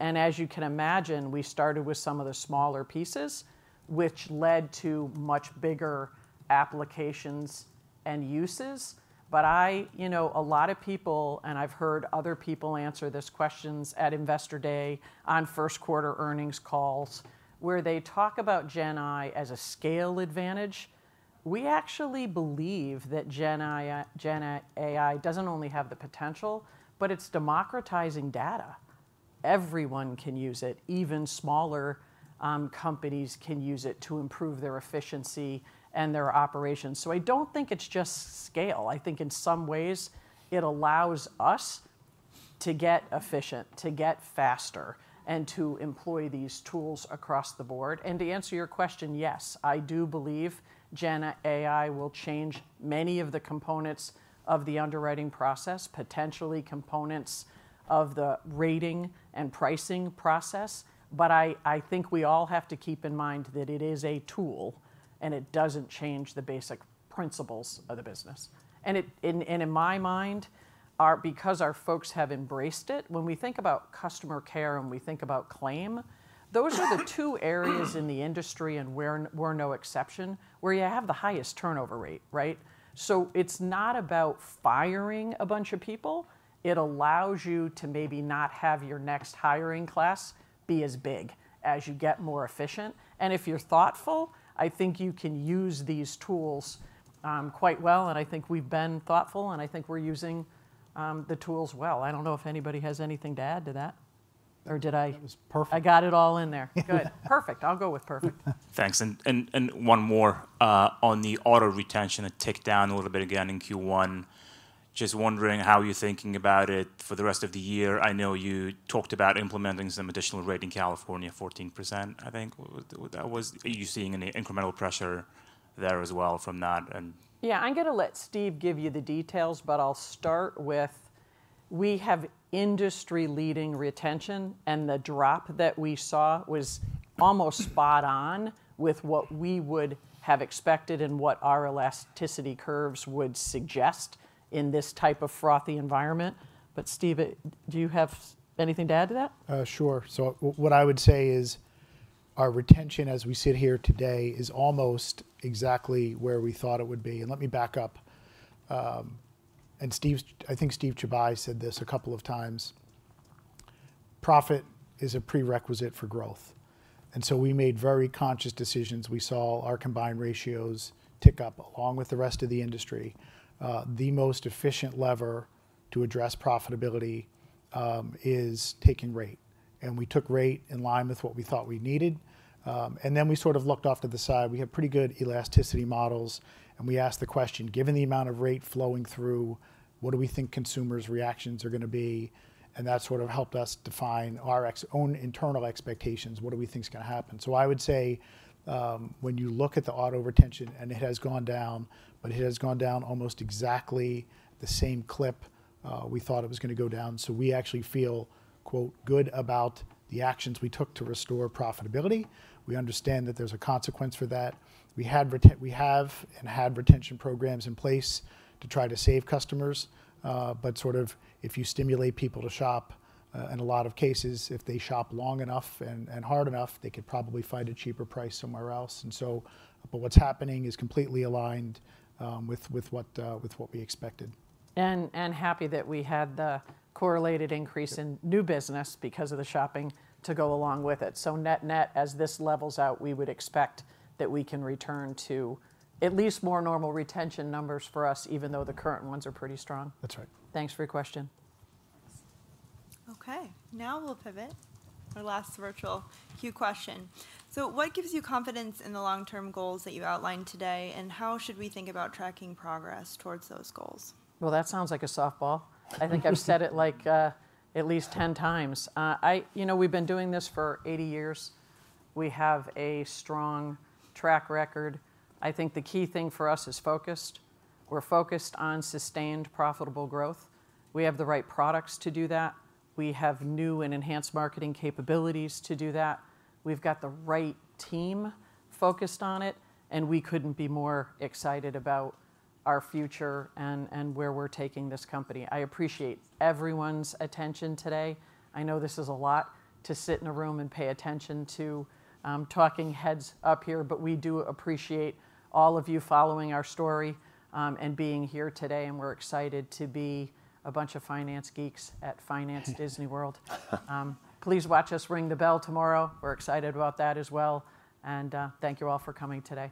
As you can imagine, we started with some of the smaller pieces, which led to much bigger applications and uses. A lot of people, and I have heard other people answer this question at Investor Day on first quarter earnings calls where they talk about GenAI as a scale advantage. We actually believe that GenAI does not only have the potential, but it is democratizing data. Everyone can use it. Even smaller companies can use it to improve their efficiency and their operations. I do not think it is just scale. I think in some ways, it allows us to get efficient, to get faster, and to employ these tools across the board. To answer your question, yes, I do believe GenAI will change many of the components of the underwriting process, potentially components of the rating and pricing process. I think we all have to keep in mind that it is a tool, and it does not change the basic principles of the business. In my mind, because our folks have embraced it, when we think about customer care and we think about claim, those are the two areas in the industry and we're no exception where you have the highest turnover rate. It's not about firing a bunch of people. It allows you to maybe not have your next hiring class be as big as you get more efficient. If you're thoughtful, I think you can use these tools quite well. I think we've been thoughtful, and I think we're using the tools well. I don't know if anybody has anything to add to that, or did I? That was perfect. I got it all in there. Good. Perfect. I'll go with perfect. Thanks. One more on the auto retention and take down a little bit again in Q1. Just wondering how you're thinking about it for the rest of the year. I know you talked about implementing some additional rate in California, 14%, I think. Are you seeing any incremental pressure there as well from that? Yeah. I'm going to let Steve give you the details, but I'll start with we have industry-leading retention, and the drop that we saw was almost spot on with what we would have expected and what our elasticity curves would suggest in this type of frothy environment. Steve, do you have anything to add to that? Sure. What I would say is our retention as we sit here today is almost exactly where we thought it would be. Let me back up. I think Steve Chauby said this a couple of times. Profit is a prerequisite for growth. We made very conscious decisions. We saw our combined ratios tick up along with the rest of the industry. The most efficient lever to address profitability is taking rate. We took rate in line with what we thought we needed. We sort of looked off to the side. We have pretty good elasticity models. We asked the question, given the amount of rate flowing through, what do we think consumers' reactions are going to be? That sort of helped us define our own internal expectations. What do we think is going to happen? I would say when you look at the auto retention, it has gone down, but it has gone down almost exactly the same clip we thought it was going to go down. We actually feel, quote, good about the actions we took to restore profitability. We understand that there is a consequence for that. We have and had retention programs in place to try to save customers. But sort of if you stimulate people to shop, in a lot of cases, if they shop long enough and hard enough, they could probably find a cheaper price somewhere else. What's happening is completely aligned with what we expected. Happy that we had the correlated increase in new business because of the shopping to go along with it. Net-net as this levels out, we would expect that we can return to at least more normal retention numbers for us, even though the current ones are pretty strong. That's right. Thanks for your question. Okay. Now we'll pivot to our last virtual queue question. What gives you confidence in the long-term goals that you outlined today, and how should we think about tracking progress towards those goals? I think I've said it at least 10 times. We've been doing this for 80 years. We have a strong track record. I think the key thing for us is focused. We're focused on sustained profitable growth. We have the right products to do that. We have new and enhanced marketing capabilities to do that. We've got the right team focused on it. We couldn't be more excited about our future and where we're taking this company. I appreciate everyone's attention today. I know this is a lot to sit in a room and pay attention to talking heads up here, but we do appreciate all of you following our story and being here today. We're excited to be a bunch of finance geeks at Finance Disney World. Please watch us ring the bell tomorrow. We're excited about that as well. Thank you all for coming today.